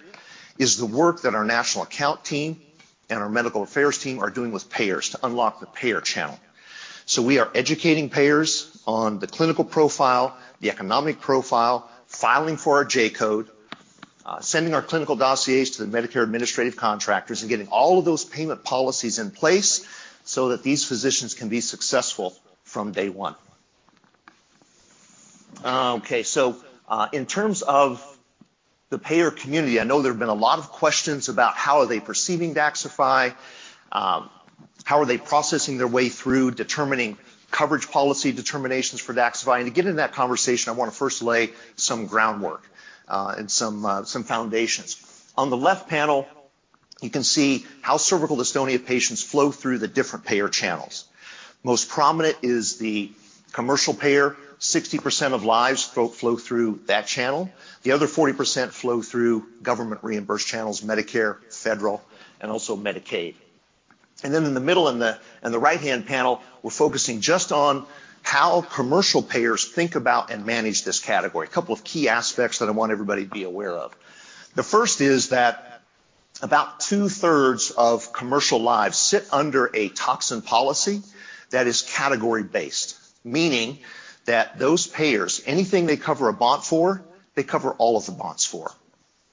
is the work that our national account team and our medical affairs team are doing with payers to unlock the payer channel. So we are educating payers on the clinical profile, the economic profile, filing for our J-Code, sending our clinical dossiers to the Medicare Administrative Contractors, and getting all of those payment policies in place so that these physicians can be successful from day one. Okay, so, in terms of the payer community, I know there have been a lot of questions about how are they perceiving DAXXIFY, how are they processing their way through determining coverage policy determinations for DAXXIFY? And to get into that conversation, I wanna first lay some groundwork, and some foundations. On the left panel, you can see how cervical dystonia patients flow through the different payer channels. Most prominent is the commercial payer. 60% of lives flow through that channel. The other 40% flow through government reimbursed channels, Medicare, Federal, and also Medicaid. And then in the middle and the right-hand panel, we're focusing just on how commercial payers think about and manage this category. A couple of key aspects that I want everybody to be aware of. The first is that about two-thirds of commercial lives sit under a toxin policy that is category-based, meaning that those payers, anything they cover a bot for, they cover all of the bots for,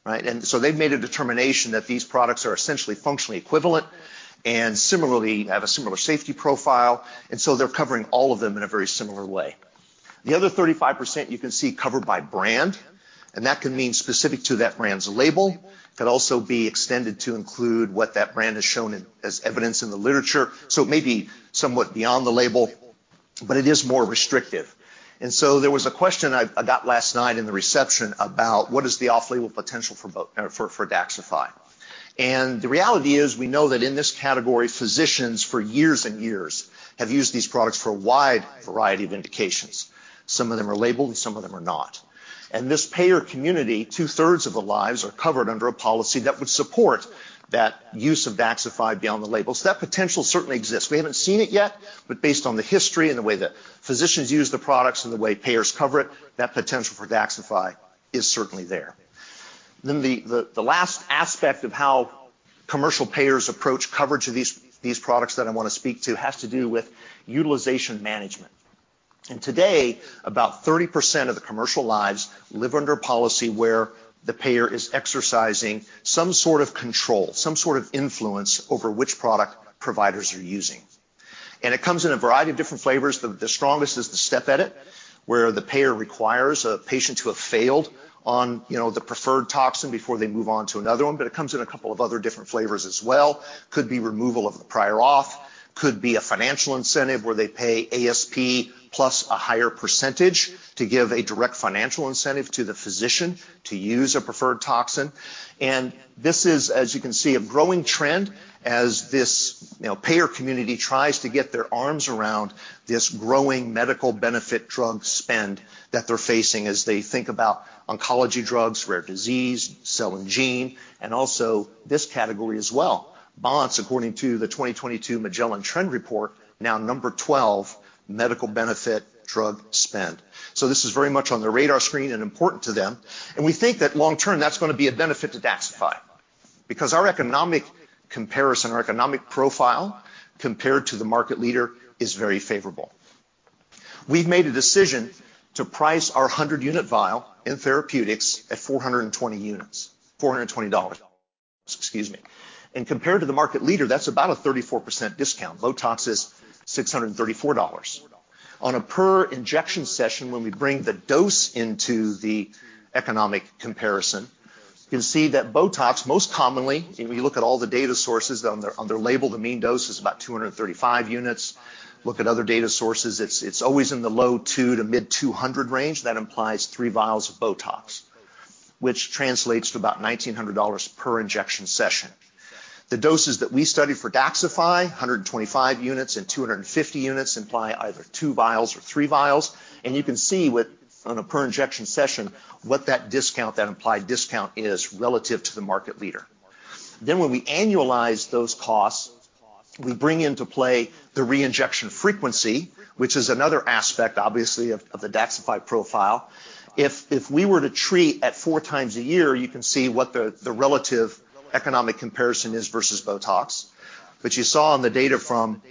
right? And so they've made a determination that these products are essentially functionally equivalent and similarly have a similar safety profile, and so they're covering all of them in a very similar way. The other 35% you can see covered by brand, and that can mean specific to that brand's label. It could also be extended to include what that brand has shown in, as evidence in the literature. So it may be somewhat beyond the label, but it is more restrictive. And so there was a question I got last night in the reception about what is the off-label potential for DAXXIFY. And the reality is, we know that in this category, physicians for years and years have used these products for a wide variety of indications. Some of them are labeled, and some of them are not. And this payer community, two-thirds of the lives are covered under a policy that would support that use of DAXXIFY beyond the label. So that potential certainly exists. We haven't seen it yet, but based on the history and the way that physicians use the products and the way payers cover it, that potential for DAXXIFY is certainly there. Then the last aspect of how commercial payers approach coverage of these products that I want to speak to has to do with utilization management. Today, about 30% of the commercial lives live under a policy where the payer is exercising some sort of control, some sort of influence over which product providers are using. It comes in a variety of different flavors. The strongest is the step edit, where the payer requires a patient to have failed on, you know, the preferred toxin before they move on to another one, but it comes in a couple of other different flavors as well. Could be removal of the prior auth, could be a financial incentive where they pay ASP plus a higher percentage to give a direct financial incentive to the physician to use a preferred toxin. This is, as you can see, a growing trend as this, you know, payer community tries to get their arms around this growing medical benefit drug spend that they're facing as they think about oncology drugs, rare disease, cell and gene, and also this category as well. Bots, according to the 2022 Magellan Trend Report, now number 12 medical benefit drug spend. So this is very much on the radar screen and important to them, and we think that long term, that's going to be a benefit to DAXXIFY, because our economic comparison, our economic profile, compared to the market leader, is very favorable. We've made a decision to price our 100 unit vial in therapeutics at 420 units, $420, excuse me. Compared to the market leader, that's about a 34% discount. Botox is $634. On a per injection session, when we bring the dose into the economic comparison, you can see that Botox, most commonly, if you look at all the data sources, on their label, the mean dose is about 235 units. Look at other data sources, it's always in the low 2 to mid 200 range. That implies 3 vials of Botox, which translates to about $1,900 per injection session. The doses that we studied for DAXXIFY, 125 units and 250 units, imply either two vials or three vials, and you can see, on a per injection session, what that discount, that implied discount is relative to the market leader. Then, when we annualize those costs, we bring into play the reinjection frequency, which is another aspect, obviously, of the DAXXIFY profile. If we were to treat at 4 times a year, you can see what the relative economic comparison is versus BOTOX. You saw in the data from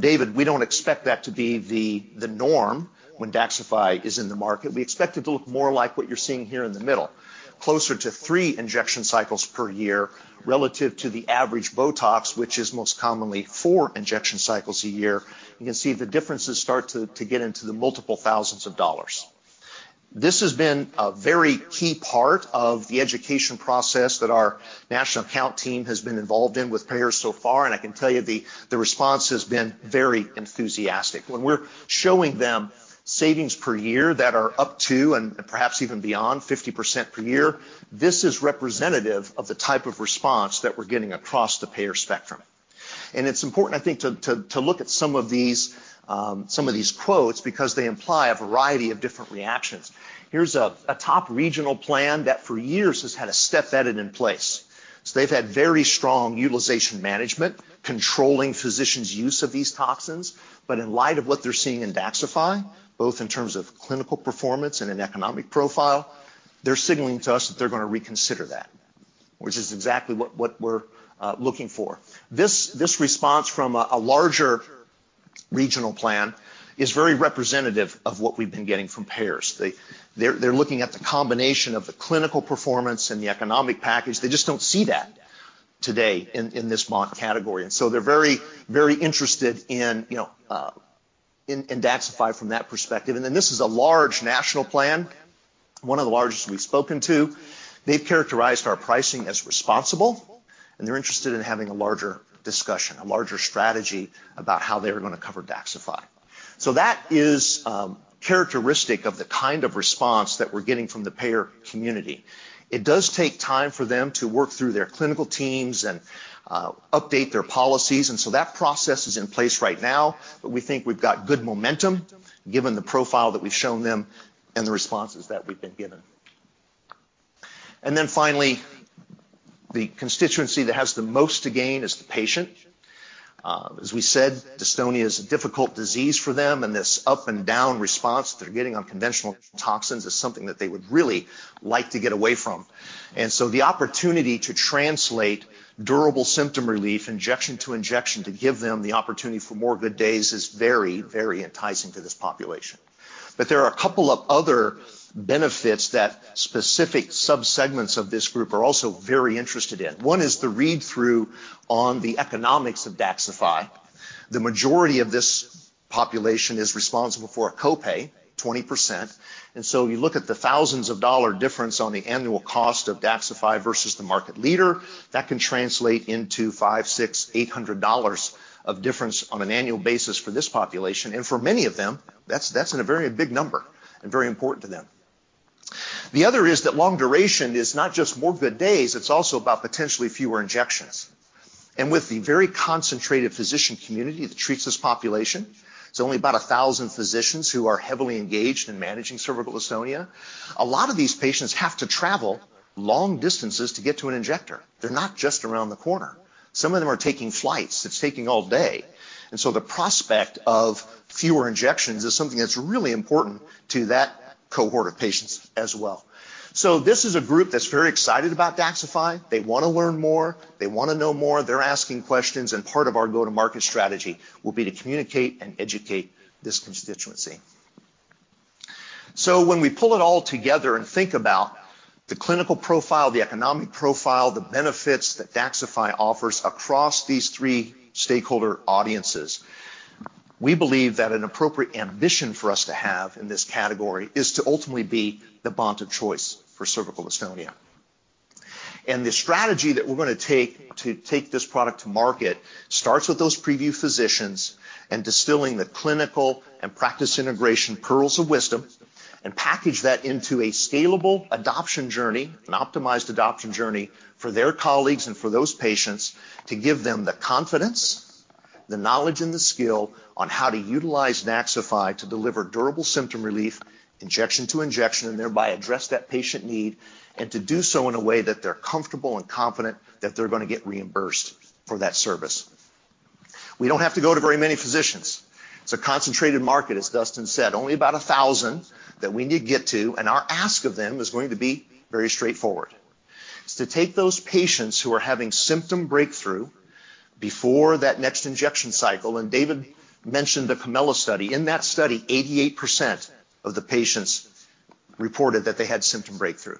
David, we don't expect that to be the norm when DAXXIFY is in the market. We expect it to look more like what you're seeing here in the middle, closer to 3 injection cycles per year relative to the average BOTOX, which is most commonly 4 injection cycles a year. You can see the differences start to get into the multiple thousands of dollars. This has been a very key part of the education process that our national account team has been involved in with payers so far, and I can tell you, the response has been very enthusiastic. When we're showing them savings per year that are up to, and perhaps even beyond 50% per year, this is representative of the type of response that we're getting across the payer spectrum. And it's important, I think, to look at some of these quotes because they imply a variety of different reactions. Here's a top regional plan that for years has had a step edit in place. So they've had very strong utilization management, controlling physicians' use of these toxins. But in light of what they're seeing in DAXXIFY, both in terms of clinical performance and in economic profile, they're signaling to us that they're going to reconsider that, which is exactly what we're looking for. This response from a larger regional plan is very representative of what we've been getting from payers. They're looking at the combination of the clinical performance and the economic package. They just don't see that today in this bot category. And so they're very, very interested in, you know, in DAXXIFY from that perspective. And then this is a large national plan, one of the largest we've spoken to. They've characterized our pricing as responsible, and they're interested in having a larger discussion, a larger strategy about how they are going to cover DAXXIFY. So that is characteristic of the kind of response that we're getting from the payer community. It does take time for them to work through their clinical teams and update their policies, and so that process is in place right now. But we think we've got good momentum, given the profile that we've shown them and the responses that we've been given. Then finally, the constituency that has the most to gain is the patient. As we said, dystonia is a difficult disease for them, and this up-and-down response they're getting on conventional toxins is something that they would really like to get away from. And so the opportunity to translate durable symptom relief, injection to injection, to give them the opportunity for more good days is very, very enticing to this population. But there are a couple of other benefits that specific subsegments of this group are also very interested in. One is the read-through on the economics of DAXXIFY. The majority of this population is responsible for a copay, 20%, and so you look at the thousands of dollars difference on the annual cost of DAXXIFY versus the market leader, that can translate into $500 to 800 of difference on an annual basis for this population, and for many of them, that's, that's a very big number and very important to them. The other is that long duration is not just more good days, it's also about potentially fewer injections. With the very concentrated physician community that treats this population, it's only about 1,000 physicians who are heavily engaged in managing cervical dystonia. A lot of these patients have to travel long distances to get to an injector. They're not just around the corner. Some of them are taking flights. It's taking all day. The prospect of fewer injections is something that's really important to that cohort of patients as well. This is a group that's very excited about DAXXIFY. They want to learn more. They want to know more. They're asking questions, and part of our go-to-market strategy will be to communicate and educate this constituency. When we pull it all together and think about the clinical profile, the economic profile, the benefits that DAXXIFY offers across these three stakeholder audiences, we believe that an appropriate ambition for us to have in this category is to ultimately be the bot of choice for Cervical Dystonia. The strategy that we're going to take to take this product to market starts with those preview physicians and distilling the clinical and practice integration pearls of wisdom, and package that into a scalable adoption journey, an optimized adoption journey, for their colleagues and for those patients to give them the confidence, the knowledge, and the skill on how to utilize DAXXIFY to deliver durable symptom relief, injection to injection, and thereby address that patient need, and to do so in a way that they're comfortable and confident that they're going to get reimbursed for that service. We don't have to go to very many physicians. It's a concentrated market, as Dustin said, only about 1,000 that we need to get to, and our ask of them is going to be very straightforward. It's to take those patients who are having symptom breakthrough before that next injection cycle, and David mentioned the Comella study. In that study, 88% of the patients reported that they had symptom breakthrough.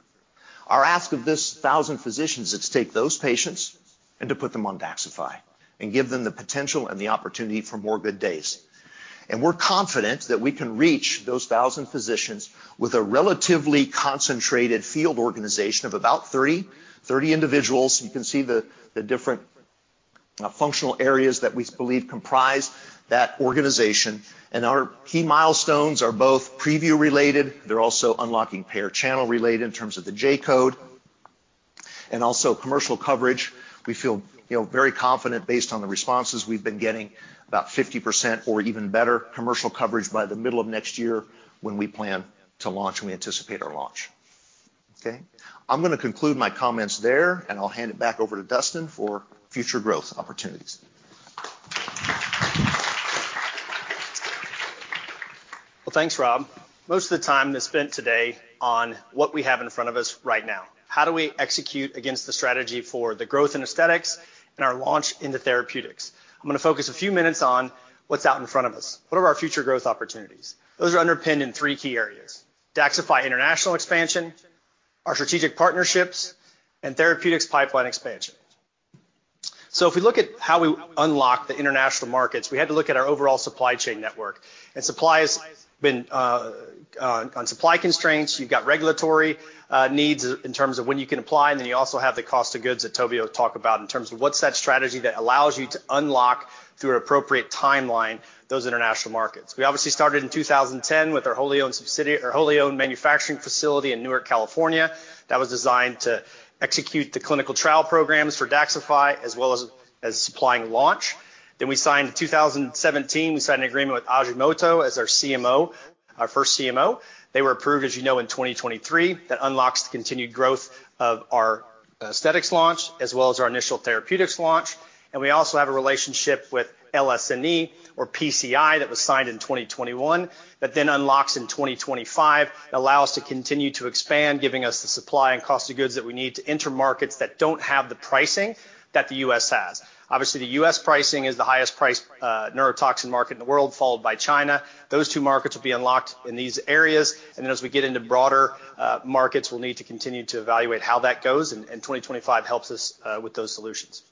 Our ask of these 1,000 physicians is to take those patients and to put them on DAXXIFY and give them the potential and the opportunity for more good days. And we're confident that we can reach those 1,000 physicians with a relatively concentrated field organization of about 30, 30 individuals. You can see the, the different functional areas that we believe comprise that organization. And our key milestones are both preview related. They're also unlocking payer channel related in terms of the J-Code. And also commercial coverage, we feel, you know, very confident based on the responses we've been getting, about 50% or even better commercial coverage by the middle of next year when we plan to launch, and we anticipate our launch. Okay? I'm going to conclude my comments there, and I'll hand it back over to Dustin for future growth opportunities. Well, thanks, Rob. Most of the time is spent today on what we have in front of us right now. How do we execute against the strategy for the growth in aesthetics and our launch into therapeutics? I'm going to focus a few minutes on what's out in front of us. What are our future growth opportunities? Those are underpinned in three key areas: DAXXIFY international expansion, our strategic partnerships, and therapeutics pipeline expansion. So if we look at how we unlock the international markets, we had to look at our overall supply chain network, and supply has been on supply constraints. You've got regulatory needs in terms of when you can apply, and then you also have the cost of goods that Toby talked about in terms of what's that strategy that allows you to unlock, through an appropriate timeline, those international markets. We obviously started in 2010 with our wholly owned subsidiary or wholly owned manufacturing facility in Newark, California. That was designed to execute the clinical trial programs for DAXXIFY, as well as supplying launch. Then we signed in 2017 an agreement with Ajinomoto as our CMO, our first CMO. They were approved, as you know, in 2023. That unlocks the continued growth of our aesthetics launch, as well as our initial therapeutics launch. And we also have a relationship with LSNE or PCI that was signed in 2021, that then unlocks in 2025, allow us to continue to expand, giving us the supply and cost of goods that we need to enter markets that don't have the pricing that the US has. Obviously the US pricing is the highest priced neurotoxin market in the world, followed by China. Those two markets will be unlocked in these areas, and then as we get into broader markets, we'll need to continue to evaluate how that goes, and 2025 helps us with those solutions.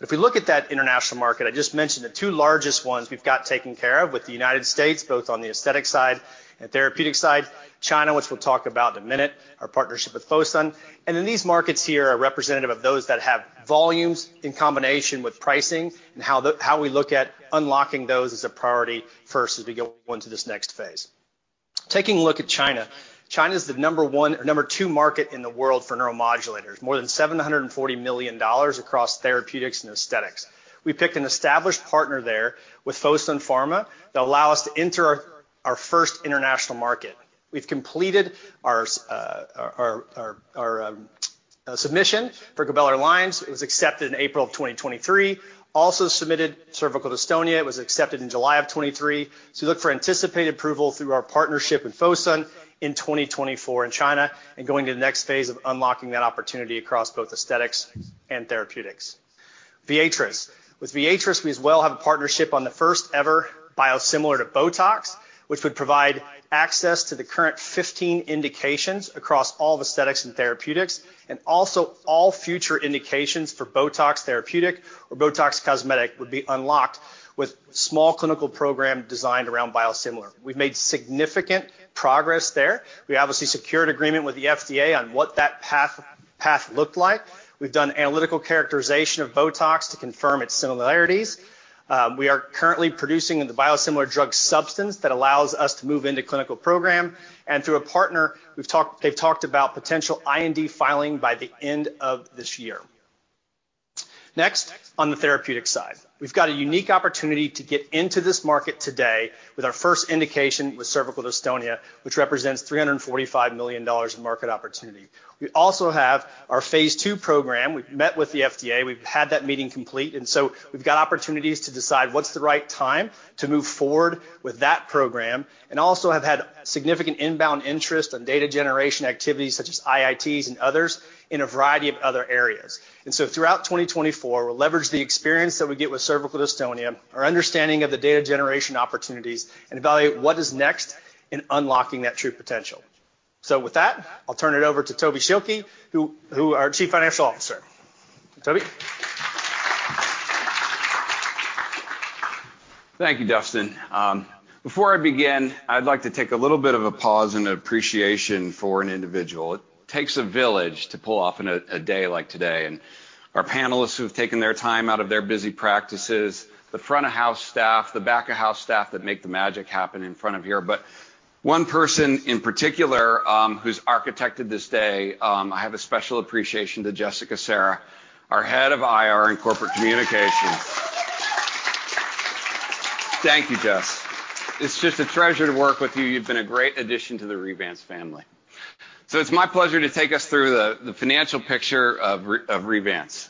But if we look at that international market, I just mentioned the two largest ones we've got taken care of with the United States, both on the aesthetic side and therapeutic side, China, which we'll talk about in a minute, our partnership with Fosun. And then these markets here are representative of those that have volumes in combination with pricing, and how we look at unlocking those as a priority first as we go into this next phase. Taking a look at China. China is the number 2 market in the world for neuromodulators, more than $740 million across therapeutics and aesthetics. We picked an established partner there with Fosun Pharma, that allow us to enter our first international market. We've completed our submission for glabellar lines. It was accepted in April of 2023. Also submitted cervical dystonia. It was accepted in July of 2023. So we look for anticipated approval through our partnership with Fosun in 2024 in China, and going to the next phase of unlocking that opportunity across both aesthetics and therapeutics. Viechous. With Viatris, we as well have a partnership on the first-ever biosimilar to BOTOX, which would provide access to the current 15 indications across all of aesthetics and therapeutics, and also all future indications for BOTOX therapeutic or BOTOX Cosmetic would be unlocked with small clinical program designed around biosimilar. We've made significant progress there. We obviously secured agreement with the FDA on what that path looked like. We've done analytical characterization of BOTOX to confirm its similarities. We are currently producing the biosimilar drug substance that allows us to move into clinical program, and through a partner, we've talked, they've talked about potential IND filing by the end of this year. Next, on the therapeutic side. We've got a unique opportunity to get into this market today with our first indication with cervical dystonia, which represents $345 million in market opportunity. We also have our phase 2 program. We've met with the FDA. We've had that meeting complete, and so we've got opportunities to decide what's the right time to move forward with that program, and also have had significant inbound interest on data generation activities such as IITs and others in a variety of other areas. Throughout 2024, we'll leverage the experience that we get with cervical dystonia, our understanding of the data generation opportunities, and evaluate what is next in unlocking that true potential. So with that, I'll turn it over to Toby Schilke, who our Chief Financial Officer. Toby? Thank you, Dustin. Before I begin, I'd like to take a little bit of a pause and appreciation for an individual. It takes a village to pull off a day like today, and our panelists who have taken their time out of their busy practices, the front of house staff, the back of house staff that make the magic happen in front of here. But one person in particular, who's architected this day, I have a special appreciation to Jessica Serra, our Head of IR and Corporate Communications. Thank you, Jess. It's just a treasure to work with you. You've been a great addition to the Revance family. So it's my pleasure to take us through the financial picture of Revance.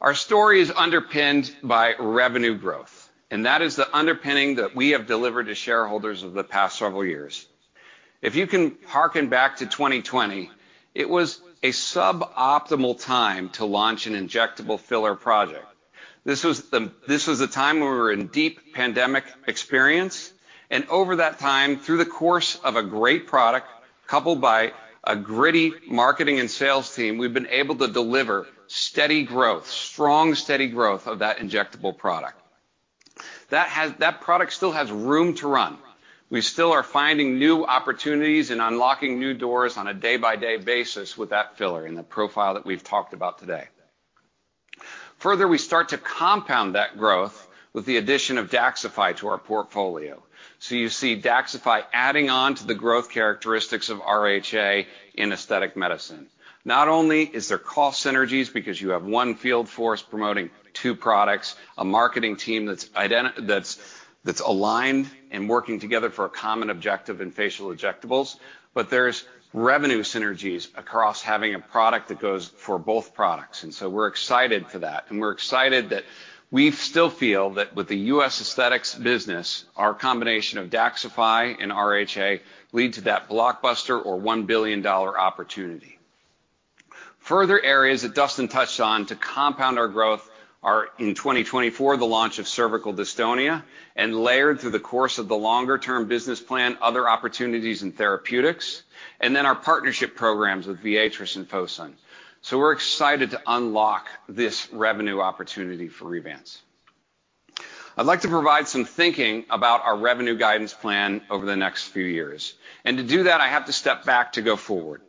Our story is underpinned by revenue growth, and that is the underpinning that we have delivered to shareholders over the past several years. If you can harken back to 2020, it was a suboptimal time to launch an injectable filler project. This was the time when we were in deep pandemic experience, and over that time, through the course of a great product, coupled by a gritty marketing and sales team, we've been able to deliver steady growth, strong, steady growth of that injectable product. That has... That product still has room to run. We still are finding new opportunities and unlocking new doors on a day-by-day basis with that filler in the profile that we've talked about today. Further, we start to compound that growth with the addition of DAXXIFY to our portfolio. So you see DAXXIFY adding on to the growth characteristics of RHA in aesthetic medicine. Not only is there cost synergies because you have one field force promoting two products, a marketing team that's that's aligned and working together for a common objective in facial injectables, but there's revenue synergies across having a product that goes for both products. And so we're excited for that, and we're excited that we still feel that with the U.S. aesthetics business, our combination of DAXXIFY and RHA lead to that blockbuster or $1 billion opportunity. Further areas that Dustin touched on to compound our growth are, in 2024, the launch of cervical dystonia, and layered through the course of the longer-term business plan, other opportunities in therapeutics, and then our partnership programs with Viatris and Fosun. So we're excited to unlock this revenue opportunity for Revance. I'd like to provide some thinking about our revenue guidance plan over the next few years, and to do that, I have to step back to go forward.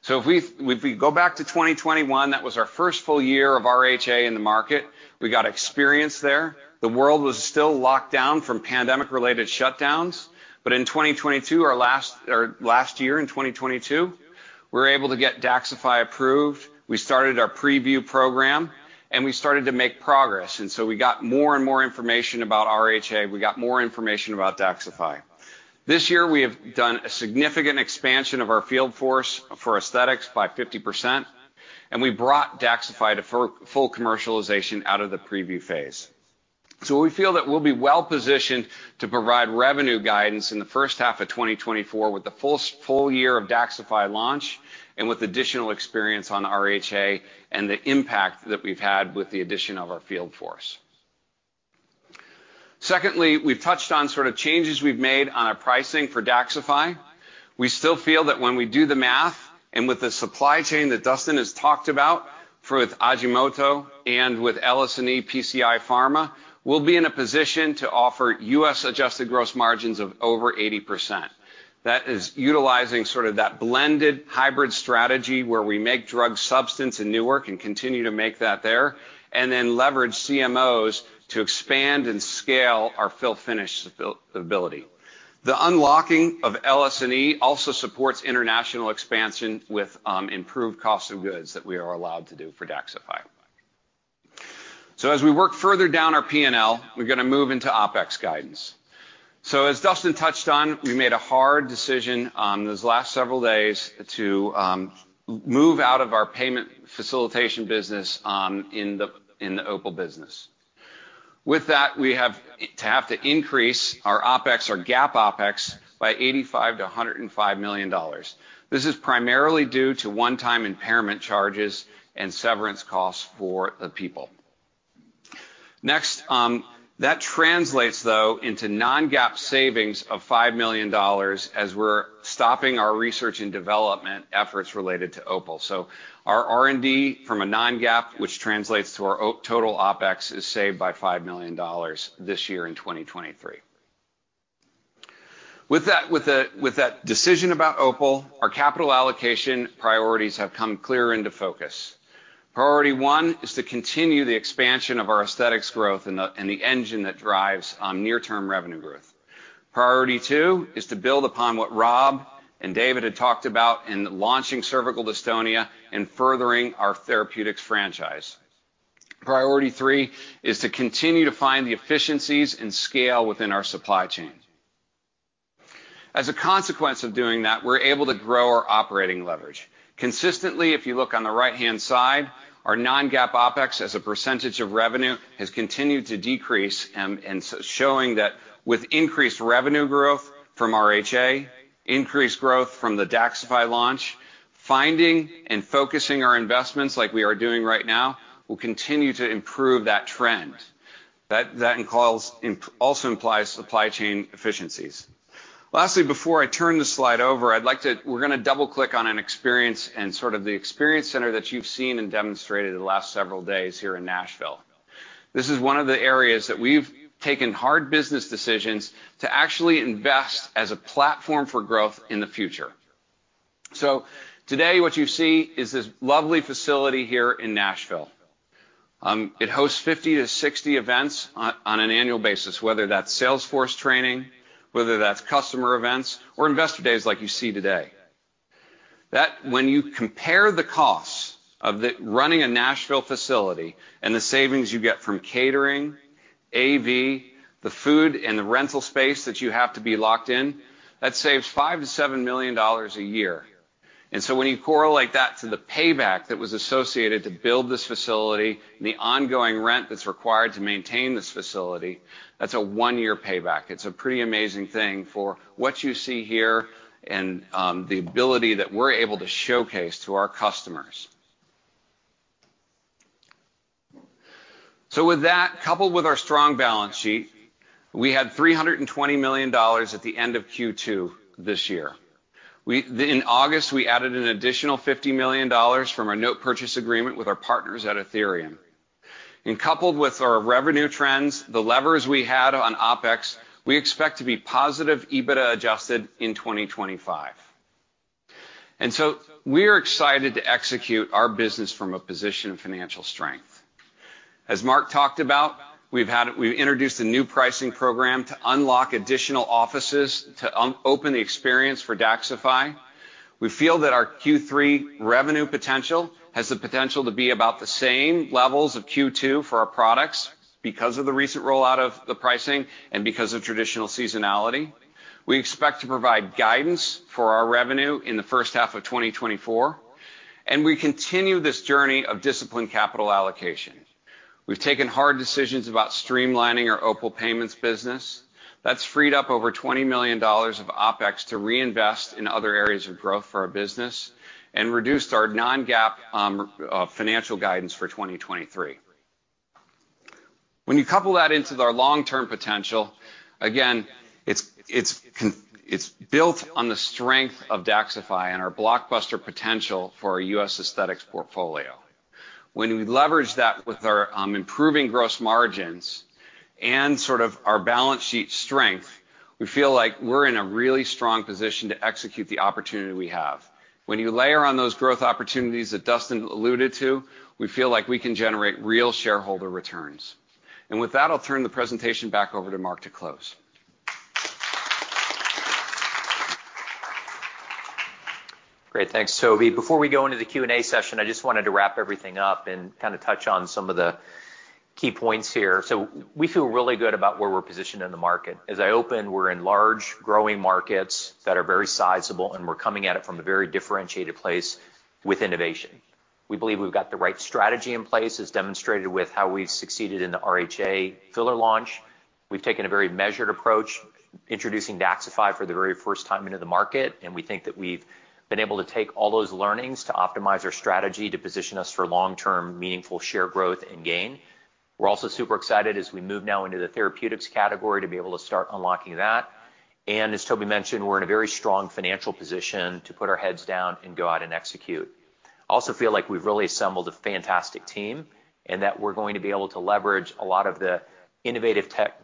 So if we, if we go back to 2021, that was our first full year of RHA in the market. We got experience there. The world was still locked down from pandemic-related shutdowns, but in 2022, or last year, in 2022, we were able to get DAXXIFY approved. We started our preview program, and we started to make progress, and so we got more and more information about RHA. We got more information about DAXXIFY. This year, we have done a significant expansion of our field force for aesthetics by 50%, and we brought DAXXIFY to full commercialization out of the preview phase. So we feel that we'll be well-positioned to provide revenue guidance in the first half of 2024, with the full year of DAXXIFY launch, and with additional experience on RHA and the impact that we've had with the addition of our field force. Secondly, we've touched on sort of changes we've made on our pricing for DAXXIFY. We still feel that when we do the math, and with the supply chain that Dustin has talked about for Ajinomoto and with LSNE and PCI Pharma, we'll be in a position to offer US adjusted gross margins of over 80%. That is utilizing sort of that blended hybrid strategy, where we make drug substance in Newark and continue to make that there, and then leverage CMOs to expand and scale our fill-finish capability. The unlocking of Aji also supports international expansion with improved cost of goods that we are allowed to do for DAXXIFY. So as we work further down our P&L, we're gonna move into OpEx guidance. So as Dustin touched on, we made a hard decision these last several days to move out of our payment facilitation business in the OPUL business. With that, we have to increase our OpEx, our GAAP OpEx, by $85 to 105 million. This is primarily due to one-time impairment charges and severance costs for the people. Next, that translates, though, into non-GAAP savings of $5 million as we're stopping our research and development efforts related to OPUL. So our R&D from a non-GAAP, which translates to our total OpEx, is saved by $5 million this year in 2023. With that, with that decision about OPUL, our capital allocation priorities have come clearer into focus. Priority one is to continue the expansion of our aesthetics growth and the, and the engine that drives, near-term revenue growth. Priority two is to build upon what Rob and David had talked about in launching cervical dystonia and furthering our therapeutics franchise. Priority three is to continue to find the efficiencies and scale within our supply chain. As a consequence of doing that, we're able to grow our operating leverage. Consistently, if you look on the right-hand side, our non-GAAP OpEx, as a percentage of revenue, has continued to decrease, and showing that with increased revenue growth from RHA, increased growth from the DAXXIFY launch, finding and focusing our investments like we are doing right now, will continue to improve that trend. That entails also implies supply chain efficiencies. Lastly, before I turn the slide over, I'd like to... We're gonna double-click on an experience and sort of the experience center that you've seen and demonstrated in the last several days here in Nashville. This is one of the areas that we've taken hard business decisions to actually invest as a platform for growth in the future. So today, what you see is this lovely facility here in Nashville. It hosts 50-60 events on, on an annual basis, whether that's Salesforce training, whether that's customer events or investor days like you see today. That when you compare the costs of the running a Nashville facility and the savings you get from catering, AV, the food, and the rental space that you have to be locked in, that saves $5 to 7 million a year. And so when you correlate that to the payback that was associated to build this facility and the ongoing rent that's required to maintain this facility, that's a one-year payback. It's a pretty amazing thing for what you see here and the ability that we're able to showcase to our customers. So with that, coupled with our strong balance sheet, we had $320 million at the end of Q2 this year. We then in August, we added an additional $50 million from our note purchase agreement with our partners at Athene. And coupled with our revenue trends, the levers we had on OpEx, we expect to be positive EBITDA adjusted in 2025. And so we are excited to execute our business from a position of financial strength. As Mark talked about, we've had... We've introduced a new pricing program to unlock additional offices to open the experience for DAXXIFY. We feel that our Q3 revenue potential has the potential to be about the same levels of Q2 for our products because of the recent rollout of the pricing and because of traditional seasonality. We expect to provide guidance for our revenue in the first half of 2024, and we continue this journey of disciplined capital allocation. We've taken hard decisions about streamlining our OPUL payments business. That's freed up over $20 million of OpEx to reinvest in other areas of growth for our business and reduced our non-GAAP financial guidance for 2023. When you couple that into our long-term potential, again, it's built on the strength of DAXXIFY and our blockbuster potential for our US aesthetics portfolio. When we leverage that with our improving gross margins and sort of our balance sheet strength, we feel like we're in a really strong position to execute the opportunity we have. When you layer on those growth opportunities that Dustin alluded to, we feel like we can generate real shareholder returns. And with that, I'll turn the presentation back over to Mark to close. Great. Thanks Toby. Before we go into the Q&A session, I just wanted to wrap everything up and kind of touch on some of the key points here. So we feel really good about where we're positioned in the market. As I opened, we're in large, growing markets that are very sizable, and we're coming at it from a very differentiated place with innovation. We believe we've got the right strategy in place, as demonstrated with how we've succeeded in the RHA filler launch. We've taken a very measured approach, introducing DAXXIFY for the very first time into the market, and we think that we've been able to take all those learnings to optimize our strategy to position us for long-term, meaningful share growth and gain.... We're also super excited as we move now into the therapeutics category to be able to start unlocking that. As Toby mentioned, we're in a very strong financial position to put our heads down and go out and execute. I also feel like we've really assembled a fantastic team, and that we're going to be able to leverage a lot of the innovative tech,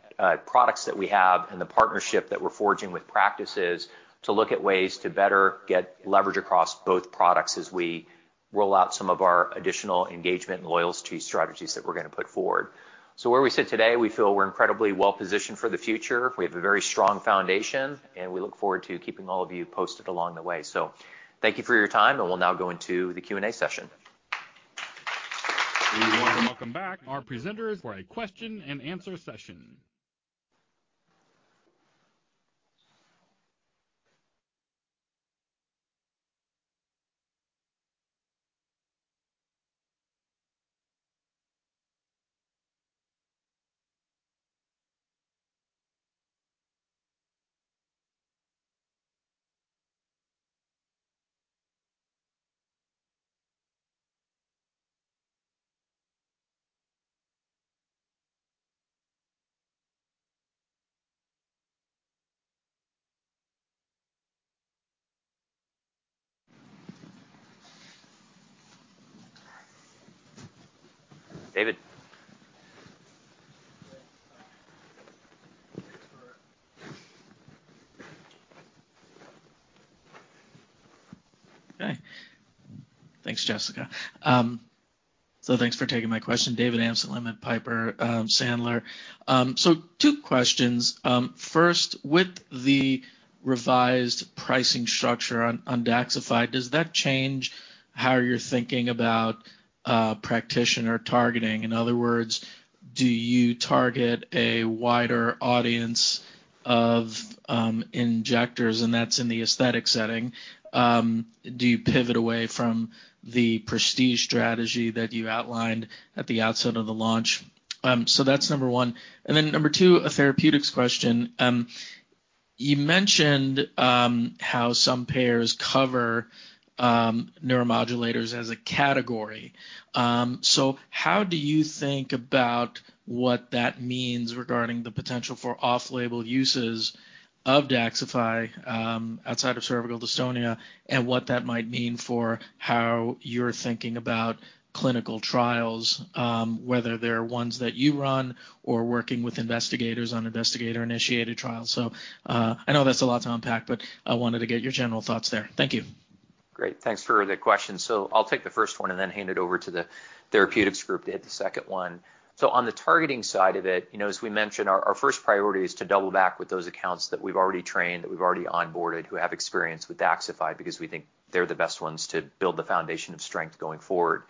products that we have and the partnership that we're forging with practices to look at ways to better get leverage across both products as we roll out some of our additional engagement and loyalty strategies that we're gonna put forward. So where we sit today, we feel we're incredibly well positioned for the future. We have a very strong foundation, and we look forward to keeping all of you posted along the way. So thank you for your time, and we'll now go into the Q&A session. We want to welcome back our presenters for a question and answer session. David? Hi. Thanks Jessica. Thanks for taking my question. David Amsellem at Piper Sandler. 2 questions. First, with the revised pricing structure on DAXXIFY, does that change how you're thinking about practitioner targeting? In other words, do you target a wider audience of injectors, and that's in the aesthetic setting? Do you pivot away from the prestige strategy that you outlined at the outset of the launch? That's number one. Number 2, a therapeutics question. You mentioned how some payers cover neuromodulators as a category. How do you think about what that means regarding the potential for off-label uses of DAXXIFY outside of cervical dystonia, and what that might mean for how you're thinking about clinical trials, whether they're ones that you run or working with investigators on investigator-initiated trials? So, I know that's a lot to unpack, but I wanted to get your general thoughts there. Thank you. Great. Thanks for the questions. So I'll take the first 1 and then hand it over to the therapeutics group to hit the second 1. So on the targeting side of it, you know, as we mentioned, our, our first priority is to double back with those accounts that we've already trained, that we've already onboarded, who have experience with DAXXIFY, because we think they're the best ones to build the foundation of strength going forward.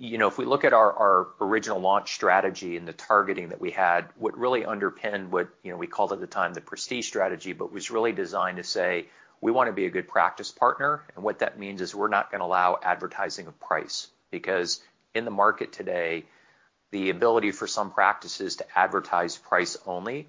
You know, if we look at our, our original launch strategy and the targeting that we had, what really underpinned what, you know, we called at the time, the prestige strategy, but was really designed to say: We want to be a good practice partner, and what that means is we're not gonna allow advertising of price. Because in the market today, the ability for some practices to advertise price only,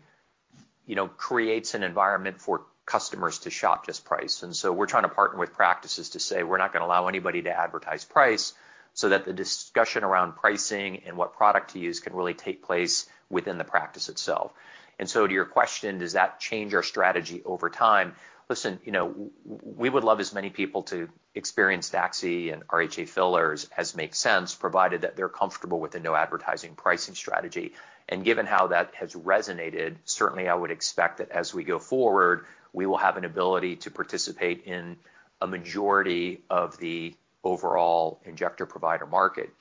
you know, creates an environment for customers to shop just price. And so we're trying to partner with practices to say, "We're not gonna allow anybody to advertise price," so that the discussion around pricing and what product to use can really take place within the practice itself. And so to your question, does that change our strategy over time? Listen, you know, we would love as many people to experience DAXI and RHA fillers as makes sense, provided that they're comfortable with the no advertising pricing strategy. And given how that has resonated, certainly I would expect that as we go forward, we will have an ability to participate in a majority of the overall injector provider market.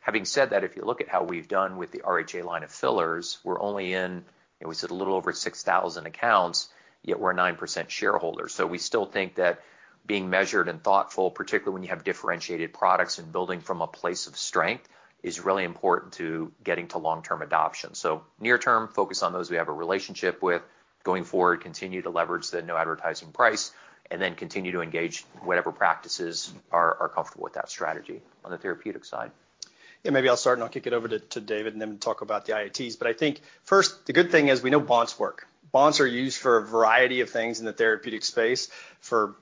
Having said that, if you look at how we've done with the RHA line of fillers, we're only in, and we said a little over 6,000 accounts, yet we're a 9% shareholder. So we still think that being measured and thoughtful, particularly when you have differentiated products and building from a place of strength, is really important to getting to long-term adoption. So near term, focus on those we have a relationship with. Going forward, continue to leverage the no advertising price, and then continue to engage whatever practices are comfortable with that strategy on the therapeutic side. Yeah, maybe I'll start, and I'll kick it over to David, and then talk about the IITs. But I think first, the good thing is we know bots work. Bots are used for a variety of things in the therapeutic space for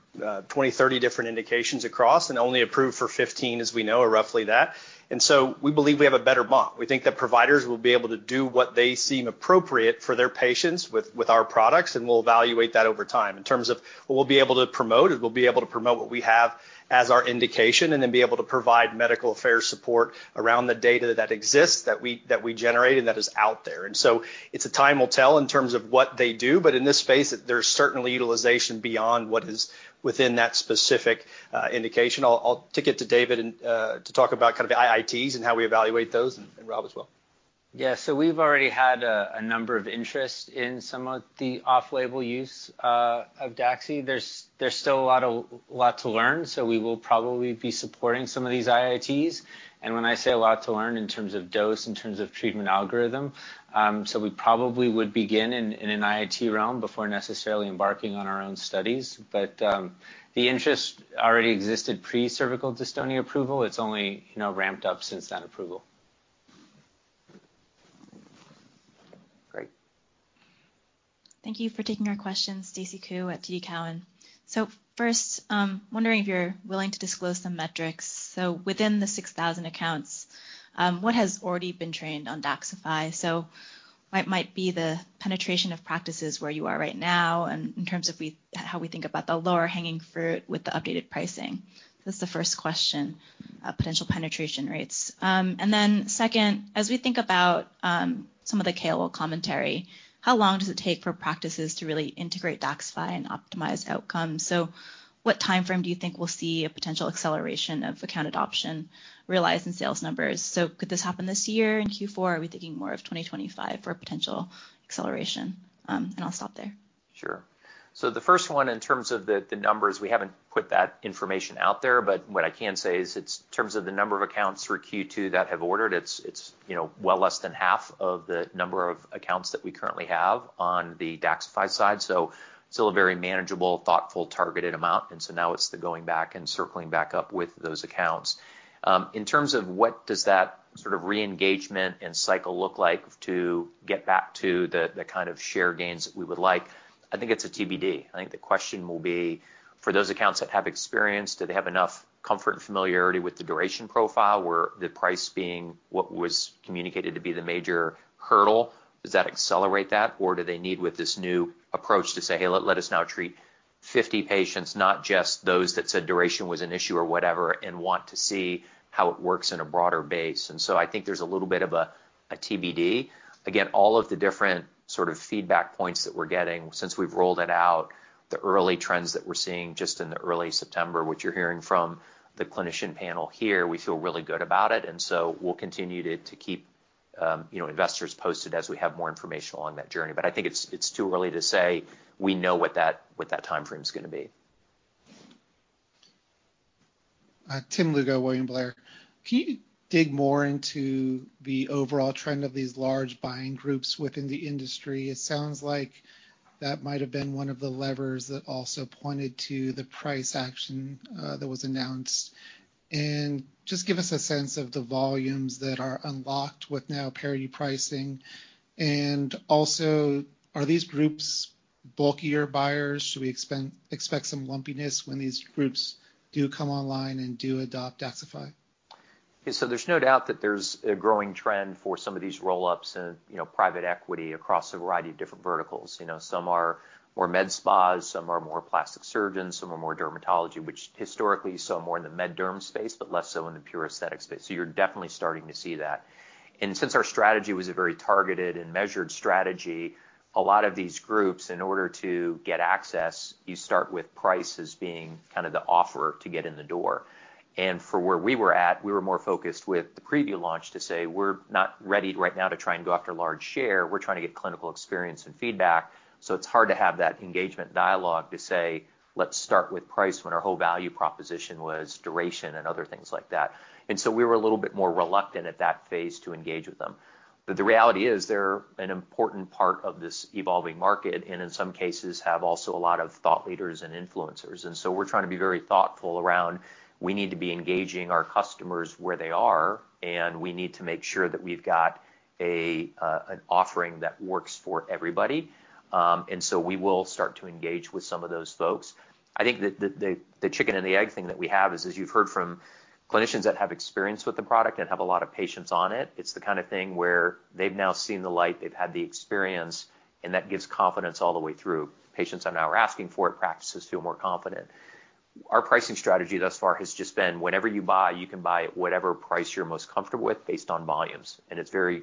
20, 30 different indications across, and only approved for 15, as we know, or roughly that. And so we believe we have a better bot. We think that providers will be able to do what they seem appropriate for their patients with our products, and we'll evaluate that over time. In terms of what we'll be able to promote, we'll be able to promote what we have as our indication and then be able to provide medical affairs support around the data that exists, that we generate, and that is out there. So it's time will tell in terms of what they do, but in this space, there's certainly utilization beyond what is within that specific indication. I'll kick it to David to talk about kind of the IITs and how we evaluate those, and Rob as well. Yeah. So we've already had a number of interests in some of the off-label use of DAXI. There's still a lot of... a lot to learn, so we will probably be supporting some of these IITs. And when I say a lot to learn, in terms of dose, in terms of treatment algorithm, so we probably would begin in an IIT realm before necessarily embarking on our own studies. But the interest already existed pre-Cervical Dystonia approval. It's only, you know, ramped up since that approval. ... Great. Thank you for taking our questions, Stacy Ku at TD Cowen. So first, wondering if you're willing to disclose some metrics. So within the 6,000 accounts, what has already been trained on DAXXIFY? So what might be the penetration of practices where you are right now and in terms of how we think about the lower-hanging fruit with the updated pricing? That's the first question, potential penetration rates. And then second, as we think about some of the KLA commentary, how long does it take for practices to really integrate DAXXIFY and optimize outcomes? So what timeframe do you think we'll see a potential acceleration of account adoption realized in sales numbers? So could this happen this year in Q4, or are we thinking more of 2025 for a potential acceleration? And I'll stop there. Sure. So the first 1, in terms of the numbers, we haven't put that information out there, but what I can say is, it's... In terms of the number of accounts for Q2 that have ordered, it's, you know, well less than half of the number of accounts that we currently have on the DAXXIFY side. So still a very manageable, thoughtful, targeted amount, and so now it's the going back and circling back up with those accounts. In terms of what does that sort of re-engagement and cycle look like to get back to the kind of share gains that we would like, I think it's a TBD. I think the question will be: for those accounts that have experience, do they have enough comfort and familiarity with the duration profile, where the price being what was communicated to be the major hurdle? Does that accelerate that, or do they need, with this new approach, to say, "Hey, let us now treat 50 patients, not just those that said duration was an issue," or whatever, and want to see how it works in a broader base? And so I think there's a little bit of a TBD. Again, all of the different sort of feedback points that we're getting since we've rolled it out, the early trends that we're seeing just in the early September, what you're hearing from the clinician panel here, we feel really good about it. And so we'll continue to keep, you know, investors posted as we have more information along that journey. But I think it's too early to say we know what that timeframe's gonna be. Tim Lugo, William Blair. Can you dig more into the overall trend of these large buying groups within the industry? It sounds like that might have been one of the levers that also pointed to the price action that was announced. Just give us a sense of the volumes that are unlocked with now parity pricing. Also, are these groups bulkier buyers? Should we expect some lumpiness when these groups do come online and do adopt DAXXIFY? Yeah, so there's no doubt that there's a growing trend for some of these roll-ups and, you know, private equity across a variety of different verticals. You know, some are more med spas, some are more plastic surgeons, some are more dermatology, which historically, you saw more in the med derm space, but less so in the pure aesthetic space. So you're definitely starting to see that. And since our strategy was a very targeted and measured strategy, a lot of these groups, in order to get access, you start with price as being kind of the offer to get in the door. And for where we were at, we were more focused with the preview launch to say: We're not ready right now to try and go after large share. We're trying to get clinical experience and feedback. So it's hard to have that engagement dialogue to say, "Let's start with price," when our whole value proposition was duration and other things like that. And so we were a little bit more reluctant at that phase to engage with them. But the reality is, they're an important part of this evolving market, and in some cases, have also a lot of thought leaders and influencers. And so we're trying to be very thoughtful around, we need to be engaging our customers where they are, and we need to make sure that we've got a, an offering that works for everybody. And so we will start to engage with some of those folks. I think that the chicken and the egg thing that we have is, as you've heard from clinicians that have experience with the product and have a lot of patients on it, it's the kind of thing where they've now seen the light, they've had the experience, and that gives confidence all the way through. Patients are now asking for it, practices feel more confident. Our pricing strategy thus far has just been, whenever you buy, you can buy at whatever price you're most comfortable with, based on volumes, and it's very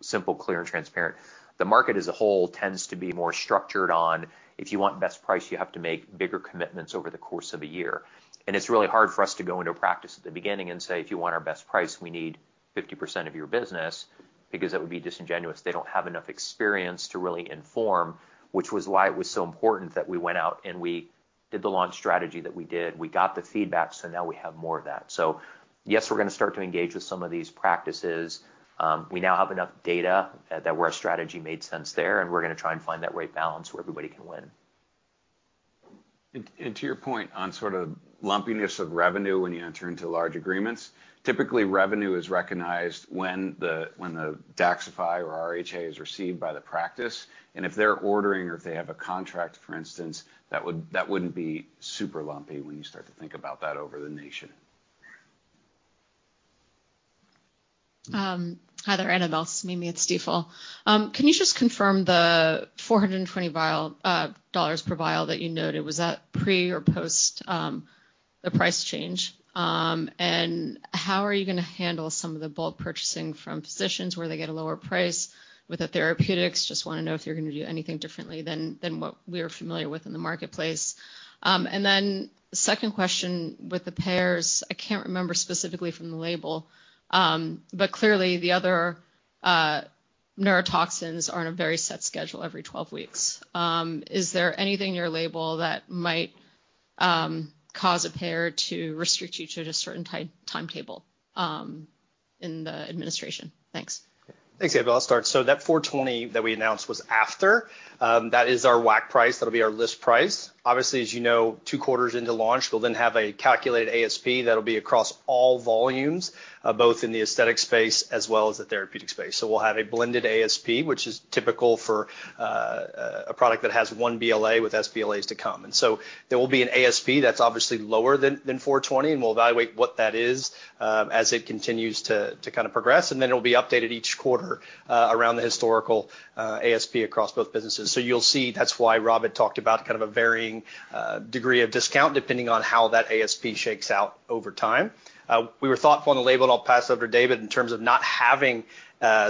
simple, clear, and transparent. The market as a whole tends to be more structured on, if you want best price, you have to make bigger commitments over the course of a year. It's really hard for us to go into a practice at the beginning and say, "If you want our best price, we need 50% of your business," because that would be disingenuous. They don't have enough experience to really inform, which was why it was so important that we went out and we did the launch strategy that we did. We got the feedback, so now we have more of that. So yes, we're gonna start to engage with some of these practices. We now have enough data that where our strategy made sense there, and we're gonna try and find that right balance where everybody can win. And to your point on sort of lumpiness of revenue when you enter into large agreements, typically, revenue is recognized when the DAXXIFY or RHA is received by the practice. And if they're ordering or if they have a contract, for instance, that would-that wouldn't be super lumpy when you start to think about that over the nation. Hi there, Annabel Samimy. Can you just confirm the $420 per vial that you noted? Was that pre or post the price change? And how are you gonna handle some of the bulk purchasing from physicians, where they get a lower price with the therapeutics? Just wanna know if you're gonna do anything differently than what we are familiar with in the marketplace. And then second question, with the payers, I can't remember specifically from the label, but clearly, the other neurotoxins are on a very set schedule, every 12 weeks. Is there anything in your label that might cause a payer to restrict you to a certain timetable in the administration? Thanks. Thanks Annabelle. I'll start. So that $420 that we announced was after. That is our WAC price. That'll be our list price. Obviously, as you know, two quarters into launch, we'll then have a calculated ASP that'll be across all volumes, both in the aesthetic space as well as the therapeutic space. So we'll have a blended ASP, which is typical for,... a product that has one BLA with sBLAs to come. And so there will be an ASP that's obviously lower than $420, and we'll evaluate what that is, as it continues to kind of progress, and then it'll be updated each quarter, around the historical ASP across both businesses. So you'll see that's why Rob had talked about kind of a varying degree of discount, depending on how that ASP shakes out over time. We were thoughtful on the label, and I'll pass over to David, in terms of not having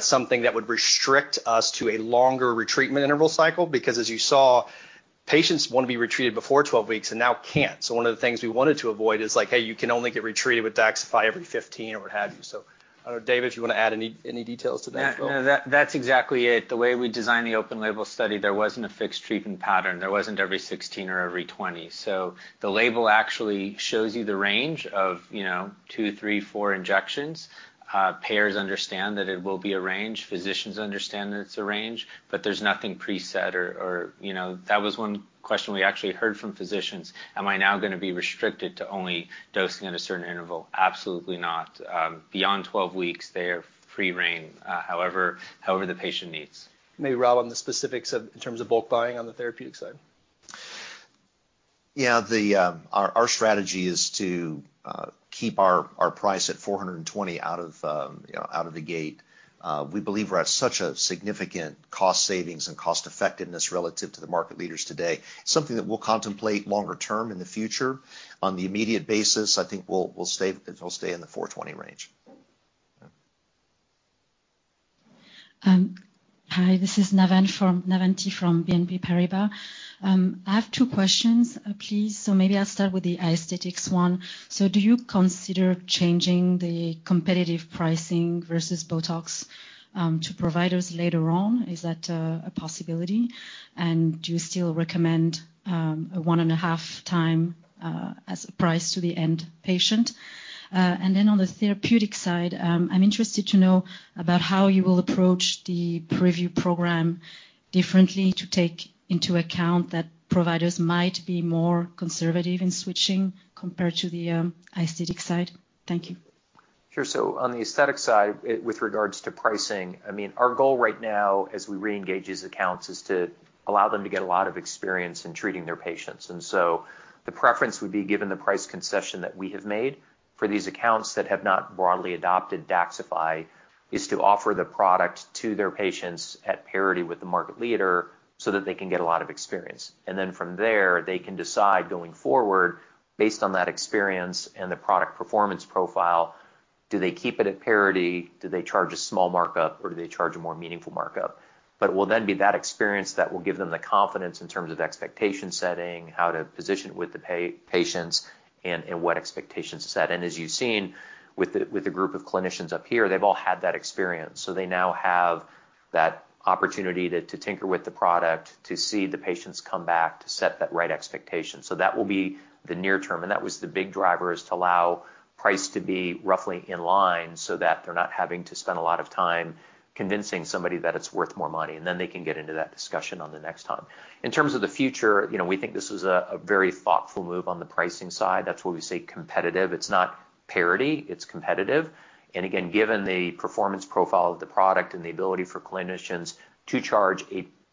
something that would restrict us to a longer retreatment interval cycle. Because as you saw, patients want to be retreated before 12 weeks and now can't. So one of the things we wanted to avoid is like, "Hey, you can only get retreated with DAXXIFY every 15," or what have you. So, David, do you want to add any details to that as well? No, that, that's exactly it. The way we designed the open label study, there wasn't a fixed treatment pattern. There wasn't every 16 or every 20. So the label actually shows you the range of, you know, 2, 3, 4 injections. Payers understand that it will be a range. Physicians understand that it's a range, but there's nothing preset or, you know... That was one question we actually heard from physicians: "Am I now gonna be restricted to only dosing at a certain interval?" Absolutely not. Beyond 12 weeks, they have free rein, however the patient needs. Maybe, Rob, on the specifics of in terms of bulk buying on the therapeutic side. Yeah, our strategy is to keep our price at $420, you know, out of the gate. We believe we're at such a significant cost savings and cost effectiveness relative to the market leaders today, something that we'll contemplate longer term in the future. On the immediate basis, I think we'll stay, it'll stay in the $420 range. Hi, this is Navantha from BNP Paribas. I have two questions, please. So maybe I'll start with the aesthetics one. So do you consider changing the competitive pricing versus BOTOX to providers later on? Is that a possibility? And do you still recommend a 1.5 time as a price to the end patient? And then on the therapeutic side, I'm interested to know about how you will approach the preview program differently to take into account that providers might be more conservative in switching compared to the aesthetic side. Thank you. Sure. So on the aesthetic side, with regards to pricing, I mean, our goal right now, as we re-engage these accounts, is to allow them to get a lot of experience in treating their patients. And so the preference would be, given the price concession that we have made for these accounts that have not broadly adopted DAXXIFY, is to offer the product to their patients at parity with the market leader so that they can get a lot of experience. And then from there, they can decide, going forward, based on that experience and the product performance profile, do they keep it at parity, do they charge a small markup, or do they charge a more meaningful markup? It will then be that experience that will give them the confidence in terms of expectation setting, how to position it with the patients and what expectations to set. And as you've seen with the group of clinicians up here, they've all had that experience. So they now have that opportunity to tinker with the product, to see the patients come back, to set that right expectation. So that will be the near term, and that was the big driver, is to allow price to be roughly in line so that they're not having to spend a lot of time convincing somebody that it's worth more money. And then they can get into that discussion on the next time. In terms of the future, you know, we think this is a very thoughtful move on the pricing side. That's why we say competitive. It's not parity, it's competitive. And again, given the performance profile of the product and the ability for clinicians to charge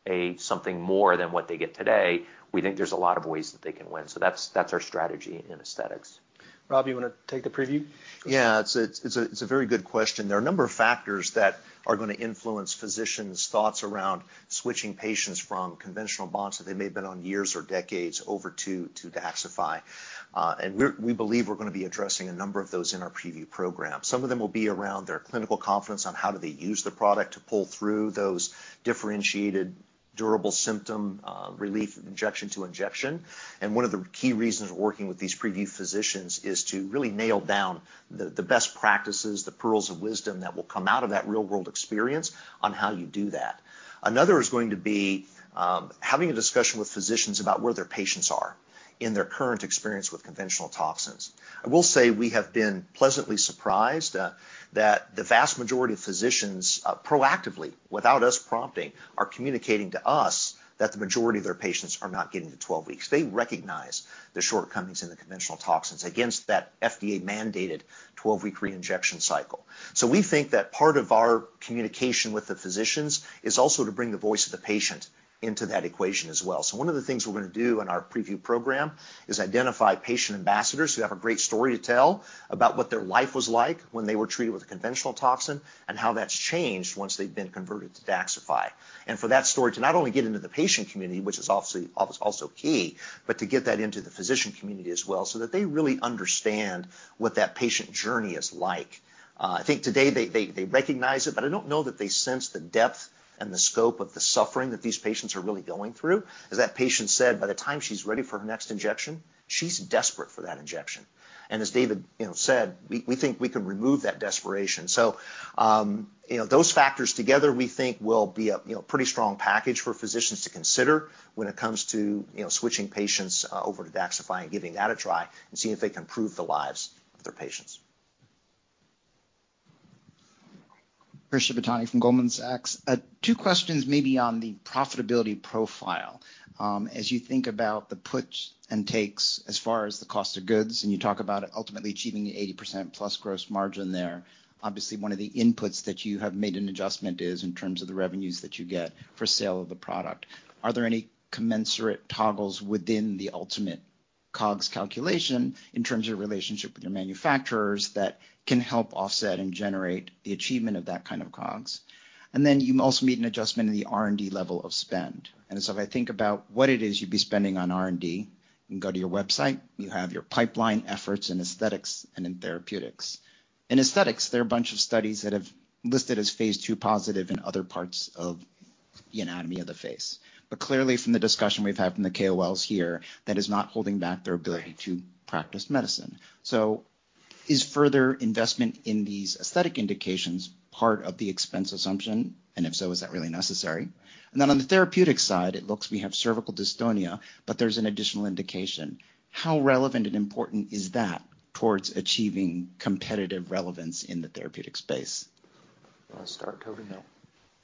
a something more than what they get today, we think there's a lot of ways that they can win. So that's our strategy in aesthetics. Rob, you want to take the preview? Yeah, it's a very good question. There are a number of factors that are gonna influence physicians' thoughts around switching patients from conventional bots that they may have been on years or decades over to Daxxify. And we believe we're gonna be addressing a number of those in our preview program. Some of them will be around their clinical confidence on how do they use the product to pull through those differentiated durable symptom relief injection to injection. And one of the key reasons we're working with these preview physicians is to really nail down the best practices, the pearls of wisdom that will come out of that real-world experience on how you do that. Another is going to be having a discussion with physicians about where their patients are in their current experience with conventional toxins. I will say we have been pleasantly surprised that the vast majority of physicians proactively, without us prompting, are communicating to us that the majority of their patients are not getting to 12 weeks. They recognize the shortcomings in the conventional toxins against that FDA-mandated 12-week reinjection cycle. So we think that part of our communication with the physicians is also to bring the voice of the patient into that equation as well. So one of the things we're gonna do in our preview program is identify patient ambassadors who have a great story to tell about what their life was like when they were treated with a conventional toxin and how that's changed once they've been converted to DAXXIFY. For that story to not only get into the patient community, which is obviously also key, but to get that into the physician community as well, so that they really understand what that patient journey is like. I think today they recognize it, but I don't know that they sense the depth and the scope of the suffering that these patients are really going through. As that patient said, by the time she's ready for her next injection, she's desperate for that injection. And as David, you know, said, we think we can remove that desperation. You know, those factors together, we think, will be a pretty strong package for physicians to consider when it comes to, you know, switching patients over to DAXXIFY and giving that a try and seeing if they can improve the lives of their patients. Chris Shibutani from Goldman Sachs. 2 questions maybe on the profitability profile.... as you think about the puts and takes as far as the cost of goods, and you talk about ultimately achieving the 80%+ gross margin there, obviously, one of the inputs that you have made an adjustment is in terms of the revenues that you get for sale of the product. Are there any commensurate toggles within the ultimate COGS calculation in terms of your relationship with your manufacturers that can help offset and generate the achievement of that kind of COGS? And then you also made an adjustment in the R&D level of spend. And so if I think about what it is you'd be spending on R&D, you can go to your website, you have your pipeline efforts in aesthetics and in therapeutics. In aesthetics, there are a bunch of studies that have listed as phase 2 positive in other parts of the anatomy of the face. Clearly, from the discussion we've had from the KOLs here, that is not holding back their ability to practice medicine. Is further investment in these aesthetic indications part of the expense assumption? And if so, is that really necessary? Then on the therapeutic side, it looks we have cervical dystonia, but there's an additional indication. How relevant and important is that towards achieving competitive relevance in the therapeutic space? You want to start Toby now?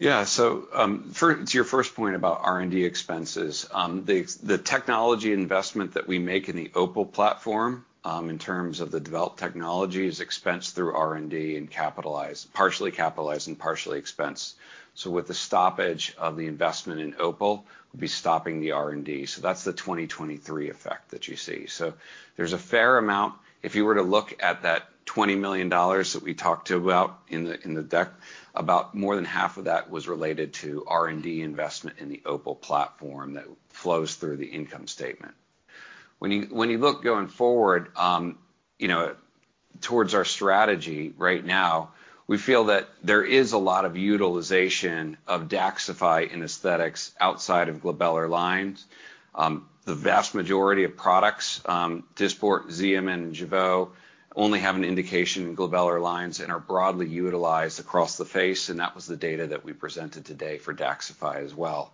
Yeah. So to your first point about R&D expenses, the technology investment that we make in the OPUL platform, in terms of the developed technology, is expensed through R&D and capitalized—partially capitalized and partially expensed. So with the stoppage of the investment in OPUL, we'll be stopping the R&D. So that's the 2023 effect that you see. So there's a fair amount. If you were to look at that $20 million that we talked about in the deck, about more than half of that was related to R&D investment in the OPUL platform that flows through the income statement. When you look going forward, you know, towards our strategy right now, we feel that there is a lot of utilization of DAXXIFY in aesthetics outside of glabellar lines. The vast majority of products, Dysport, Xeomin, and Jeuveau, only have an indication in Glabellar Lines and are broadly utilized across the face, and that was the data that we presented today for DAXXIFY as well.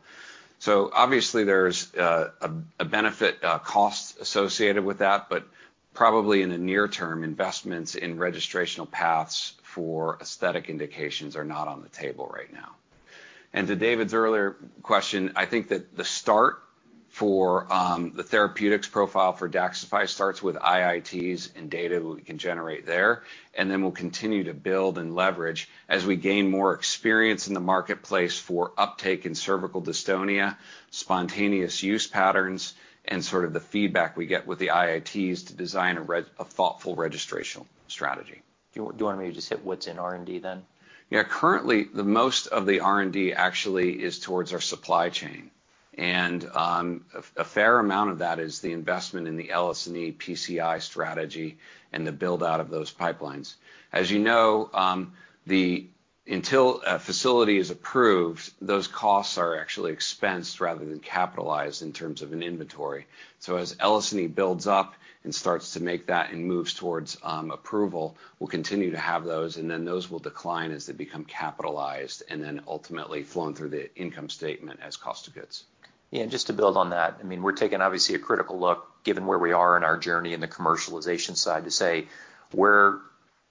So obviously, there's a benefit cost associated with that, but probably in the near term, investments in registrational paths for aesthetic indications are not on the table right now. And to David's earlier question, I think that the start for the therapeutics profile for DAXXIFY starts with IITs and data that we can generate there, and then we'll continue to build and leverage as we gain more experience in the marketplace for uptake in Cervical Dystonia, spontaneous use patterns, and sort of the feedback we get with the IITs to design a thoughtful registrational strategy. Do you want me to just hit what's in R&D then? Yeah. Currently, the most of the R&D actually is towards our supply chain, and, a fair amount of that is the investment in the LSNE/PCI strategy and the build-out of those pipelines. As you know, the... Until a facility is approved, those costs are actually expensed rather than capitalized in terms of an inventory. So as LSNE/PCI builds up and starts to make that and moves towards, approval, we'll continue to have those, and then those will decline as they become capitalized and then ultimately flown through the income statement as cost of goods. Yeah, and just to build on that, I mean, we're taking obviously a critical look, given where we are in our journey in the commercialization side, to say, "Where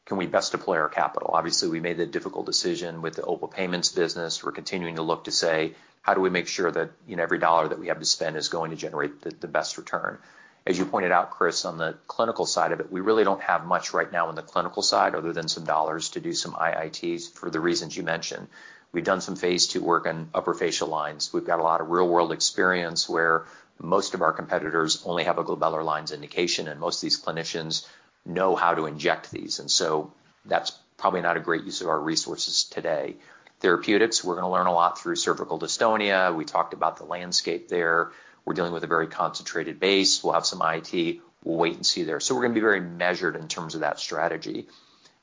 can we best deploy our capital?" Obviously, we made the difficult decision with the OPUL payments business. We're continuing to look to say: How do we make sure that, you know, every dollar that we have to spend is going to generate the best return? As you pointed out, Chris, on the clinical side of it, we really don't have much right now on the clinical side other than some dollars to do some IITs, for the reasons you mentioned. We've done some phase 2 work on upper facial lines. We've got a lot of real-world experience where most of our competitors only have a glabellar lines indication, and most of these clinicians know how to inject these. That's probably not a great use of our resources today. Therapeutics, we're gonna learn a lot through Cervical Dystonia. We talked about the landscape there. We're dealing with a very concentrated base. We'll have some IIT. We'll wait and see there. So we're gonna be very measured in terms of that strategy.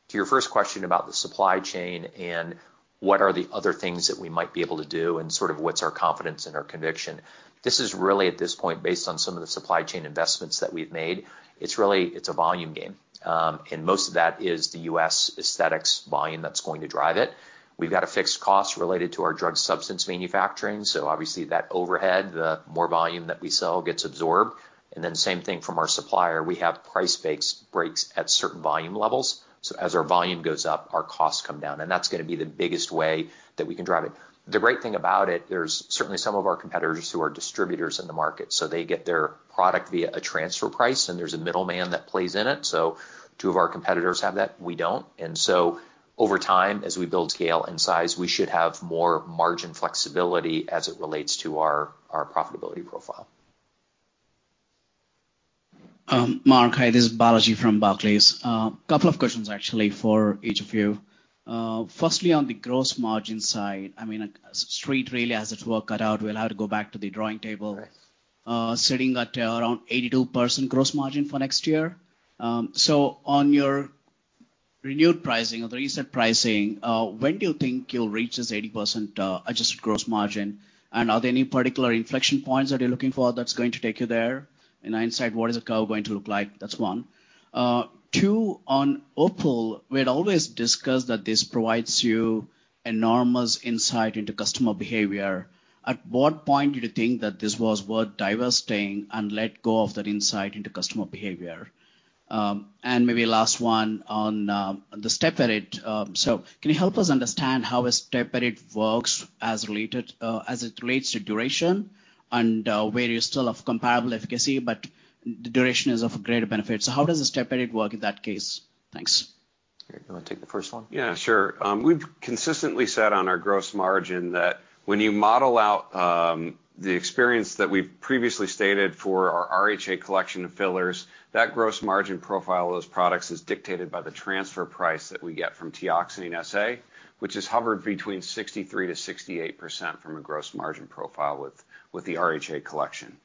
To your first question about the supply chain and what are the other things that we might be able to do and sort of what's our confidence and our conviction, this is really, at this point, based on some of the supply chain investments that we've made. It's really a volume game, and most of that is the US aesthetics volume that's going to drive it. We've got a fixed cost related to our drug substance manufacturing, so obviously, that overhead, the more volume that we sell, gets absorbed. Then same thing from our supplier. We have price breaks at certain volume levels, so as our volume goes up, our costs come down, and that's gonna be the biggest way that we can drive it. The great thing about it, there's certainly some of our competitors who are distributors in the market, so they get their product via a transfer price, and there's a middleman that plays in it. So two of our competitors have that; we don't. And so over time, as we build scale and size, we should have more margin flexibility as it relates to our profitability profile. Mark, hi, this is Balaji from Barclays. Couple of questions, actually, for each of you. Firstly, on the gross margin side, I mean, street really, as it were, cut out, we'll have to go back to the drawing table, sitting at around 82% gross margin for next year. So on your renewed pricing or the reset pricing, when do you think you'll reach this 80% adjusted gross margin? And are there any particular inflection points that you're looking for that's going to take you there? In hindsight, what is the curve going to look like? That's 1. 2 on OPUL, we had always discussed that this provides you enormous insight into customer behavior. At what point did you think that this was worth divesting and let go of that insight into customer behavior?... and maybe last one on the Step Edit. So can you help us understand how a Step Edit works as it relates to duration and where you still have comparable efficacy, but the duration is of a greater benefit? So how does a Step Edit work in that case? Thanks. Okay, you want to take the first one? Yeah, sure. We've consistently said on our gross margin that when you model out the experience that we've previously stated for our RHA Collection of fillers, that gross margin profile of those products is dictated by the transfer price that we get from Teoxane SA, which has hovered between 63 to 68% from a gross margin profile with the RHA Collection.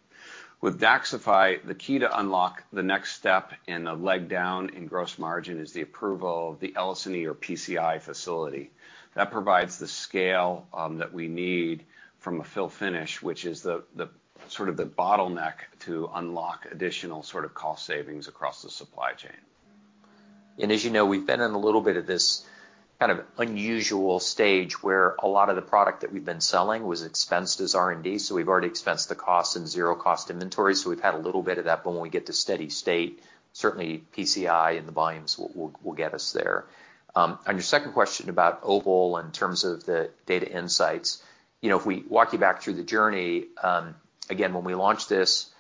With DAXXIFY, the key to unlock the next step in the leg down in gross margin is the approval of the LSNE or PCI facility. That provides the scale that we need from a fill finish, which is the sort of the bottleneck to unlock additional sort of cost savings across the supply chain. As you know, we've been in a little bit of this kind of unusual stage, where a lot of the product that we've been selling was expensed as R&D, so we've already expensed the cost and zero cost inventory. So we've had a little bit of that, but when we get to steady state, certainly PCI and the volumes will get us there. On your second question about OPUL in terms of the data insights, you know, if we walk you back through the journey, again, when we launched this,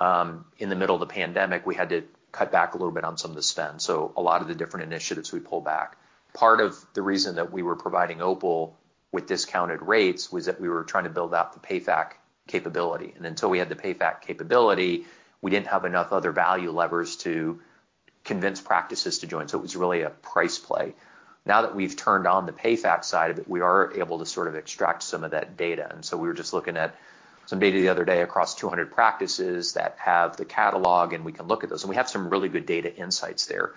in the middle of the pandemic, we had to cut back a little bit on some of the spend. So a lot of the different initiatives we pulled back. Part of the reason that we were providing OPUL with discounted rates was that we were trying to build out the payback capability. Until we had the pay back capability, we didn't have enough other value levers to convince practices to join, so it was really a price play. Now, that we've turned on the pay back side of it, we are able to sort of extract some of that data, and so we were just looking at some data the other day across 200 practices that have the catalog, and we can look at those, and we have some really good data insights there.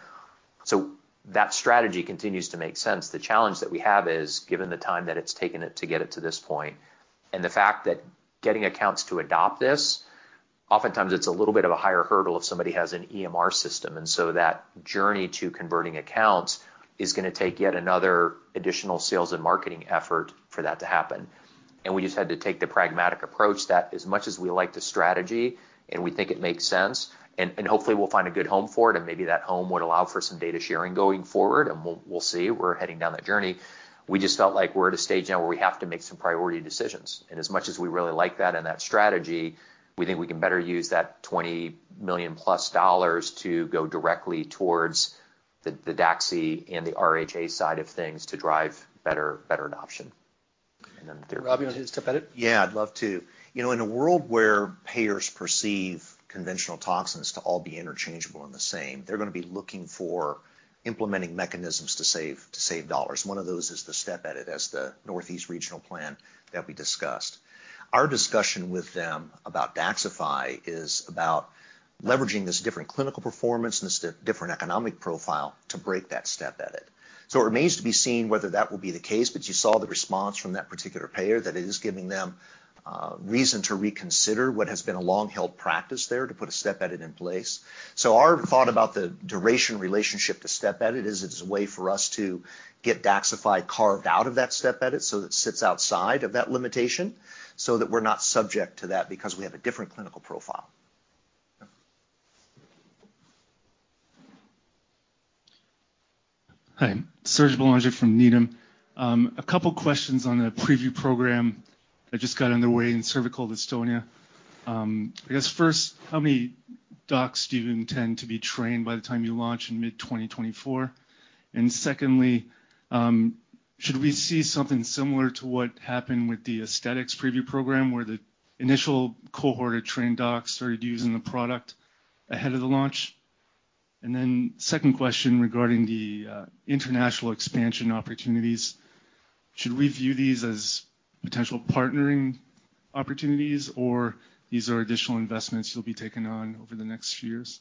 So that strategy continues to make sense. The challenge that we have is, given the time that it's taken it to get it to this point, and the fact that getting accounts to adopt this, oftentimes it's a little bit of a higher hurdle if somebody has an EMR system. And so that journey to converting accounts is gonna take yet another additional sales and marketing effort for that to happen. And we just had to take the pragmatic approach that as much as we like the strategy, and we think it makes sense, and, and hopefully we'll find a good home for it, and maybe that home would allow for some data sharing going forward, and we'll, we'll see. We're heading down that journey. We just felt like we're at a stage now where we have to make some priority decisions. And as much as we really like that and that strategy, we think we can better use that $20 million+ to go directly towards the, the DAXI and the RHA side of things to drive better, better adoption. And then there- Rob, you want to hit Step Edit? Yeah, I'd love to. You know, in a world where payers perceive conventional toxins to all be interchangeable and the same, they're gonna be looking for implementing mechanisms to save, to save dollars. One of those is the step edit as the Northeast regional plan that we discussed. Our discussion with them about DAXXIFY is about leveraging this different clinical performance and this different economic profile to break that step edit. So it remains to be seen whether that will be the case, but you saw the response from that particular payer, that it is giving them reason to reconsider what has been a long-held practice there, to put a step edit in place. So, our thought about the duration relationship to Step Edit is it's a way for us to get DAXXIFY carved out of that Step Edit, so that it sits outside of that limitation, so that we're not subject to that because we have a different clinical profile. Yeah. Hi, Serge Belanger from Needham. A couple questions on the preview program that just got underway in cervical dystonia. I guess, first, how many docs do you intend to be trained by the time you launch in mid-2024? And secondly, should we see something similar to what happened with the aesthetics preview program, where the initial cohort of trained docs started using the product ahead of the launch? And then second question regarding the, international expansion opportunities, should we view these as potential partnering opportunities, or these are additional investments you'll be taking on over the next few years?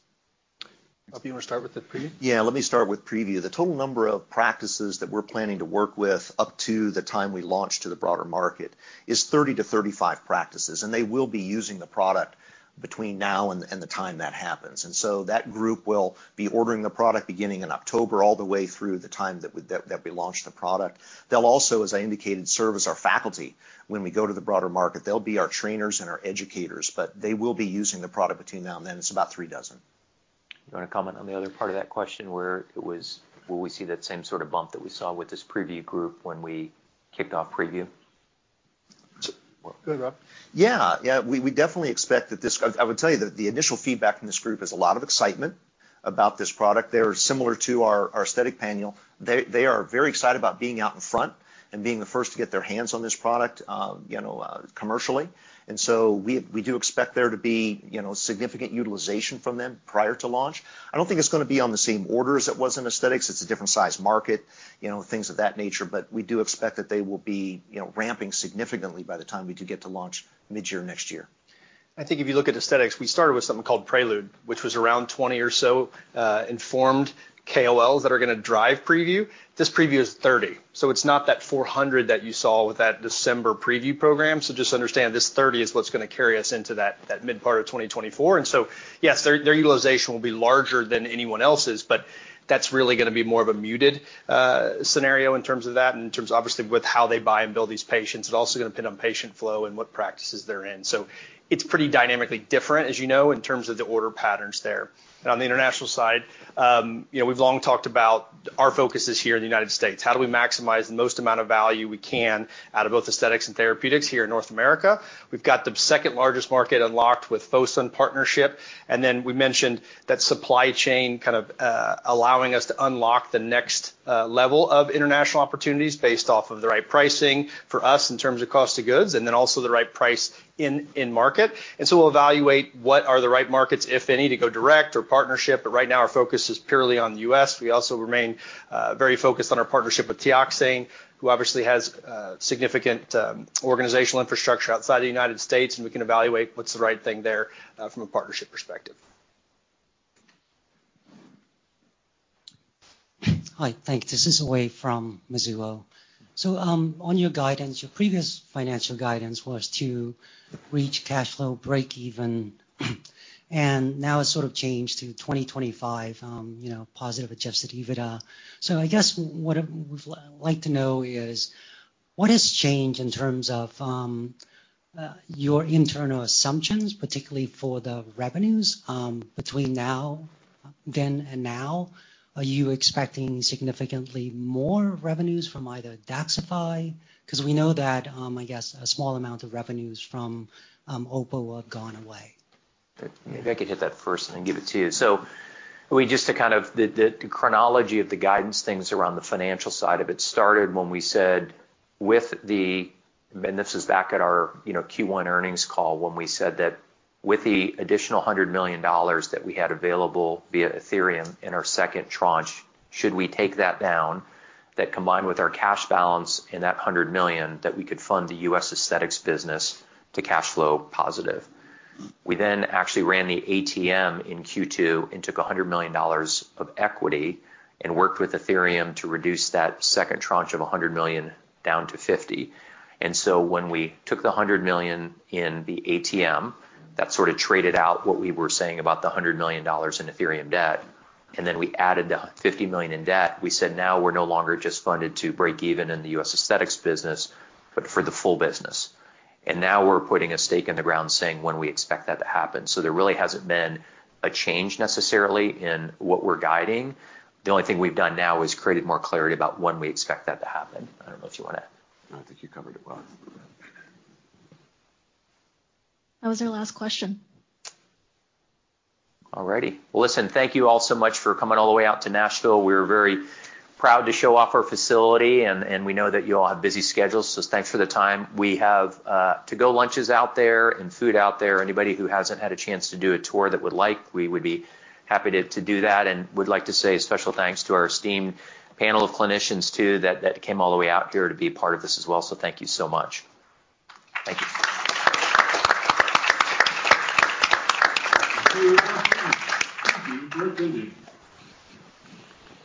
Rob, you wanna start with the preview? Yeah, let me start with preview. The total number of practices that we're planning to work with up to the time we launch to the broader market is 30 to 35 practices, and they will be using the product between now and the time that happens. And so that group will be ordering the product beginning in October, all the way through the time that we launch the product. They'll also, as I indicated, serve as our faculty when we go to the broader market. They'll be our trainers and our educators, but they will be using the product between now and then. It's about 36. You wanna comment on the other part of that question, where it was... Will we see that same sort of bump that we saw with this preview group when we kicked off preview? Go ahead, Rob. Yeah. Yeah we definitely expect that this... I would tell you that the initial feedback from this group is a lot of excitement about this product. They're similar to our aesthetic panel. They are very excited about being out in front and being the first to get their hands on this product, you know, commercially. And so we do expect there to be, you know, significant utilization from them prior to launch. I don't think it's gonna be on the same order as it was in aesthetics. It's a different size market, you know, things of that nature, but we do expect that they will be, you know, ramping significantly by the time we do get to launch midyear next year. I think if you look at aesthetics, we started with something called Prelude, which was around 20 or so informed KOLs that are gonna drive preview. This preview is 30, so it's not that 400 that you saw with that December preview program. So just understand this 30 is what's gonna carry us into that, that mid-part of 2024. And so, yes, their, their utilization will be larger than anyone else's, but-... That's really gonna be more of a muted scenario in terms of that and in terms, obviously, with how they buy and build these patients. It's also gonna depend on patient flow and what practices they're in. So it's pretty dynamically different, as you know, in terms of the order patterns there. And on the international side, you know, we've long talked about our focus is here in the United States. How do we maximize the most amount of value we can out of both aesthetics and therapeutics here in North America? We've got the second-largest market unlocked with Fosun partnership, and then we mentioned that supply chain kind of allowing us to unlock the next level of international opportunities based off of the right pricing for us in terms of cost of goods, and then also the right price in, in market. So we'll evaluate what are the right markets, if any, to go direct or partnership, but right now, our focus is purely on the US We also remain very focused on our partnership with Teoxane, who obviously has significant organizational infrastructure outside the United States, and we can evaluate what's the right thing there, from a partnership perspective. Hi, thank you. This is Wei from Mizuho. On your guidance, your previous financial guidance was to reach cash flow breakeven, and now it's sort of changed to 2025, you know, positive adjusted EBITDA. I guess what I'd like to know is, what has changed in terms of your internal assumptions, particularly for the revenues, between now and then? Are you expecting significantly more revenues from either DAXXIFY? Because we know that, I guess, a small amount of revenues from Opko have gone away. Maybe I could hit that first and then give it to you. We just to kind of... The, the, the chronology of the guidance things around the financial side of it started when we said with the... This is back at our, you know, Q1 earnings call, when we said that with the additional $100 million that we had available via Ethereum in our second tranche, should we take that down, that combined with our cash balance and that $100 million, that we could fund the US aesthetics business to cash flow positive. We then actually ran the ATM in Q2 and took $100 million of equity and worked with Ethereum to reduce that second tranche of $100 million down to $50 million. When we took the $100 million in the ATM, that sort of traded out what we were saying about the $100 million in Ethereum debt, and then we added the $50 million in debt. We said, "Now we're no longer just funded to breakeven in the US aesthetics business, but for the full business." Now we're putting a stake in the ground, saying when we expect that to happen. There really hasn't been a change necessarily in what we're guiding. The only thing we've done now is created more clarity about when we expect that to happen. I don't know if you wanna- I think you covered it well. That was our last question. All righty. Well listen, thank you all so much for coming all the way out to Nashville. We're very proud to show off our facility and, and we know that you all have busy schedules, so thanks for the time. We have to-go lunches out there and food out there. Anybody who hasn't had a chance to do a tour that would like, we would be happy to, to do that, and we'd like to say a special thanks to our esteemed panel of clinicians, too, that, that came all the way out here to be a part of this as well. So thank you so much. Thank you. Thank you. Thank you.